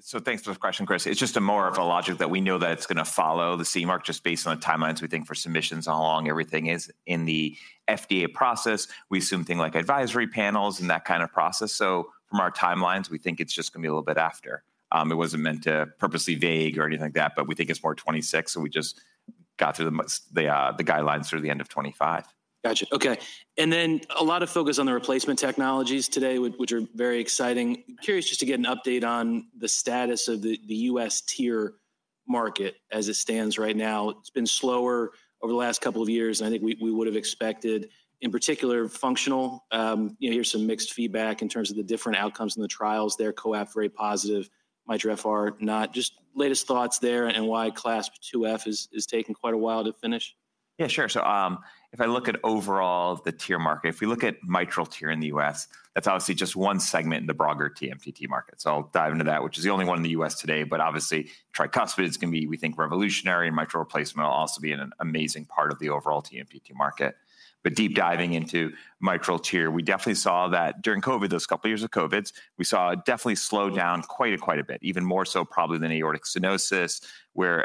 So thanks for the question, Chris. It's just more of a logic that we know that it's going to follow the CE mark just based on the timelines we think for submissions and how long everything is in the FDA process. We assume things like advisory panels and that kind of process. So from our timelines, we think it's just going to be a little bit after. It wasn't meant to purposely vague or anything like that, but we think it's more 2026, so we just got to the guidelines through the end of 2025. Got you. Okay. And then a lot of focus on the replacement technologies today, which are very exciting. Curious just to get an update on the status of the US TAVR market as it stands right now. It's been slower over the last couple of years, and I think we would've expected, in particular, functional. You know, hear some mixed feedback in terms of the different outcomes in the trials there, COAPT very positive, MITRA FR not. Just latest thoughts there and why CLASP 2F is taking quite a while to finish. Yeah, sure. So, if I look at overall the TEER market, if we look at mitral TEER in the US, that's obviously just one segment in the broader TMTT market. So I'll dive into that, which is the only one in the US today, but obviously, tricuspid is going to be, we think, revolutionary, and mitral replacement will also be an amazing part of the overall TMTT market. But deep diving into mitral TEER, we definitely saw that during COVID, those couple years of COVID, we saw a definite slowdown quite a bit, even more so probably than aortic stenosis, where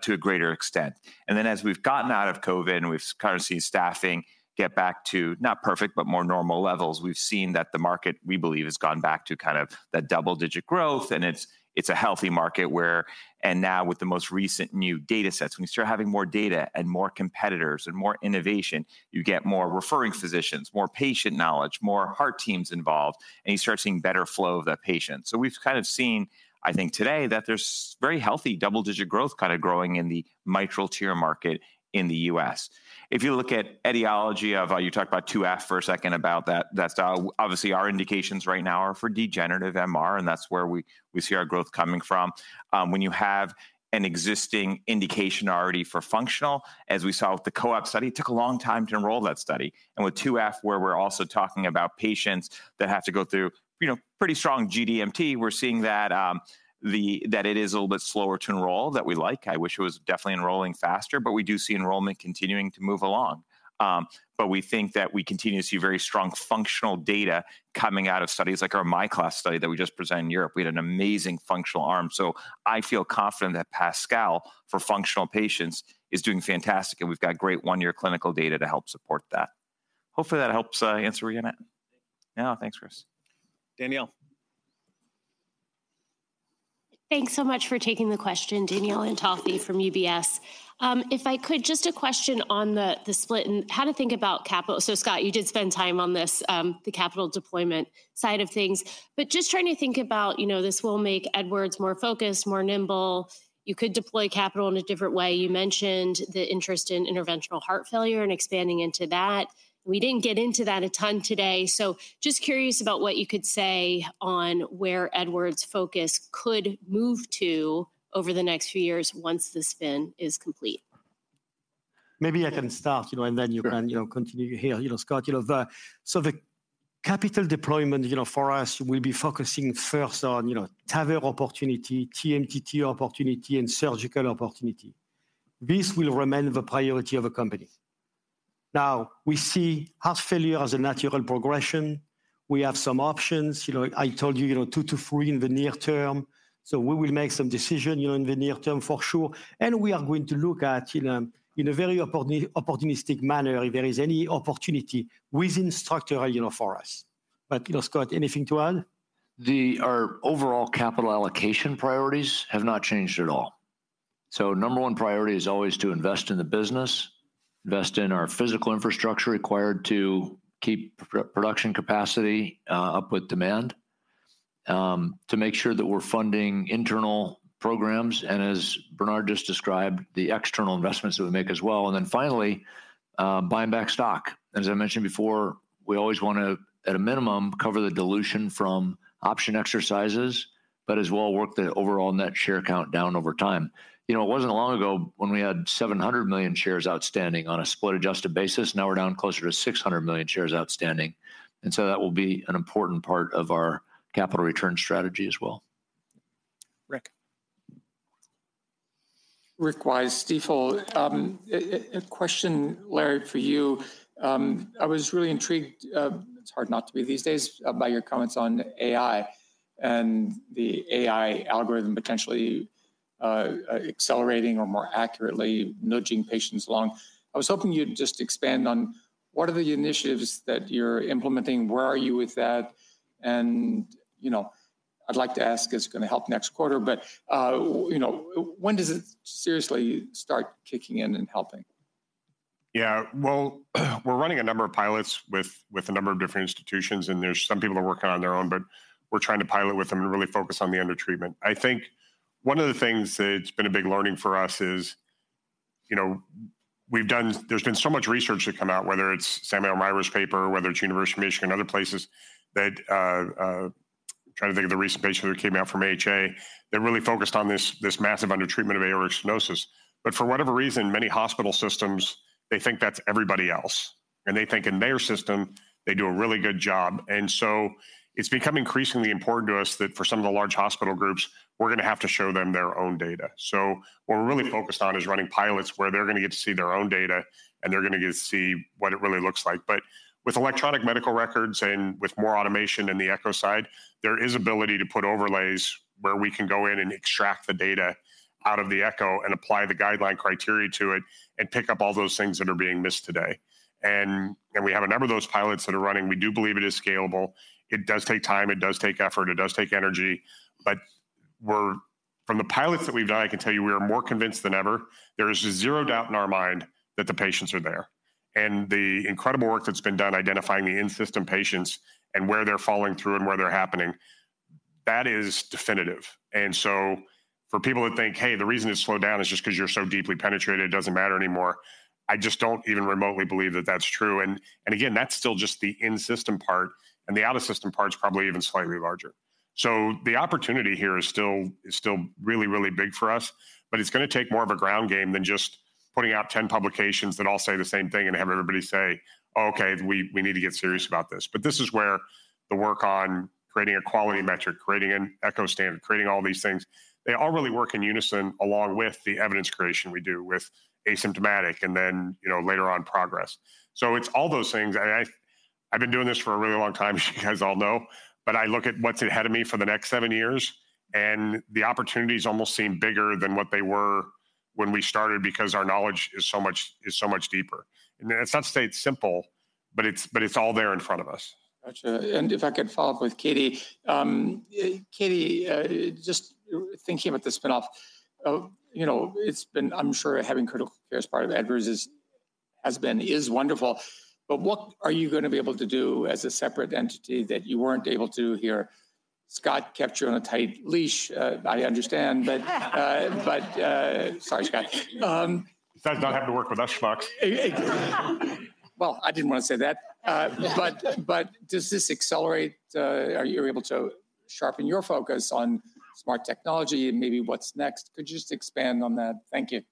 to a greater extent. And then, as we've gotten out of COVID and we've kind of seen staffing get back to not perfect, but more normal levels, we've seen that the market, we believe, has gone back to kind of that double-digit growth, and it's, it's a healthy market where, and now with the most recent new data sets, when you start having more data and more competitors and more innovation, you get more referring physicians, more patient knowledge, more heart teams involved, and you start seeing better flow of the patients. So we've kind of seen, I think, today, that there's very healthy double-digit growth kind of growing in the mitral TEER market in the U.S. If you look at etiology of, You talked about 2F for a second, about that. That's obviously our indications right now are for degenerative MR, and that's where we see our growth coming from. When you have an existing indication already for functional, as we saw with the COAPT study, it took a long time to enroll that study. And with 2F, where we're also talking about patients that have to go through, you know, pretty strong GDMT, we're seeing that it is a little bit slower to enroll than we like. I wish it was definitely enrolling faster, but we do see enrollment continuing to move along. But we think that we continue to see very strong functional data coming out of studies like our MYCLASS study that we just presented in Europe. We had an amazing functional arm. I feel confident that PASCAL, for functional patients, is doing fantastic, and we've got great 1-year clinical data to help support that. Hopefully, that helps, answer your question.... Yeah, thanks, Chris. Danielle? Thanks so much for taking the question. Danielle Antalffy from UBS. If I could, just a question on the, the split and how to think about capital. So Scott, you did spend time on this, the capital deployment side of things, but just trying to think about, you know, this will make Edwards more focused, more nimble. You could deploy capital in a different way. You mentioned the interest in interventional heart failure and expanding into that. We didn't get into that a ton today, so just curious about what you could say on where Edwards' focus could move to over the next few years once the spin is complete. Maybe I can start, you know, and then you can- Sure... you know, continue here. You know, Scott, you know, so the capital deployment, you know, for us, will be focusing first on, you know, TAVR opportunity, TMTT opportunity, and surgical opportunity. This will remain the priority of the company. Now, we see heart failure as a natural progression. We have some options. You know, I told you, you know, two-three in the near term, so we will make some decision, you know, in the near term for sure. And we are going to look at, you know, in a very opportunistic manner, if there is any opportunity within structural, you know, for us. But, you know, Scott, anything to add? Our overall capital allocation priorities have not changed at all. So number one priority is always to invest in the business, invest in our physical infrastructure required to keep production capacity up with demand, to make sure that we're funding internal programs, and as Bernard just described, the external investments that we make as well, and then finally, buying back stock. As I mentioned before, we always want to, at a minimum, cover the dilution from option exercises, but as well work the overall net share count down over time. You know, it wasn't long ago when we had 700 million shares outstanding on a split-adjusted basis. Now we're down closer to 600 million shares outstanding, and so that will be an important part of our capital return strategy as well. Rick? Rick Wise, Stifel. A question, Larry, for you. I was really intrigued, it's hard not to be these days, about your comments on AI and the AI algorithm potentially accelerating, or more accurately, nudging patients along. I was hoping you'd just expand on what are the initiatives that you're implementing? Where are you with that? And, you know, I'd like to ask, is it gonna help next quarter? But, you know, when does it seriously start kicking in and helping? Yeah, well, we're running a number of pilots with a number of different institutions, and there's some people that are working on their own, but we're trying to pilot with them and really focus on the undertreatment. I think one of the things that's been a big learning for us is, you know, we've done, there's been so much research to come out, whether it's Sammy Elmariah paper, whether it's University of Michigan or other places, that Trying to think of the recent paper that came out from AHA, that really focused on this massive undertreatment of aortic stenosis. But for whatever reason, many hospital systems, they think that's everybody else, and they think in their system, they do a really good job. It's become increasingly important to us that for some of the large hospital groups, we're gonna have to show them their own data. So what we're really focused on is running pilots where they're gonna get to see their own data, and they're gonna get to see what it really looks like. But with electronic medical records and with more automation in the echo side, there is ability to put overlays where we can go in and extract the data out of the echo and apply the guideline criteria to it and pick up all those things that are being missed today. And we have a number of those pilots that are running. We do believe it is scalable. It does take time, it does take effort, it does take energy, but we're from the pilots that we've done, I can tell you we are more convinced than ever. There is zero doubt in our mind that the patients are there. And the incredible work that's been done identifying the in-system patients and where they're falling through and where they're happening, that is definitive. And so for people who think, "Hey, the reason it's slowed down is just because you're so deeply penetrated, it doesn't matter anymore," I just don't even remotely believe that that's true. And, and again, that's still just the in-system part, and the out-of-system part's probably even slightly larger. So the opportunity here is still really, really big for us, but it's gonna take more of a ground game than just putting out 10 publications that all say the same thing and have everybody say, "Oh, okay, we need to get serious about this." But this is where the work on creating a quality metric, creating an echo standard, creating all these things, they all really work in unison along with the evidence creation we do with asymptomatic and then, you know, later on, progress. So it's all those things. I've been doing this for a really long time, as you guys all know, but I look at what's ahead of me for the next seven years, and the opportunities almost seem bigger than what they were when we started because our knowledge is so much deeper. That's not to say it's simple, but it's all there in front of us. Gotcha. And if I could follow up with Katie. Katie, just thinking about the spinoff, you know, it's been. I'm sure having critical care as part of Edwards is, has been, is wonderful, but what are you going to be able to do as a separate entity that you weren't able to do here? Scott kept you on a tight leash, I understand, but... Sorry, Scott. Does not have to work with us, Fox. Well, I didn't want to say that. Yeah. But does this accelerate? Are you able to sharpen your focus on smart technology and maybe what's next? Could you just expand on that? Thank you.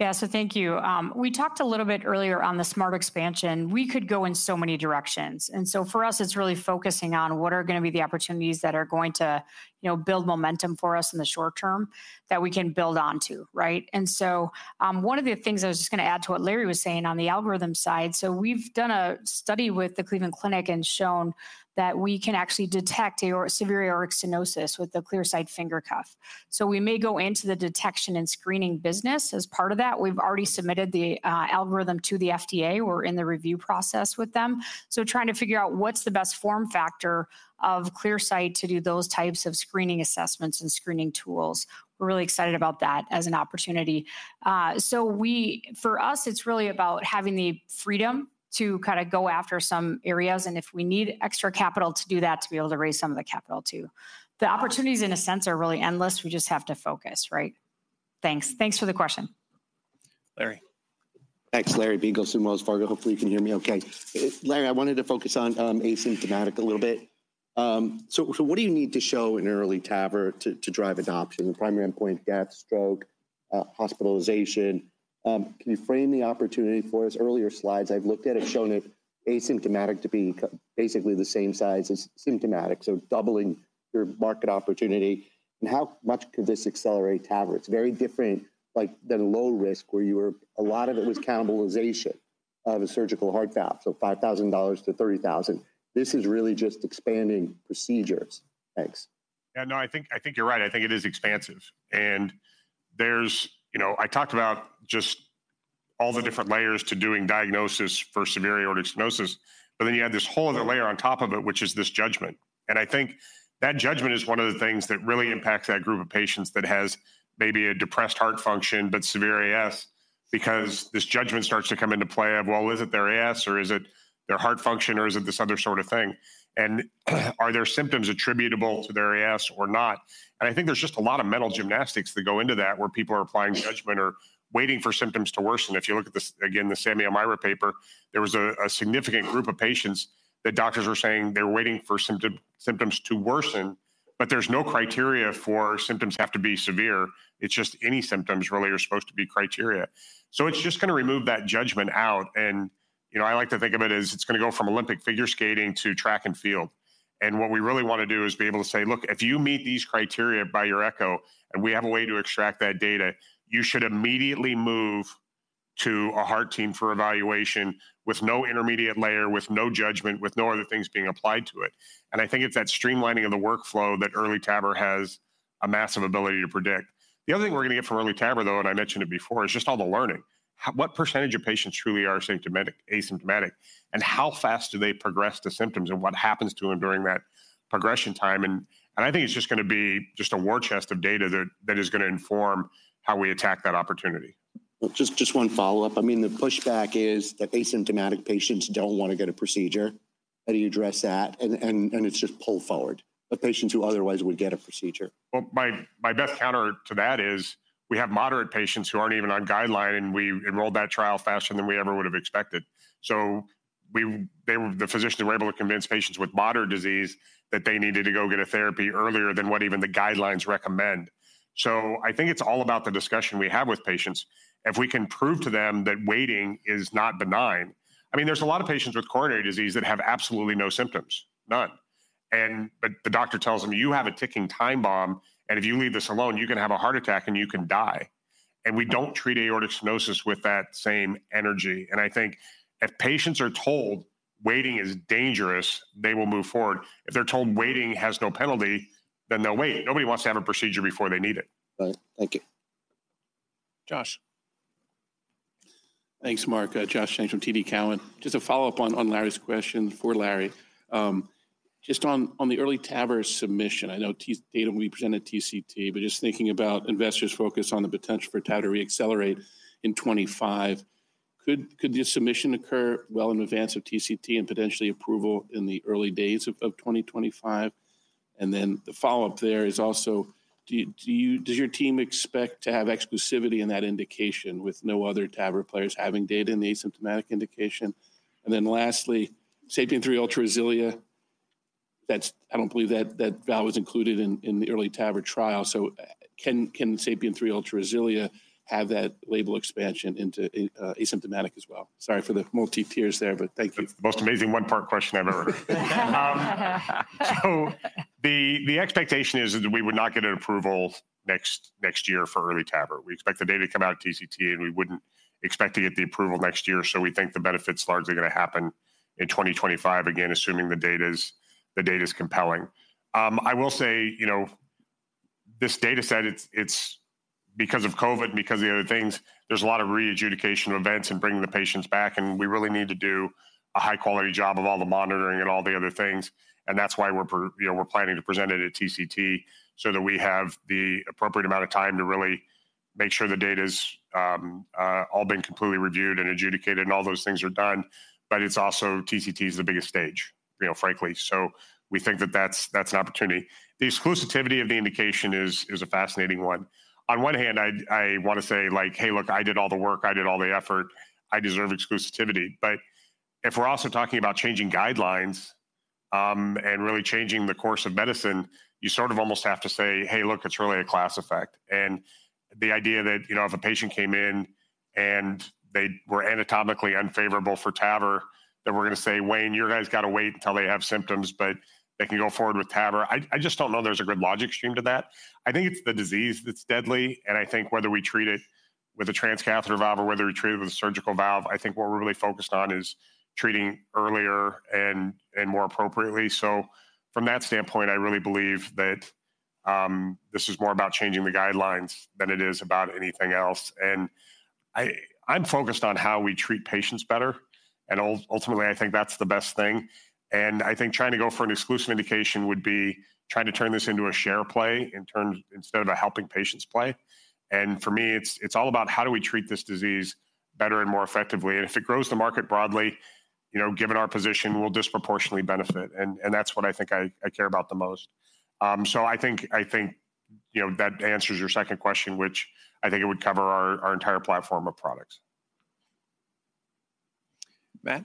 Yeah, so thank you. We talked a little bit earlier on the smart expansion. We could go in so many directions. And so for us, it's really focusing on what are gonna be the opportunities that are going to, you know, build momentum for us in the short term that we can build onto, right? And so, one of the things I was just gonna add to what Larry was saying on the algorithm side, so we've done a study with the Cleveland Clinic and shown that we can actually detect severe aortic stenosis with the ClearSight finger cuff. So we may go into the detection and screening business as part of that. We've already submitted the algorithm to the FDA. We're in the review process with them. Trying to figure out what's the best form factor of ClearSight to do those types of screening assessments and screening tools.... We're really excited about that as an opportunity. So we, for us, it's really about having the freedom to kinda go after some areas, and if we need extra capital to do that, to be able to raise some of the capital, too. The opportunities, in a sense, are really endless. We just have to focus, right? Thanks. Thanks for the question. Larry. Thanks. Larry Biegelsen, Wells Fargo. Hopefully, you can hear me okay. Larry, I wanted to focus on asymptomatic a little bit. So, what do you need to show in EARLY TAVR to drive adoption? The primary endpoint, death, stroke, hospitalization. Can you frame the opportunity for us? Earlier slides I've looked at have shown asymptomatic to be basically the same size as symptomatic, so doubling your market opportunity. And how much could this accelerate TAVR? It's very different, like, than low risk, where a lot of it was cannibalization of a surgical heart valve, so $5,000-$30,000. This is really just expanding procedures. Thanks. Yeah, no, I think, I think you're right. I think it is expansive. And there's... You know, I talked about just all the different layers to doing diagnosis for severe aortic stenosis, but then you add this whole other layer on top of it, which is this judgment. And I think that judgment is one of the things that really impacts that group of patients that has maybe a depressed heart function but severe AS, because this judgment starts to come into play of, well, is it their AS, or is it their heart function, or is it this other sort of thing? And are their symptoms attributable to their AS or not? And I think there's just a lot of mental gymnastics that go into that, where people are applying judgment or waiting for symptoms to worsen. If you look at this, again, the Sammy Elmariah paper, there was a significant group of patients that doctors were saying they were waiting for symptoms to worsen, but there's no criteria for symptoms have to be severe. It's just any symptoms really are supposed to be criteria. So it's just gonna remove that judgment out, and, you know, I like to think of it as it's gonna go from Olympic figure skating to track and field. And what we really wanna do is be able to say, "Look, if you meet these criteria by your echo, and we have a way to extract that data, you should immediately move to a heart team for evaluation with no intermediate layer, with no judgment, with no other things being applied to it." And I think it's that streamlining of the workflow that EARLYTAVR has a massive ability to predict. The other thing we're gonna get from EARLYTAVR, though, and I mentioned it before, is just all the learning. What percentage of patients truly are symptomatic, asymptomatic, and how fast do they progress to symptoms, and what happens to them during that progression time? And, and I think it's just gonna be just a war chest of data that, that is gonna inform how we attack that opportunity. Well, just one follow-up. I mean, the pushback is that asymptomatic patients don't wanna get a procedure. How do you address that? And it's just pull forward, but patients who otherwise would get a procedure. Well, my best counter to that is we have moderate patients who aren't even on guideline, and we enrolled that trial faster than we ever would've expected. So the physicians were able to convince patients with moderate disease that they needed to go get a therapy earlier than what even the guidelines recommend. So I think it's all about the discussion we have with patients. If we can prove to them that waiting is not benign. I mean, there's a lot of patients with coronary disease that have absolutely no symptoms, none, but the doctor tells them, "You have a ticking time bomb, and if you leave this alone, you can have a heart attack, and you can die." And we don't treat aortic stenosis with that same energy, and I think if patients are told waiting is dangerous, they will move forward. If they're told waiting has no penalty, then they'll wait. Nobody wants to have a procedure before they need it. Right. Thank you. Josh. Thanks, Mark. Josh Jennings from TD Cowen. Just a follow-up on Larry's question for Larry. Just on the EARLYTAVR submission, I know the data will be presented at TCT, but just thinking about investors' focus on the potential for TAVR to reaccelerate in 2025, could this submission occur well in advance of TCT and potentially approval in the early days of 2025? And then the follow-up there is also, does your team expect to have exclusivity in that indication, with no other TAVR players having data in the asymptomatic indication? And then lastly, SAPIEN 3 Ultra RESILIA, that's—I don't believe that valve was included in the EARLYTAVR trial, so can SAPIEN 3 Ultra RESILIA have that label expansion into asymptomatic as well? Sorry for the multi-parter there, but thank you. That's the most amazing one-part question I've ever heard. So the expectation is that we would not get an approval next year for EARLYTAVR. We expect the data to come out at TCT, and we wouldn't expect to get the approval next year, so we think the benefit's largely gonna happen in 2025, again, assuming the data is compelling. I will say, you know, this data set, it's, it's because of COVID and because of the other things, there's a lot of re-adjudication of events and bringing the patients back, and we really need to do a high-quality job of all the monitoring and all the other things, and that's why we're you know, we're planning to present it at TCT so that we have the appropriate amount of time to really make sure the data's all been completely reviewed and adjudicated and all those things are done. But it's also TCT is the biggest stage, you know, frankly. So we think that that's, that's an opportunity. The exclusivity of the indication is, is a fascinating one. On one hand, I wanna say, like: "Hey, look, I did all the work. I did all the effort. I deserve exclusivity." But if we're also talking about changing guidelines, and really changing the course of medicine, you sort of almost have to say: "Hey, look, it's really a class effect." And the idea that, you know, if a patient came in and they were anatomically unfavorable for TAVR, then we're gonna say, "Wayne, you guys gotta wait until they have symptoms, but they can go forward with TAVR." I just don't know there's a good logic stream to that. I think it's the disease that's deadly, and I think whether we treat it with a transcatheter valve or whether we treat it with a surgical valve, I think what we're really focused on is treating earlier and more appropriately. So from that standpoint, I really believe that this is more about changing the guidelines than it is about anything else. And... I'm focused on how we treat patients better, and ultimately, I think that's the best thing. And I think trying to go for an exclusive indication would be trying to turn this into a share play in terms instead of a helping patients play. And for me, it's all about how do we treat this disease better and more effectively? And if it grows the market broadly, you know, given our position, we'll disproportionately benefit, and that's what I think I care about the most. So I think, you know, that answers your second question, which I think it would cover our entire platform of products. Matt?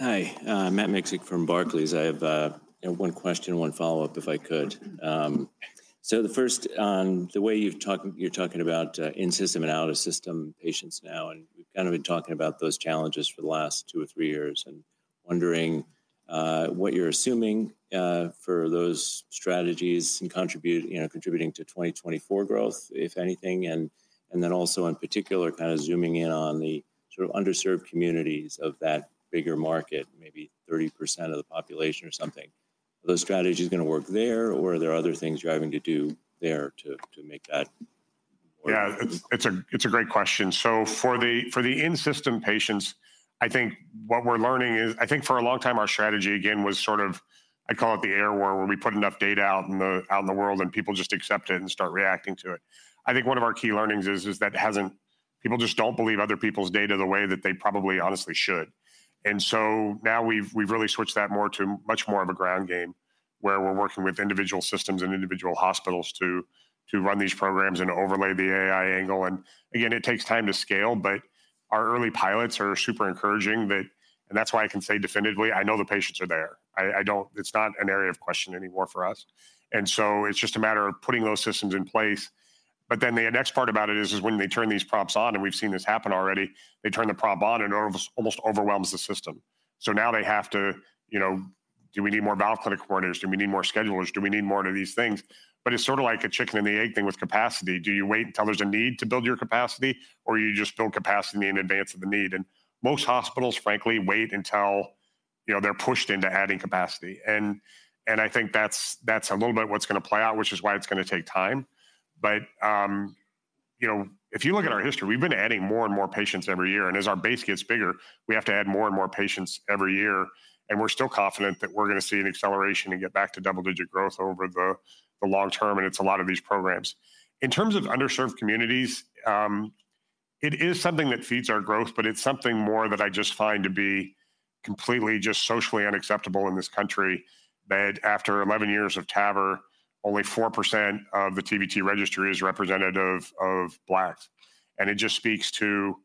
Hi, Matt Miksic from Barclays. I have one question, one follow-up, if I could. So the first, on the way you've talked—you're talking about in-system and out-of-system patients now, and we've kind of been talking about those challenges for the last two or three years, and wondering what you're assuming for those strategies and contribute, you know, contributing to 2024 growth, if anything. And then also, in particular, kind of zooming in on the sort of underserved communities of that bigger market, maybe 30% of the population or something. Are those strategies gonna work there, or are there other things you're having to do there to make that? Yeah, it's a great question. So for the in-system patients, I think what we're learning is. I think for a long time, our strategy, again, was sort of, I call it the air war, where we put enough data out in the world, and people just accept it and start reacting to it. I think one of our key learnings is that it hasn't. People just don't believe other people's data the way that they probably honestly should. And so now we've really switched that more to much more of a ground game, where we're working with individual systems and individual hospitals to run these programs and overlay the AI angle. And again, it takes time to scale, but our early pilots are super encouraging that, and that's why I can say definitively, I know the patients are there. I don't. It's not an area of question anymore for us, and so it's just a matter of putting those systems in place. But then the next part about it is when they turn these prompts on, and we've seen this happen already, they turn the prop on, and it almost overwhelms the system. So now they have to, you know, do we need more valve clinic coordinators? Do we need more schedulers? Do we need more of these things? But it's sort of like a chicken and the egg thing with capacity. Do you wait until there's a need to build your capacity, or you just build capacity in advance of the need? And most hospitals, frankly, wait until, you know, they're pushed into adding capacity. And I think that's a little bit what's gonna play out, which is why it's gonna take time. But, you know, if you look at our history, we've been adding more and more patients every year, and as our base gets bigger, we have to add more and more patients every year, and we're still confident that we're gonna see an acceleration and get back to double-digit growth over the long term, and it's a lot of these programs. In terms of underserved communities, it is something that feeds our growth, but it's something more that I just find to be completely just socially unacceptable in this country, that after 11 years of TAVR, only 4% of the TVT Registry is representative of Blacks. And it just speaks to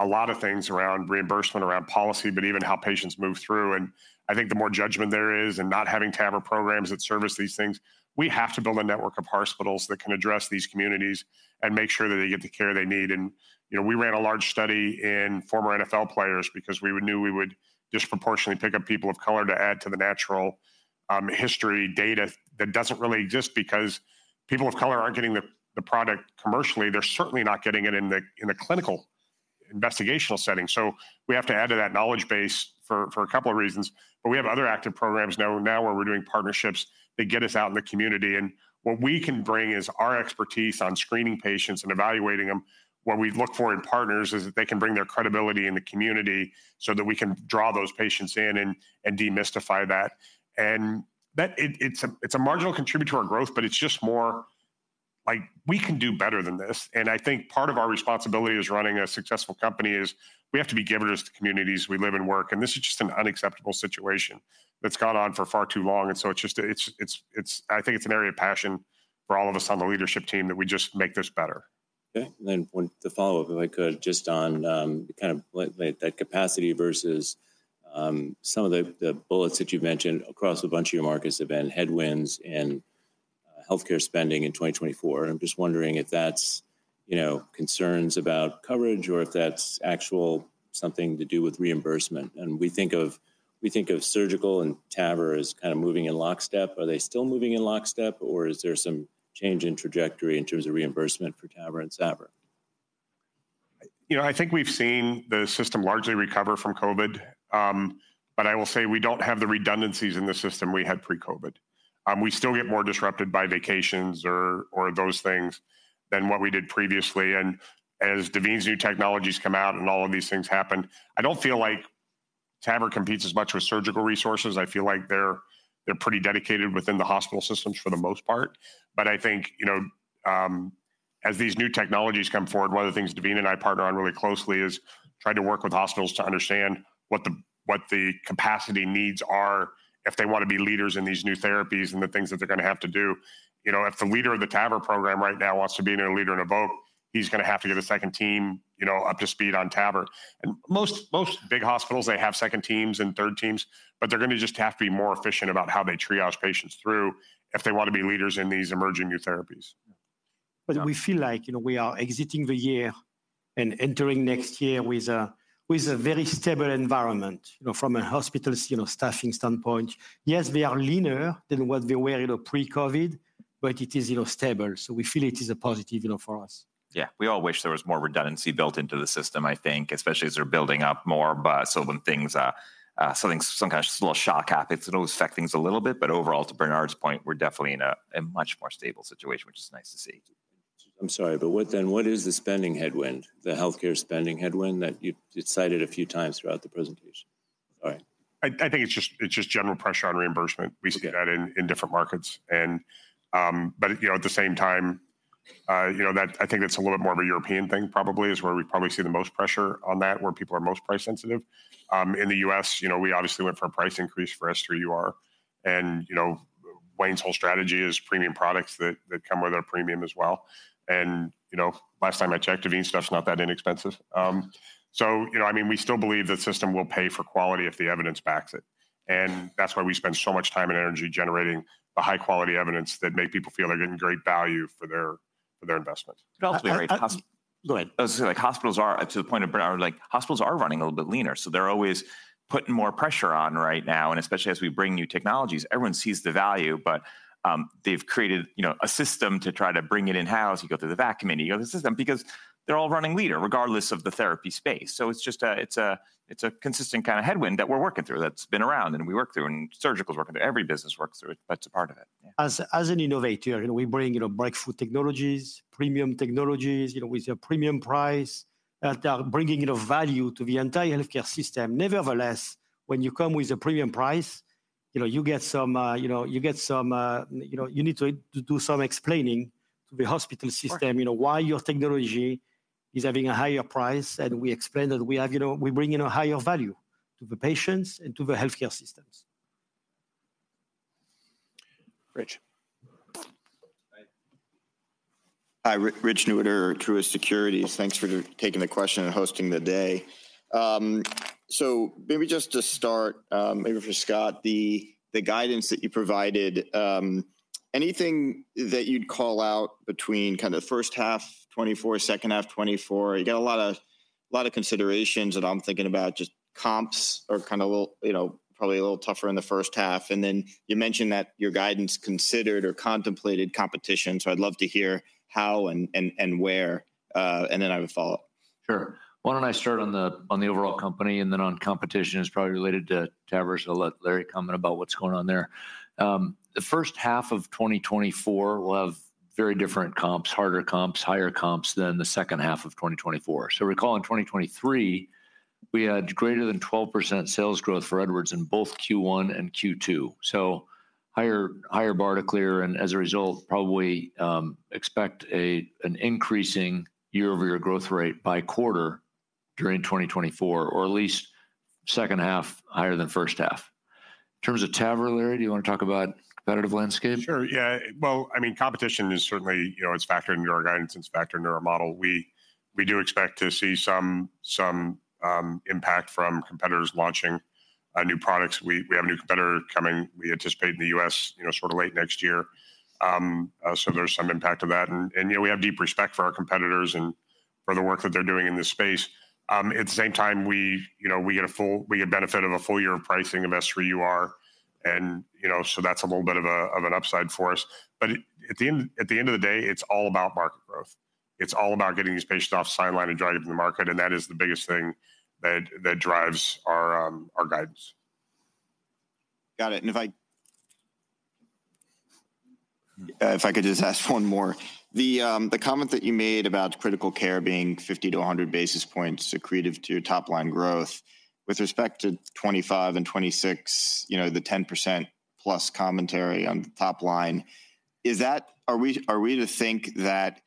a lot of things around reimbursement, around policy, but even how patients move through. I think the more judgment there is, and not having TAVR programs that service these things, we have to build a network of hospitals that can address these communities and make sure that they get the care they need. You know, we ran a large study in former NFL players because we knew we would disproportionately pick up people of color to add to the natural history data that doesn't really exist because people of color aren't getting the product commercially. They're certainly not getting it in a clinical investigational setting. So we have to add to that knowledge base for a couple of reasons. But we have other active programs now where we're doing partnerships that get us out in the community, and what we can bring is our expertise on screening patients and evaluating them. What we look for in partners is that they can bring their credibility in the community so that we can draw those patients in and demystify that. And that it's a marginal contributor to our growth, but it's just more like, we can do better than this. And I think part of our responsibility as running a successful company is we have to be givers to communities we live and work, and this is just an unacceptable situation that's gone on for far too long. And so it's just... I think it's an area of passion for all of us on the leadership team, that we just make this better. Okay. Then one to follow up, if I could, just on, kind of like that, that capacity versus, some of the, the bullets that you've mentioned across a bunch of your markets have been headwinds and healthcare spending in 2024. I'm just wondering if that's, you know, concerns about coverage or if that's actual something to do with reimbursement. And we think of, we think of surgical and TAVR as kind of moving in lockstep. Are they still moving in lockstep, or is there some change in trajectory in terms of reimbursement for TAVR and SAVR? You know, I think we've seen the system largely recover from COVID, but I will say we don't have the redundancies in the system we had pre-COVID. We still get more disrupted by vacations or, or those things than what we did previously. And as Daveen's new technologies come out and all of these things happen, I don't feel like TAVR competes as much with surgical resources. I feel like they're, they're pretty dedicated within the hospital systems for the most part. But I think, you know, as these new technologies come forward, one of the things Daveen and I partner on really closely is trying to work with hospitals to understand what the, what the capacity needs are, if they want to be leaders in these new therapies and the things that they're gonna have to do. You know, if the leader of the TAVR program right now wants to be a leader in TAVR, he's gonna have to get a second team, you know, up to speed on TAVR. Most big hospitals, they have second teams and third teams, but they're gonna just have to be more efficient about how they triage patients through if they want to be leaders in these emerging new therapies. But we feel like, you know, we are exiting the year and entering next year with a, with a very stable environment. You know, from a hospital's, you know, staffing standpoint, yes, we are leaner than what we were in a pre-COVID, but it is, you know, stable, so we feel it is a positive, you know, for us. Yeah. We all wish there was more redundancy built into the system, I think, especially as they're building up more, but so when things, something, some kind of small shock happens, it'll affect things a little bit, but overall, to Bernard's point, we're definitely in a much more stable situation, which is nice to see. ... I'm sorry, but what then, what is the spending headwind, the healthcare spending headwind that you, you cited a few times throughout the presentation? All right. I think it's just general pressure on reimbursement. Okay. We see that in different markets. But, you know, at the same time, you know, that I think that's a little bit more of a European thing probably, is where we probably see the most pressure on that, where people are most price sensitive. In the U.S., you know, we obviously went for a price increase for S3UR, and, you know, Wayne's whole strategy is premium products that come with our premium as well. And, you know, last time I checked, Abbott stuff's not that inexpensive. So, you know, I mean, we still believe the system will pay for quality if the evidence backs it, and that's why we spend so much time and energy generating the high-quality evidence that make people feel they're getting great value for their investment. It's also a great cost- Go ahead. I was gonna say, like, to the point of hospitals running a little bit leaner, so they're always putting more pressure on right now, and especially as we bring new technologies, everyone sees the value, but they've created, you know, a system to try to bring it in-house. You go through the VAC committee, you go through the system because they're all running leaner, regardless of the therapy space. So it's just a consistent kind of headwind that we're working through, that's been around, and we work through, and Surgical's working through. Every business works through it. That's a part of it. As an innovator, you know, we bring, you know, breakthrough technologies, premium technologies, you know, with a premium price that are bringing, you know, value to the entire healthcare system. Nevertheless, when you come with a premium price, you know, you get some, you know, you get some... You know, you need to do some explaining to the hospital system- Sure... you know, why your technology is having a higher price. We explain that we have, you know, we bring in a higher value to the patients and to the healthcare systems. Rich. Hi. Hi, Rich Newitter, Truist Securities. Thanks for taking the question and hosting the day. So maybe just to start, maybe for Scott, the guidance that you provided, anything that you'd call out between kind of first half 2024, second half 2024? You got a lot of considerations that I'm thinking about, just comps are kind of a little, you know, probably a little tougher in the first half. And then you mentioned that your guidance considered or contemplated competition, so I'd love to hear how and where, and then I have a follow-up. Sure. Why don't I start on the overall company, and then on competition, it's probably related to TAVR, so I'll let Larry comment about what's going on there. The first half of 2024 will have very different comps, harder comps, higher comps than the second half of 2024. So recall in 2023, we had greater than 12% sales growth for Edwards in both Q1 and Q2, so higher, higher bar to clear, and as a result, probably expect an increasing year-over-year growth rate by quarter during 2024, or at least second half higher than first half. In terms of TAVR, Larry, do you wanna talk about competitive landscape? Sure, yeah. Well, I mean, competition is certainly, you know, it's factored into our guidance, it's factored into our model. We do expect to see some impact from competitors launching new products. We have a new competitor coming, we anticipate in the U.S., you know, sort of late next year. So there's some impact of that, and, you know, we have deep respect for our competitors and for the work that they're doing in this space. At the same time, we, you know, we get benefit of a full year of pricing of S3UR, and, you know, so that's a little bit of an upside for us. But at the end of the day, it's all about market growth. It's all about getting these patients off sideline and driving up the market, and that is the biggest thing that drives our guidance. Got it. And if I could just ask one more. The comment that you made about critical care being 50-100 basis points accretive to your top-line growth, with respect to 2025 and 2026, you know, the 10%+ commentary on the top line, is that- are we to think that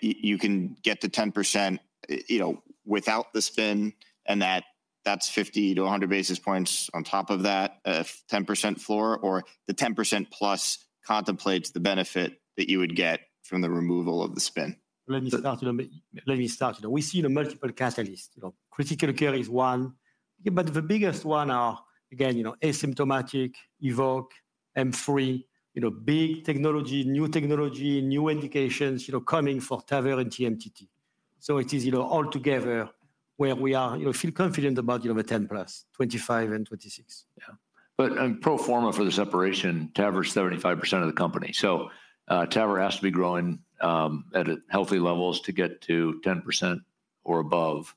you can get to 10%, you know, without the spin, and that that's 50-100 basis points on top of that 10% floor? Or the 10%+ contemplates the benefit that you would get from the removal of the spin? Let me start, let me start. We see the multiple catalysts. You know, critical care is one, but the biggest one are, again, you know, asymptomatic, EVOQUE, M3, you know, big technology, new technology, new indications, you know, coming for TAVR and TMTT. So it is, you know, all together where we are, you know, feel confident about, you know, the 10+, 2025 and 2026. Yeah. But on pro forma for the separation, TAVR is 35% of the company. So, TAVR has to be growing, at a healthy levels to get to 10% or above,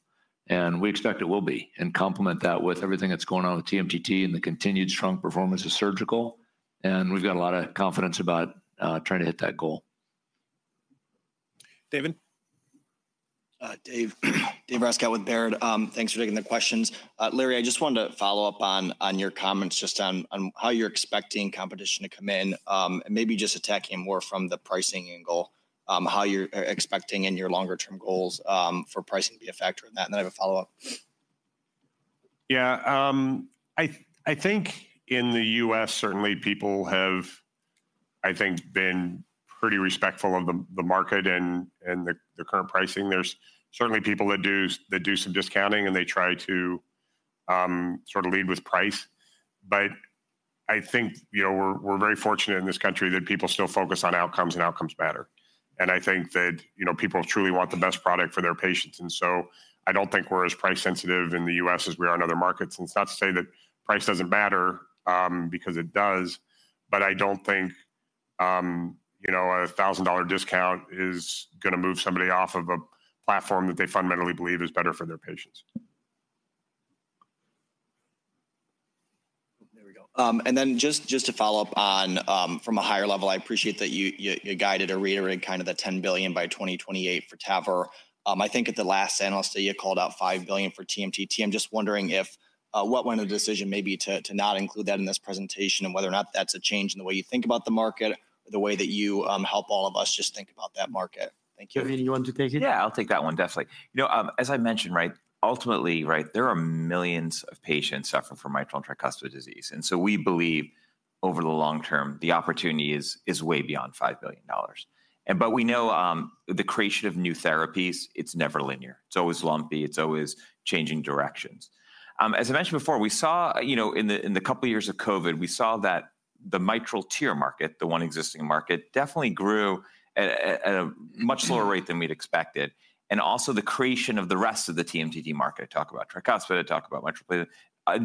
and we expect it will be. And complement that with everything that's going on with TMTT and the continued strong performance of Surgical, and we've got a lot of confidence about, trying to hit that goal. David? Dave, Dave Rescott with Baird. Thanks for taking the questions. Larry, I just wanted to follow up on your comments just on how you're expecting competition to come in, and maybe just attacking more from the pricing angle, how you're expecting in your longer term goals for pricing to be a factor in that. And then I have a follow-up. Yeah, I think in the U.S., certainly, people have, I think, been pretty respectful of the market and the current pricing. There's certainly people that do some discounting, and they try to sort of lead with price. But I think, you know, we're very fortunate in this country that people still focus on outcomes, and outcomes matter. And I think that, you know, people truly want the best product for their patients, and so I don't think we're as price sensitive in the US as we are in other markets. And it's not to say that price doesn't matter, because it does, but I don't think, you know, a $1,000 discount is gonna move somebody off of a platform that they fundamentally believe is better for their patients.... And then just to follow up on, from a higher level, I appreciate that you guided or reiterated kind of the $10 billion by 2028 for TAVR. I think at the last analyst day, you called out $5 billion for TMTT. I'm just wondering if, what went into the decision maybe to not include that in this presentation, and whether or not that's a change in the way you think about the market or the way that you help all of us just think about that market. Thank you. Navin, you want to take it? Yeah, I'll take that one, definitely. You know, as I mentioned, right, ultimately, right, there are millions of patients suffering from mitral and tricuspid disease. And so we believe over the long term, the opportunity is way beyond $5 billion. But we know, the creation of new therapies, it's never linear. It's always lumpy, it's always changing directions. As I mentioned before, you know, in the couple of years of COVID, we saw that the mitral TEER market, the one existing market, definitely grew at a much slower rate than we'd expected. And also the creation of the rest of the TMTT market, talk about tricuspid, talk about mitral,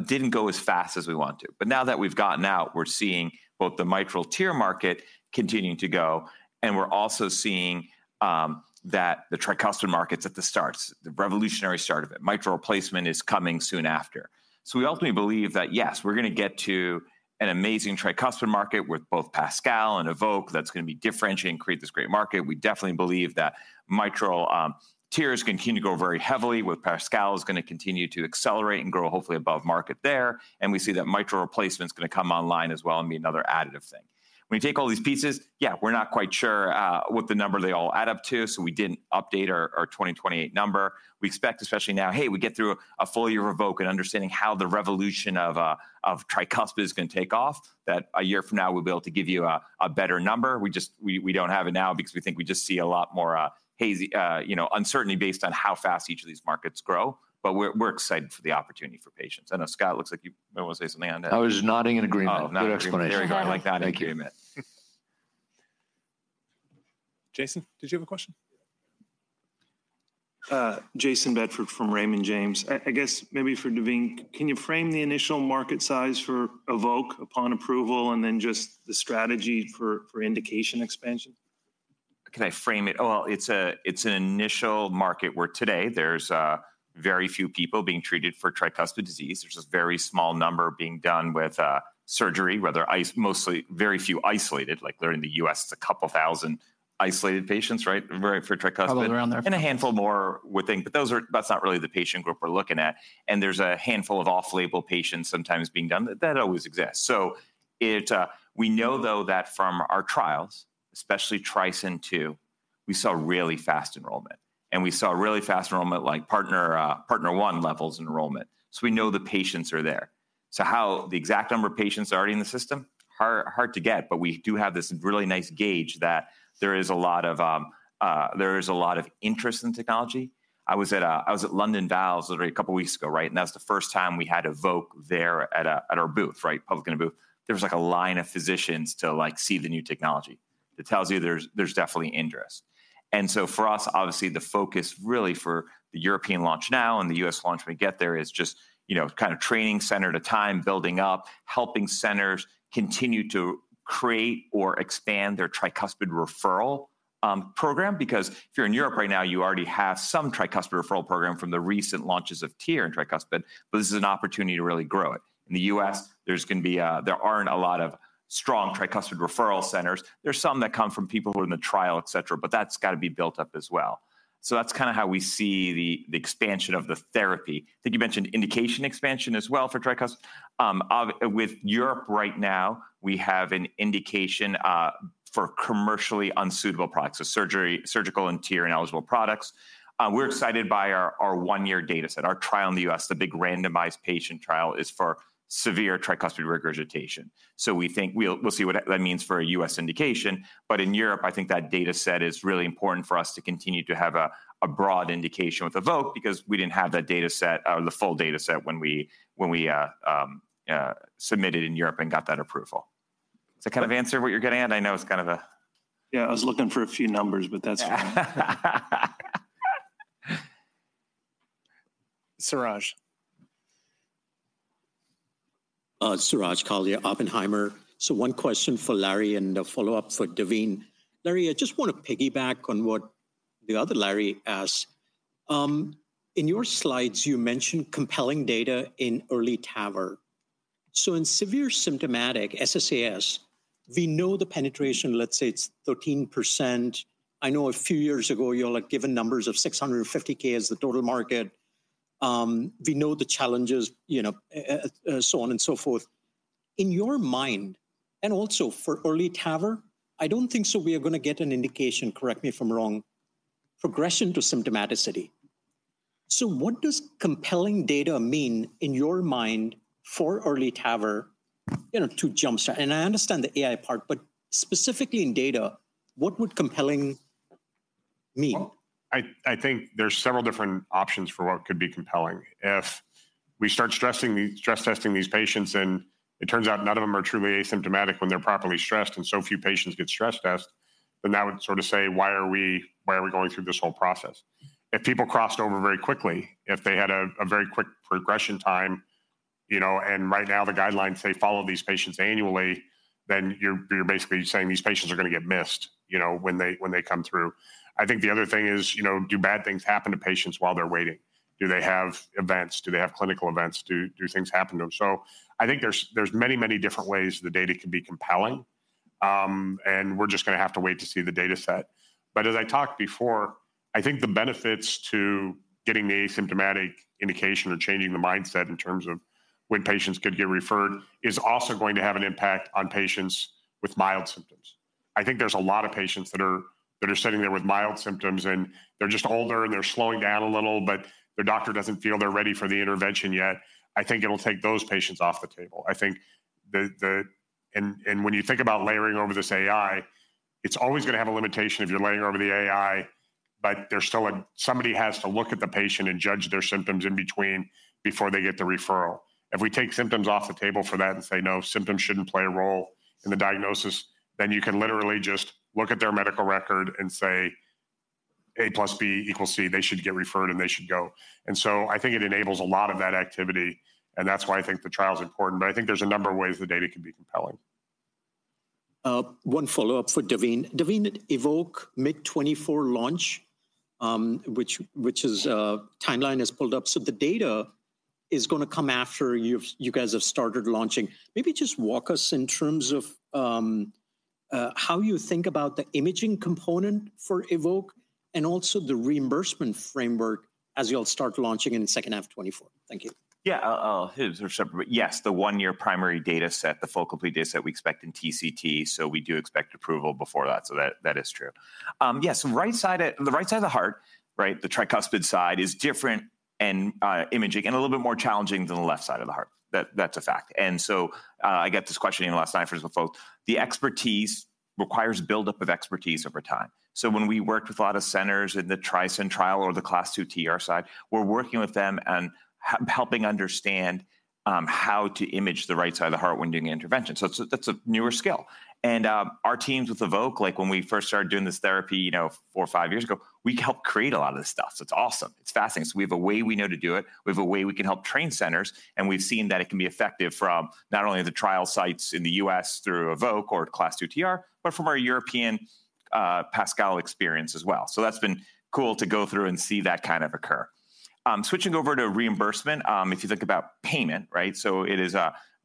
didn't go as fast as we want to. But now that we've gotten out, we're seeing both the mitral TEER market continuing to go, and we're also seeing that the tricuspid market's at the start, the revolutionary start of it. Mitral replacement is coming soon after. So we ultimately believe that, yes, we're gonna get to an amazing tricuspid market with both PASCAL and EVOQUE that's gonna be differentiating, create this great market. We definitely believe that mitral TEERs continue to grow very heavily with PASCAL, is gonna continue to accelerate and grow, hopefully above market there. And we see that mitral replacement is gonna come online as well and be another additive thing. When you take all these pieces, yeah, we're not quite sure what the number they all add up to, so we didn't update our 2028 number. We expect, especially now, hey, we get through a full year of EVOQUE and understanding how the revolution of of tricuspid is gonna take off, that a year from now we'll be able to give you a better number. We just we don't have it now because we think we just see a lot more hazy you know, uncertainty based on how fast each of these markets grow. But we're excited for the opportunity for patients. I know, Scott, looks like you want to say something on that. I was just nodding in agreement. Oh, nodding. Good explanation. There you go. I like that. Thank you. Jason, did you have a question? Jayson Bedford from Raymond James. I guess maybe for Daveen, can you frame the initial market size for EVOQUE upon approval, and then just the strategy for indication expansion? Can I frame it? Well, it's an initial market where today there's very few people being treated for tricuspid disease. There's a very small number being done with surgery, whether mostly very few isolated, like they're in the U.S., it's 2,000 isolated patients, right? Very, for tricuspid- Probably around there.... and a handful more would think. But those are - that's not really the patient group we're looking at. And there's a handful of off-label patients sometimes being done. That always exists. So it. We know, though, that from our trials, especially TRISCEND 2, we saw really fast enrollment, and we saw really fast enrollment, like PARTNER 1 levels enrollment. So we know the patients are there. So how - the exact number of patients already in the system, hard to get, but we do have this really nice gauge that there is a lot of, there is a lot of interest in technology. I was at, I was at London Valves literally a couple of weeks ago, right? And that's the first time we had EVOQUE there at a, at our booth, right? Public in a booth. There was, like, a line of physicians to, like, see the new technology. That tells you there's, there's definitely interest. And so for us, obviously, the focus really for the European launch now and the US launch we get there is just, you know, kind of training center at a time, building up, helping centers continue to create or expand their tricuspid referral program. Because if you're in Europe right now, you already have some tricuspid referral program from the recent launches of TEER and Tricuspid, but this is an opportunity to really grow it. In the US, there aren't a lot of strong tricuspid referral centers. There are some that come from people who are in the trial, et cetera, but that's got to be built up as well. So that's kind of how we see the, the expansion of the therapy. I think you mentioned indication expansion as well for tricuspid. With Europe right now, we have an indication for commercially unsuitable products, so surgery, surgical and TEER and eligible products. We're excited by our one-year dataset, our trial in the U.S., the big randomized patient trial is for severe tricuspid regurgitation. So we think we'll see what that means for a US indication. But in Europe, I think that dataset is really important for us to continue to have a broad indication with EVOQUE because we didn't have that dataset, or the full dataset when we submitted in Europe and got that approval. Does that kind of answer what you're getting at? I know it's kind of a- Yeah, I was looking for a few numbers, but that's fine. Suraj. Suraj Kalia, Oppenheimer. So one question for Larry and a follow-up for Navin. Larry, I just want to piggyback on what the other Larry asked. In your slides, you mentioned compelling data in early TAVR. So in severe symptomatic SSAS, we know the penetration, let's say it's 13%. I know a few years ago, you all had given numbers of 650,000 as the total market. We know the challenges, you know, so on and so forth. In your mind, and also for early TAVR, I don't think so we are gonna get an indication, correct me if I'm wrong, progression to symptomaticity. So what does compelling data mean in your mind for early TAVR, you know, to jumpstart? And I understand the AI part, but specifically in data, what would compelling mean? Well, I think there are several different options for what could be compelling. If we start stress testing these patients, and it turns out none of them are truly asymptomatic when they're properly stressed, and so few patients get stress tested, then that would sort of say, why are we, why are we going through this whole process? If people crossed over very quickly, if they had a very quick progression time, you know, and right now, the guidelines, they follow these patients annually, then you're basically saying these patients are going to get missed, you know, when they, when they come through. I think the other thing is, you know, do bad things happen to patients while they're waiting? Do they have events? Do they have clinical events? Do things happen to them? So I think there's many, many different ways the data can be compelling, and we're just going to have to wait to see the data set. But as I talked before, I think the benefits to getting the asymptomatic indication or changing the mindset in terms of when patients could get referred, is also going to have an impact on patients with mild symptoms. I think there's a lot of patients that are sitting there with mild symptoms, and they're just older, and they're slowing down a little, but their doctor doesn't feel they're ready for the intervention yet. I think it'll take those patients off the table. I think when you think about layering over this AI, it's always going to have a limitation if you're layering over the AI, but there's still somebody has to look at the patient and judge their symptoms in between before they get the referral. If we take symptoms off the table for that and say, "No, symptoms shouldn't play a role in the diagnosis," then you can literally just look at their medical record and say, A plus B equals C, they should get referred, and they should go. And so I think it enables a lot of that activity, and that's why I think the trial is important. But I think there's a number of ways the data can be compelling. One follow-up for Devine. Devine, EVOQUE mid 2024 launch, which timeline is pulled up. So the data is going to come after you've you guys have started launching. Maybe just walk us in terms of how you think about the imaging component for EVOQUE and also the reimbursement framework as you all start launching in the second half of 2024. Thank you. Yeah, I'll. There's several. Yes, the one-year primary data set, the full complete data set we expect in TCT, so we do expect approval before that. So that is true. Yes, right side of the right side of the heart, right? The tricuspid side is different and imaging and a little bit more challenging than the left side of the heart. That's a fact. So I got this question in the last night for the folks. The expertise requires buildup of expertise over time. So when we worked with a lot of centers in the TRISCEND trial or the CLASP II TR side, we're working with them and helping understand how to image the right side of the heart when doing the intervention. So that's a newer skill. And, our teams with EVOQUE, like when we first started doing this therapy, you know, four or five years ago, we helped create a lot of this stuff. So it's awesome. It's fascinating. So we have a way we know how to do it, we have a way we can help train centers, and we've seen that it can be effective from not only the trial sites in the U.S. through EVOQUE or Class II TR, but from our European, PASCAL experience as well. So that's been cool to go through and see that kind of occur. Switching over to reimbursement, if you think about payment, right? So it is,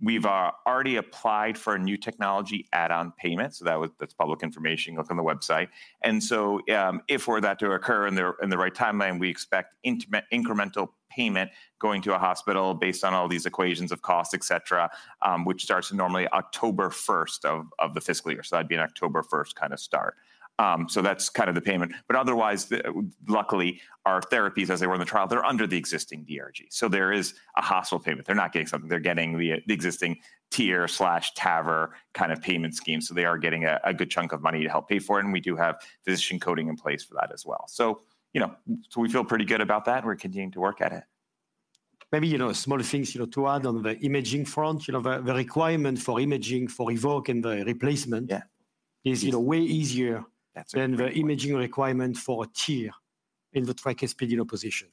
we've already applied for a new technology add-on payment, so that was, that's public information. You look on the website. And so, if that were to occur in the, in the right timeline, we expect in-time incremental payment going to a hospital based on all these equations of cost, et cetera, which starts normally October 1st of, of the fiscal year. So that'd be an October 1st kind of start. So that's kind of the payment, but otherwise, luckily, our therapies, as they were in the trial, they're under the existing DRG. So there is a hospital payment. They're not getting something. They're getting the, the existing TAVR kind of payment scheme, so they are getting a, a good chunk of money to help pay for it, and we do have physician coding in place for that as well. So, you know, so we feel pretty good about that, and we're continuing to work at it. Maybe, you know, small things, you know, to add on the imaging front, you know, the requirement for imaging for EVOQUE and the replacement- Yeah... is, you know, way easier- That's right than the imaging requirement for a TEER in the tricuspid, you know, position.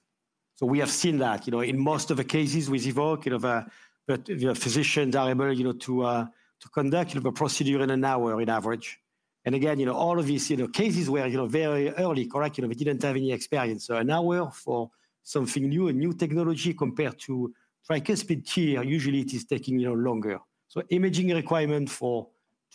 So we have seen that, you know, in most of the cases with EVOQUE, you know, the, the physicians are able, you know, to, to conduct, you know, the procedure in an hour on average. And again, you know, all of these, you know, cases were, you know, very early, correct? You know, we didn't have any experience. So an hour for something new, a new technology, compared to tricuspid TEER, usually it is taking, you know, longer. So imaging requirement for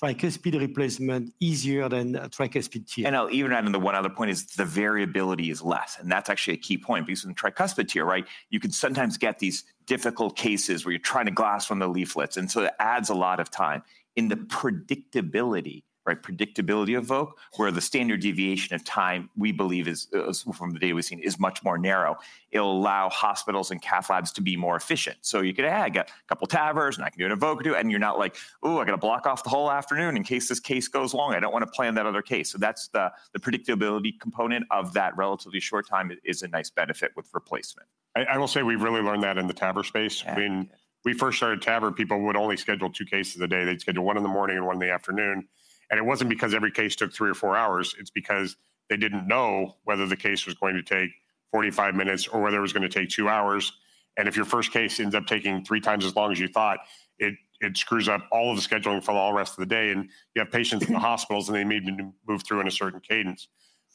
tricuspid replacement easier than a tricuspid TEER. I'll even add in the one other point is the variability is less, and that's actually a key point because in tricuspid TEER, right, you can sometimes get these difficult cases where you're trying to grasp the leaflets, and so that adds a lot of time. In the predictability, right, predictability of EVOQUE, where the standard deviation of time, we believe is, from the data we've seen, is much more narrow. It'll allow hospitals and cath labs to be more efficient. So you could, "Hey, I got a couple of TAVRs, and I can do an EVOQUE, too." And you're not like: Oh, I got to block off the whole afternoon in case this case goes long. I don't want to plan that other case. So that's the, the predictability component of that relatively short time is a nice benefit with replacement. I will say we've really learned that in the TAVR space. Yeah. When we first started TAVR, people would only schedule two cases a day. They'd schedule one in the morning and one in the afternoon. And it wasn't because every case took three or four hours, it's because they didn't know whether the case was going to take 45 minutes or whether it was going to take two hours. And if your first case ends up taking three times as long as you thought, it screws up all of the scheduling for the whole rest of the day, and you have patients in the hospitals, and they need to move through in a certain cadence.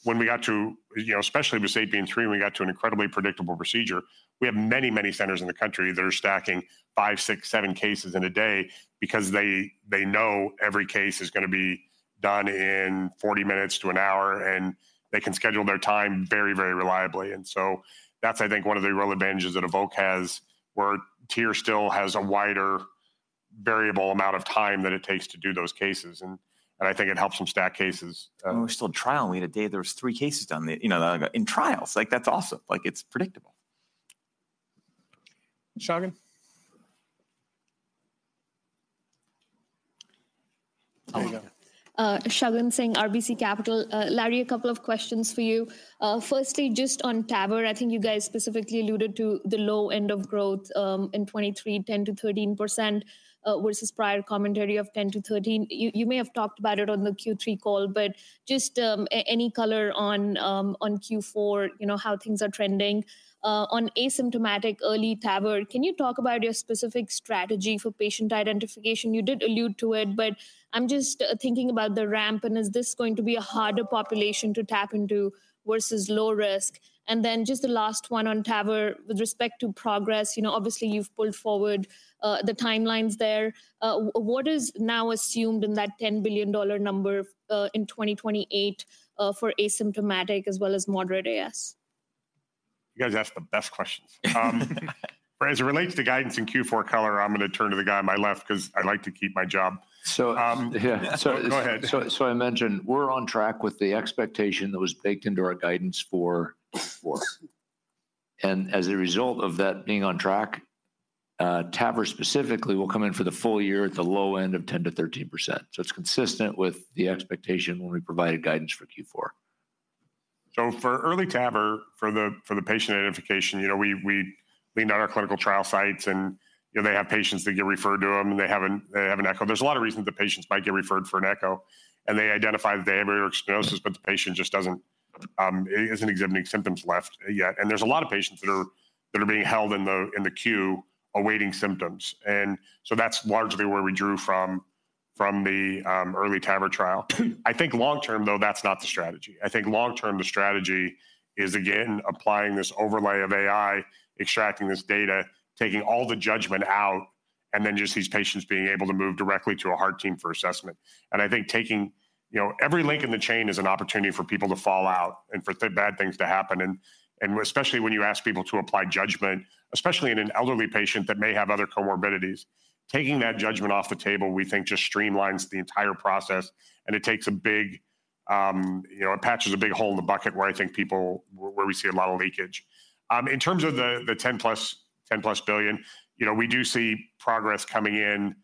When we got to... You know, especially with SAPIEN 3, when we got to an incredibly predictable procedure, we have many, many centers in the country that are stacking five, six, seven cases in a day because they, they know every case is going to be done in 40 minutes to 1 hour, and they can schedule their time very, very reliably. And so that's, I think, one of the real advantages that EVOQUE has, where TEER still has a wider variable amount of time than it takes to do those cases, and, and I think it helps them stack cases. When we were still in trial, we had a day there was three cases done, you know, in trials. Like, that's awesome. Like, it's predictable. Shagun?... Shagun Singh, RBC Capital. Larry, a couple of questions for you. Firstly, just on TAVR, I think you guys specifically alluded to the low end of growth in 2023, 10%-13%, versus prior commentary of 10%-13%. You may have talked about it on the Q3 call, but just any color on Q4, you know, how things are trending. On asymptomatic early TAVR, can you talk about your specific strategy for patient identification? You did allude to it, but I'm just thinking about the ramp, and is this going to be a harder population to tap into versus low risk? And then just the last one on TAVR, with respect to progress, you know, obviously, you've pulled forward the timelines there. What is now assumed in that $10 billion number, in 2028, for asymptomatic as well as moderate AS? You guys ask the best questions. But as it relates to guidance and Q4 color, I'm gonna turn to the guy on my left 'cause I'd like to keep my job. So- Yeah. So go ahead. So, I mentioned, we're on track with the expectation that was baked into our guidance for Q4. As a result of that being on track, TAVR specifically will come in for the full year at the low end of 10%-13%. It's consistent with the expectation when we provided guidance for Q4. So for early TAVR, for the patient identification, you know, we leaned on our clinical trial sites, and, you know, they have patients that get referred to them, and they have an echo. There's a lot of reasons the patients might get referred for an echo, and they identify that they have aortic stenosis, but the patient just doesn't isn't exhibiting symptoms yet. And there's a lot of patients that are being held in the queue, awaiting symptoms. And so that's largely where we drew from, from the early TAVR trial. I think long term, though, that's not the strategy. I think long term, the strategy is, again, applying this overlay of AI, extracting this data, taking all the judgment out, and then just these patients being able to move directly to a heart team for assessment. And I think taking... You know, every link in the chain is an opportunity for people to fall out and for bad things to happen, and especially when you ask people to apply judgment, especially in an elderly patient that may have other comorbidities. Taking that judgment off the table, we think, just streamlines the entire process, and it takes a big, you know, it patches a big hole in the bucket where I think people where we see a lot of leakage. In terms of the $10+ billion, you know, we do see progress coming in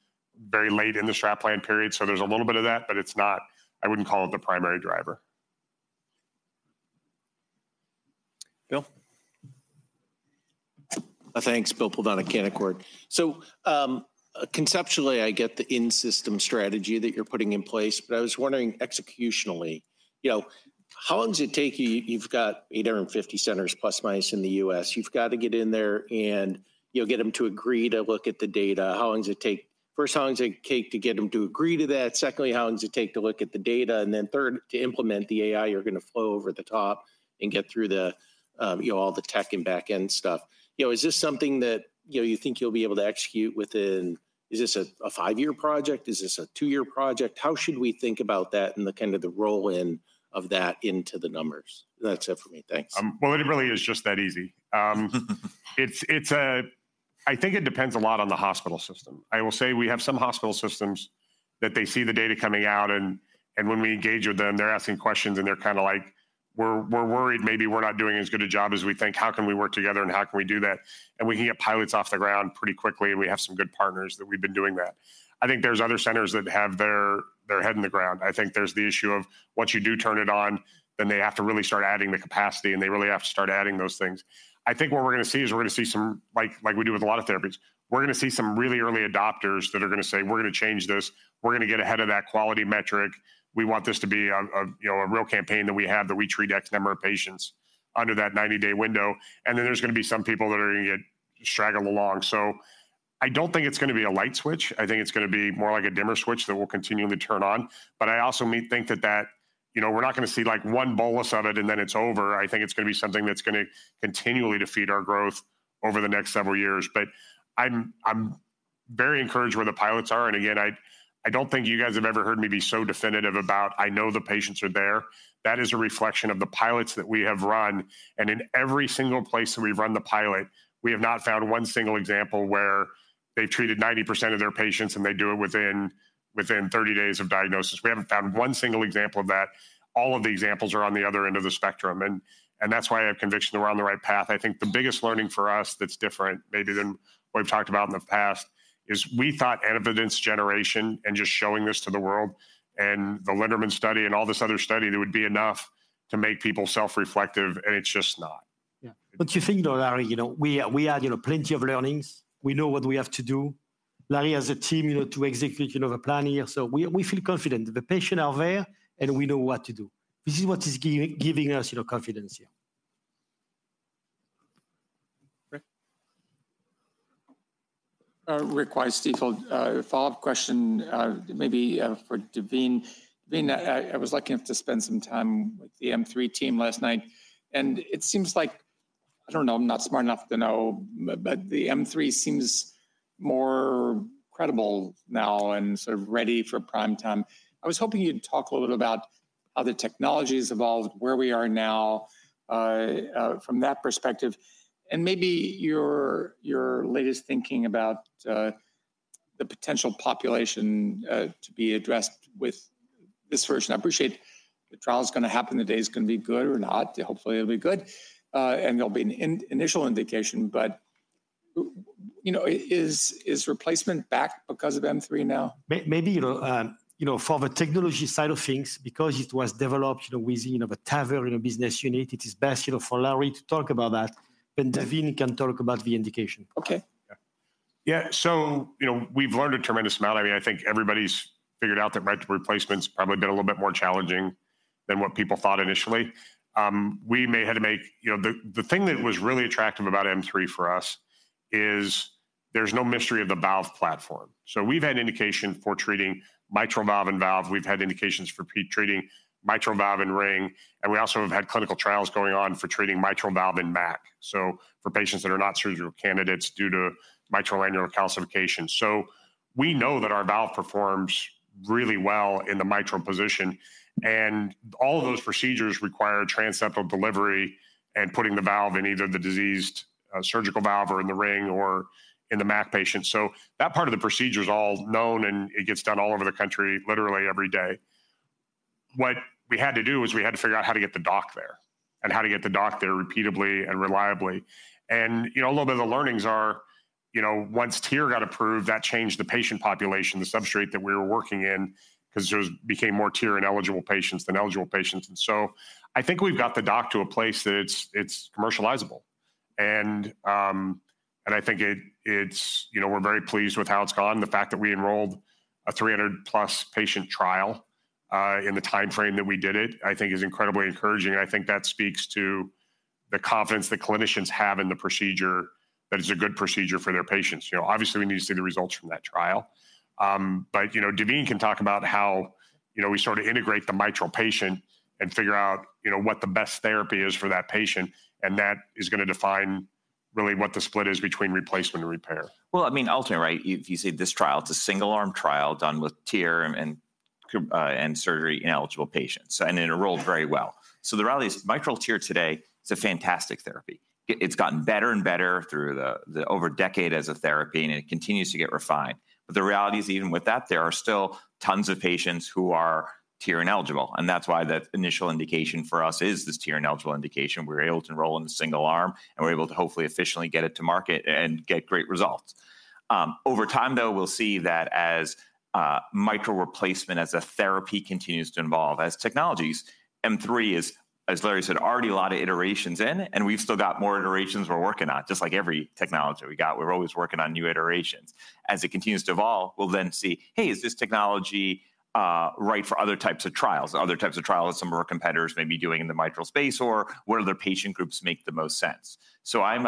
very late in the strategic plan period, so there's a little bit of that, but it's not. I wouldn't call it the primary driver. Bill? Thanks. Bill Plovanic, Canaccord. So, conceptually, I get the in-system strategy that you're putting in place, but I was wondering, executionally, you know, how long does it take you? You've got 850 centers ± in the U.S. You've got to get in there, and you'll get them to agree to look at the data. How long does it take? First, how long does it take to get them to agree to that? Secondly, how long does it take to look at the data? And then third, to implement the AI, you're gonna flow over the top and get through the, you know, all the tech and back-end stuff. You know, is this something that, you know, you think you'll be able to execute within... Is this a, a five-year project? Is this a two-year project? How should we think about that and the kind of role of that into the numbers? That's it for me. Thanks. Well, it really is just that easy. It's, I think it depends a lot on the hospital system. I will say we have some hospital systems that they see the data coming out, and when we engage with them, they're asking questions, and they're kinda like, "We're worried maybe we're not doing as good a job as we think. How can we work together, and how can we do that?" And we can get pilots off the ground pretty quickly, and we have some good partners that we've been doing that. I think there's other centers that have their head in the ground. I think there's the issue of once you do turn it on, then they have to really start adding the capacity, and they really have to start adding those things. I think what we're gonna see is we're gonna see some—like we do with a lot of therapies, we're gonna see some really early adopters that are gonna say: "We're gonna change this. We're gonna get ahead of that quality metric. We want this to be a, you know, a real campaign that we have, that we treat X number of patients under that 90-day window." And then there's gonna be some people that are gonna get straggled along. So I don't think it's gonna be a light switch. I think it's gonna be more like a dimmer switch that we'll continually turn on. But I also think that—you know, we're not gonna see, like, one bolus of it, and then it's over. I think it's gonna be something that's gonna continually defeat our growth over the next several years. But I'm, I'm very encouraged where the pilots are, and again, I, I don't think you guys have ever heard me be so definitive about, "I know the patients are there." That is a reflection of the pilots that we have run, and in every single place that we've run the pilot, we have not found one single example where they've treated 90% of their patients, and they do it within, within 30 days of diagnosis. We haven't found one single example of that. All of the examples are on the other end of the spectrum, and, and that's why I have conviction that we're on the right path. I think the biggest learning for us that's different maybe than what we've talked about in the past, is we thought evidence generation and just showing this to the world and the Lindman study and all this other study, that would be enough to make people self-reflective, and it's just not. Yeah. But you think, though, Larry, you know, we have plenty of learnings. We know what we have to do. Larry, as a team, you know, to execute the plan here, so we feel confident. The patients are there, and we know what to do. This is what is giving us, you know, confidence here. Rick? Rick Wise, Stifel. A follow-up question, maybe for Daveen. Daveen, I was lucky enough to spend some time with the M3 team last night, and it seems like... I don't know, I'm not smart enough to know, but the M3 seems more credible now and sort of ready for prime time. I was hoping you'd talk a little bit about how the technology's evolved, where we are now, from that perspective, and maybe your latest thinking about the potential population to be addressed with this version. I appreciate the trial is gonna happen, the data is gonna be good or not. Hopefully, it'll be good, and there'll be an initial indication, but... You know, is replacement back because of M3 now? Maybe, you know, for the technology side of things, because it was developed, you know, within, you know, the TAVR, you know, business unit, it is best, you know, for Larry to talk about that, then Daveen can talk about the indication. Okay. Yeah. Yeah, so, you know, we've learned a tremendous amount. I mean, I think everybody's figured out that mitral replacement's probably been a little bit more challenging than what people thought initially. You know, the thing that was really attractive about M3 for us is there's no mystery of the valve platform. So we've had indication for treating mitral valve-in-valve. We've had indications for treating mitral valve-in-ring, and we also have had clinical trials going on for treating mitral valve-in-MAC. So for patients that are not surgical candidates due to mitral annular calcification. So we know that our valve performs really well in the mitral position, and all of those procedures require transseptal delivery and putting the valve in either the diseased surgical valve or in the ring or in the MAC patient. So that part of the procedure is all known, and it gets done all over the country, literally every day. What we had to do was we had to figure out how to get the doc there, and how to get the doc there repeatably and reliably. And, you know, a little bit of the learnings are, you know, once TEER got approved, that changed the patient population, the substrate that we were working in, 'cause there was-- became more TEER-ineligible patients than eligible patients. And so I think we've got the doc to a place that it's, it's commercializable. And, and I think it, it's-- You know, we're very pleased with how it's gone. The fact that we enrolled a 300+ patient trial, in the timeframe that we did it, I think is incredibly encouraging, and I think that speaks to the confidence that clinicians have in the procedure, that it's a good procedure for their patients. You know, obviously, we need to see the results from that trial. But, you know, Daveen can talk about how, you know, we sort of integrate the mitral patient and figure out, you know, what the best therapy is for that patient, and that is gonna define really what the split is between replacement and repair. Well, I mean, ultimately, right, if you see this trial, it's a single-arm trial done with TEER and surgery in eligible patients, and it enrolled very well. So the reality is, mitral TEER today is a fantastic therapy. It's gotten better and better over a decade as a therapy, and it continues to get refined. But the reality is, even with that, there are still tons of patients who are TEER ineligible, and that's why the initial indication for us is this TEER ineligible indication. We were able to enroll in a single arm, and we're able to hopefully efficiently get it to market and get great results. Over time, though, we'll see that as mitral replacement, as a therapy continues to evolve, as technologies, M3 is, as Larry said, already a lot of iterations in, and we've still got more iterations we're working on, just like every technology we got. We're always working on new iterations. As it continues to evolve, we'll then see, hey, is this technology right for other types of trials, other types of trials some of our competitors may be doing in the mitral space, or where other patient groups make the most sense? So I'm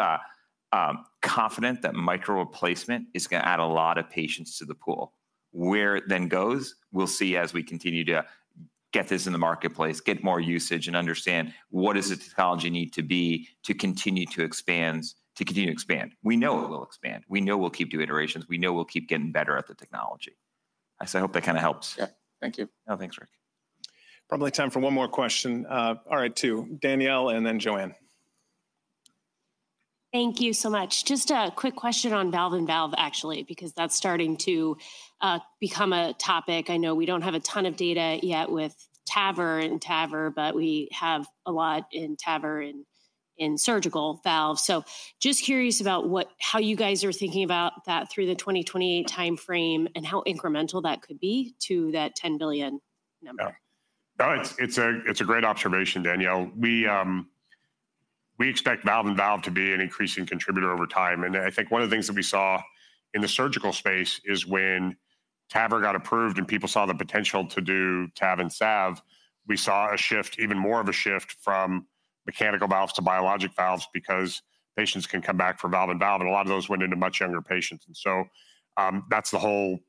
confident that mitral replacement is gonna add a lot of patients to the pool. Where it then goes, we'll see as we continue to get this in the marketplace, get more usage, and understand what does the technology need to be to continue to expand. We know it'll expand. We know we'll keep doing iterations. We know we'll keep getting better at the technology. I so hope that kind of helps. Yeah. Thank you. Oh, thanks, Rick. Probably time for one more question. All right, two. Danielle and then Joanne. Thank you so much. Just a quick question on valve-in-valve, actually, because that's starting to become a topic. I know we don't have a ton of data yet with TAVR and TAVR, but we have a lot in TAVR and in surgical valves. So just curious about what, how you guys are thinking about that through the 2028 timeframe, and how incremental that could be to that $10 billion number. Oh, it's a great observation, Danielle. We expect valve-in-valve to be an increasing contributor over time, and I think one of the things that we saw in the surgical space is when TAVR got approved and people saw the potential to do TAV and SAV, we saw a shift, even more of a shift from mechanical valves to biologic valves because patients can come back for valve-in-valve, and a lot of those went into much younger patients. And so, that's the whole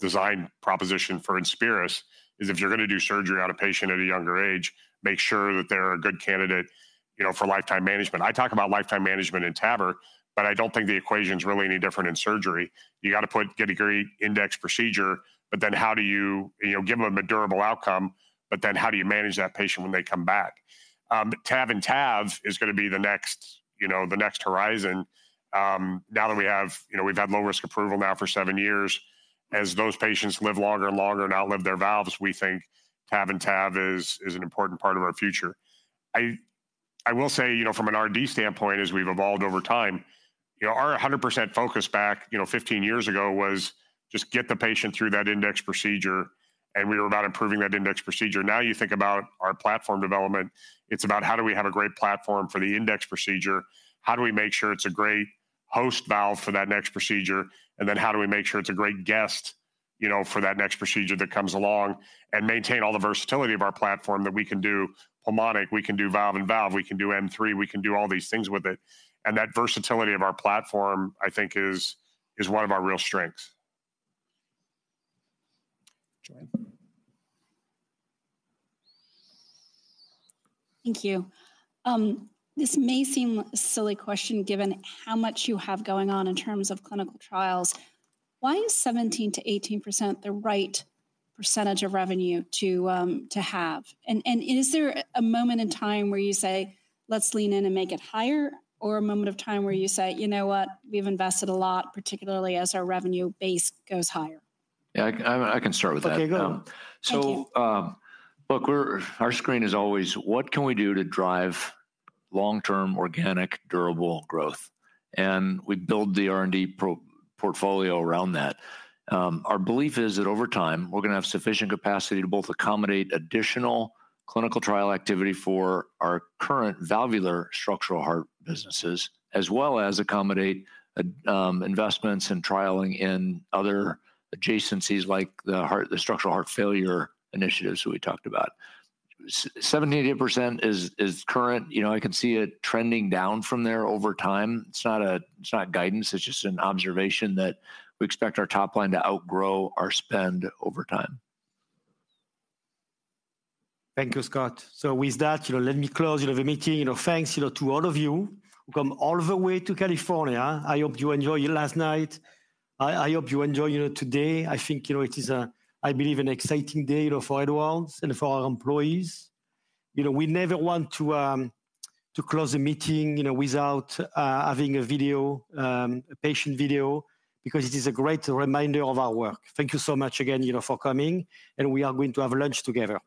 design proposition for INSPIRIS, is if you're going to do surgery on a patient at a younger age, make sure that they're a good candidate, you know, for lifetime management. I talk about lifetime management in TAVR, but I don't think the equation's really any different in surgery. You got to put, get a great index procedure, but then how do you, you know, give them a durable outcome, but then how do you manage that patient when they come back? TAV-in-TAV is going to be the next, you know, the next horizon. Now that we have, you know, we've had low-risk approval now for seven years, as those patients live longer and longer and outlive their valves, we think TAV-in-TAV is, is an important part of our future. I, I will say, you know, from an R&D standpoint, as we've evolved over time, you know, our 100% focus back, you know, 15 years ago, was just get the patient through that index procedure, and we were about improving that index procedure. Now, you think about our platform development, it's about how do we have a great platform for the index procedure? How do we make sure it's a great host valve for that next procedure? And then how do we make sure it's a great guest, you know, for that next procedure that comes along, and maintain all the versatility of our platform, that we can do pulmonic, we can do valve-in-valve, we can do M3, we can do all these things with it. And that versatility of our platform, I think, is one of our real strengths. Joanne. Thank you. This may seem a silly question, given how much you have going on in terms of clinical trials. Why is 17%-18% the right percentage of revenue to have? And, is there a moment in time where you say, "Let's lean in and make it higher," or a moment of time where you say, "You know what? We've invested a lot, particularly as our revenue base goes higher? Yeah, I can. I can start with that. Okay, go. Thank you. So, look, our screen is always: What can we do to drive long-term, organic, durable growth? And we build the R&D portfolio around that. Our belief is that over time, we're going to have sufficient capacity to both accommodate additional clinical trial activity for our current valvular structural heart businesses, as well as accommodate investments and trialing in other adjacencies, like the structural heart failure initiatives that we talked about. 17%-18% is current. You know, I can see it trending down from there over time. It's not guidance. It's just an observation that we expect our top line to outgrow our spend over time. Thank you, Scott. So with that, you know, let me close, you know, the meeting. You know, thanks, you know, to all of you who come all the way to California. I hope you enjoyed last night. I hope you enjoyed, you know, today. I think, you know, it is, I believe, an exciting day, you know, for Edwards and for our employees. You know, we never want to close a meeting, you know, without having a video, a patient video, because it is a great reminder of our work. Thank you so much again, you know, for coming, and we are going to have lunch together.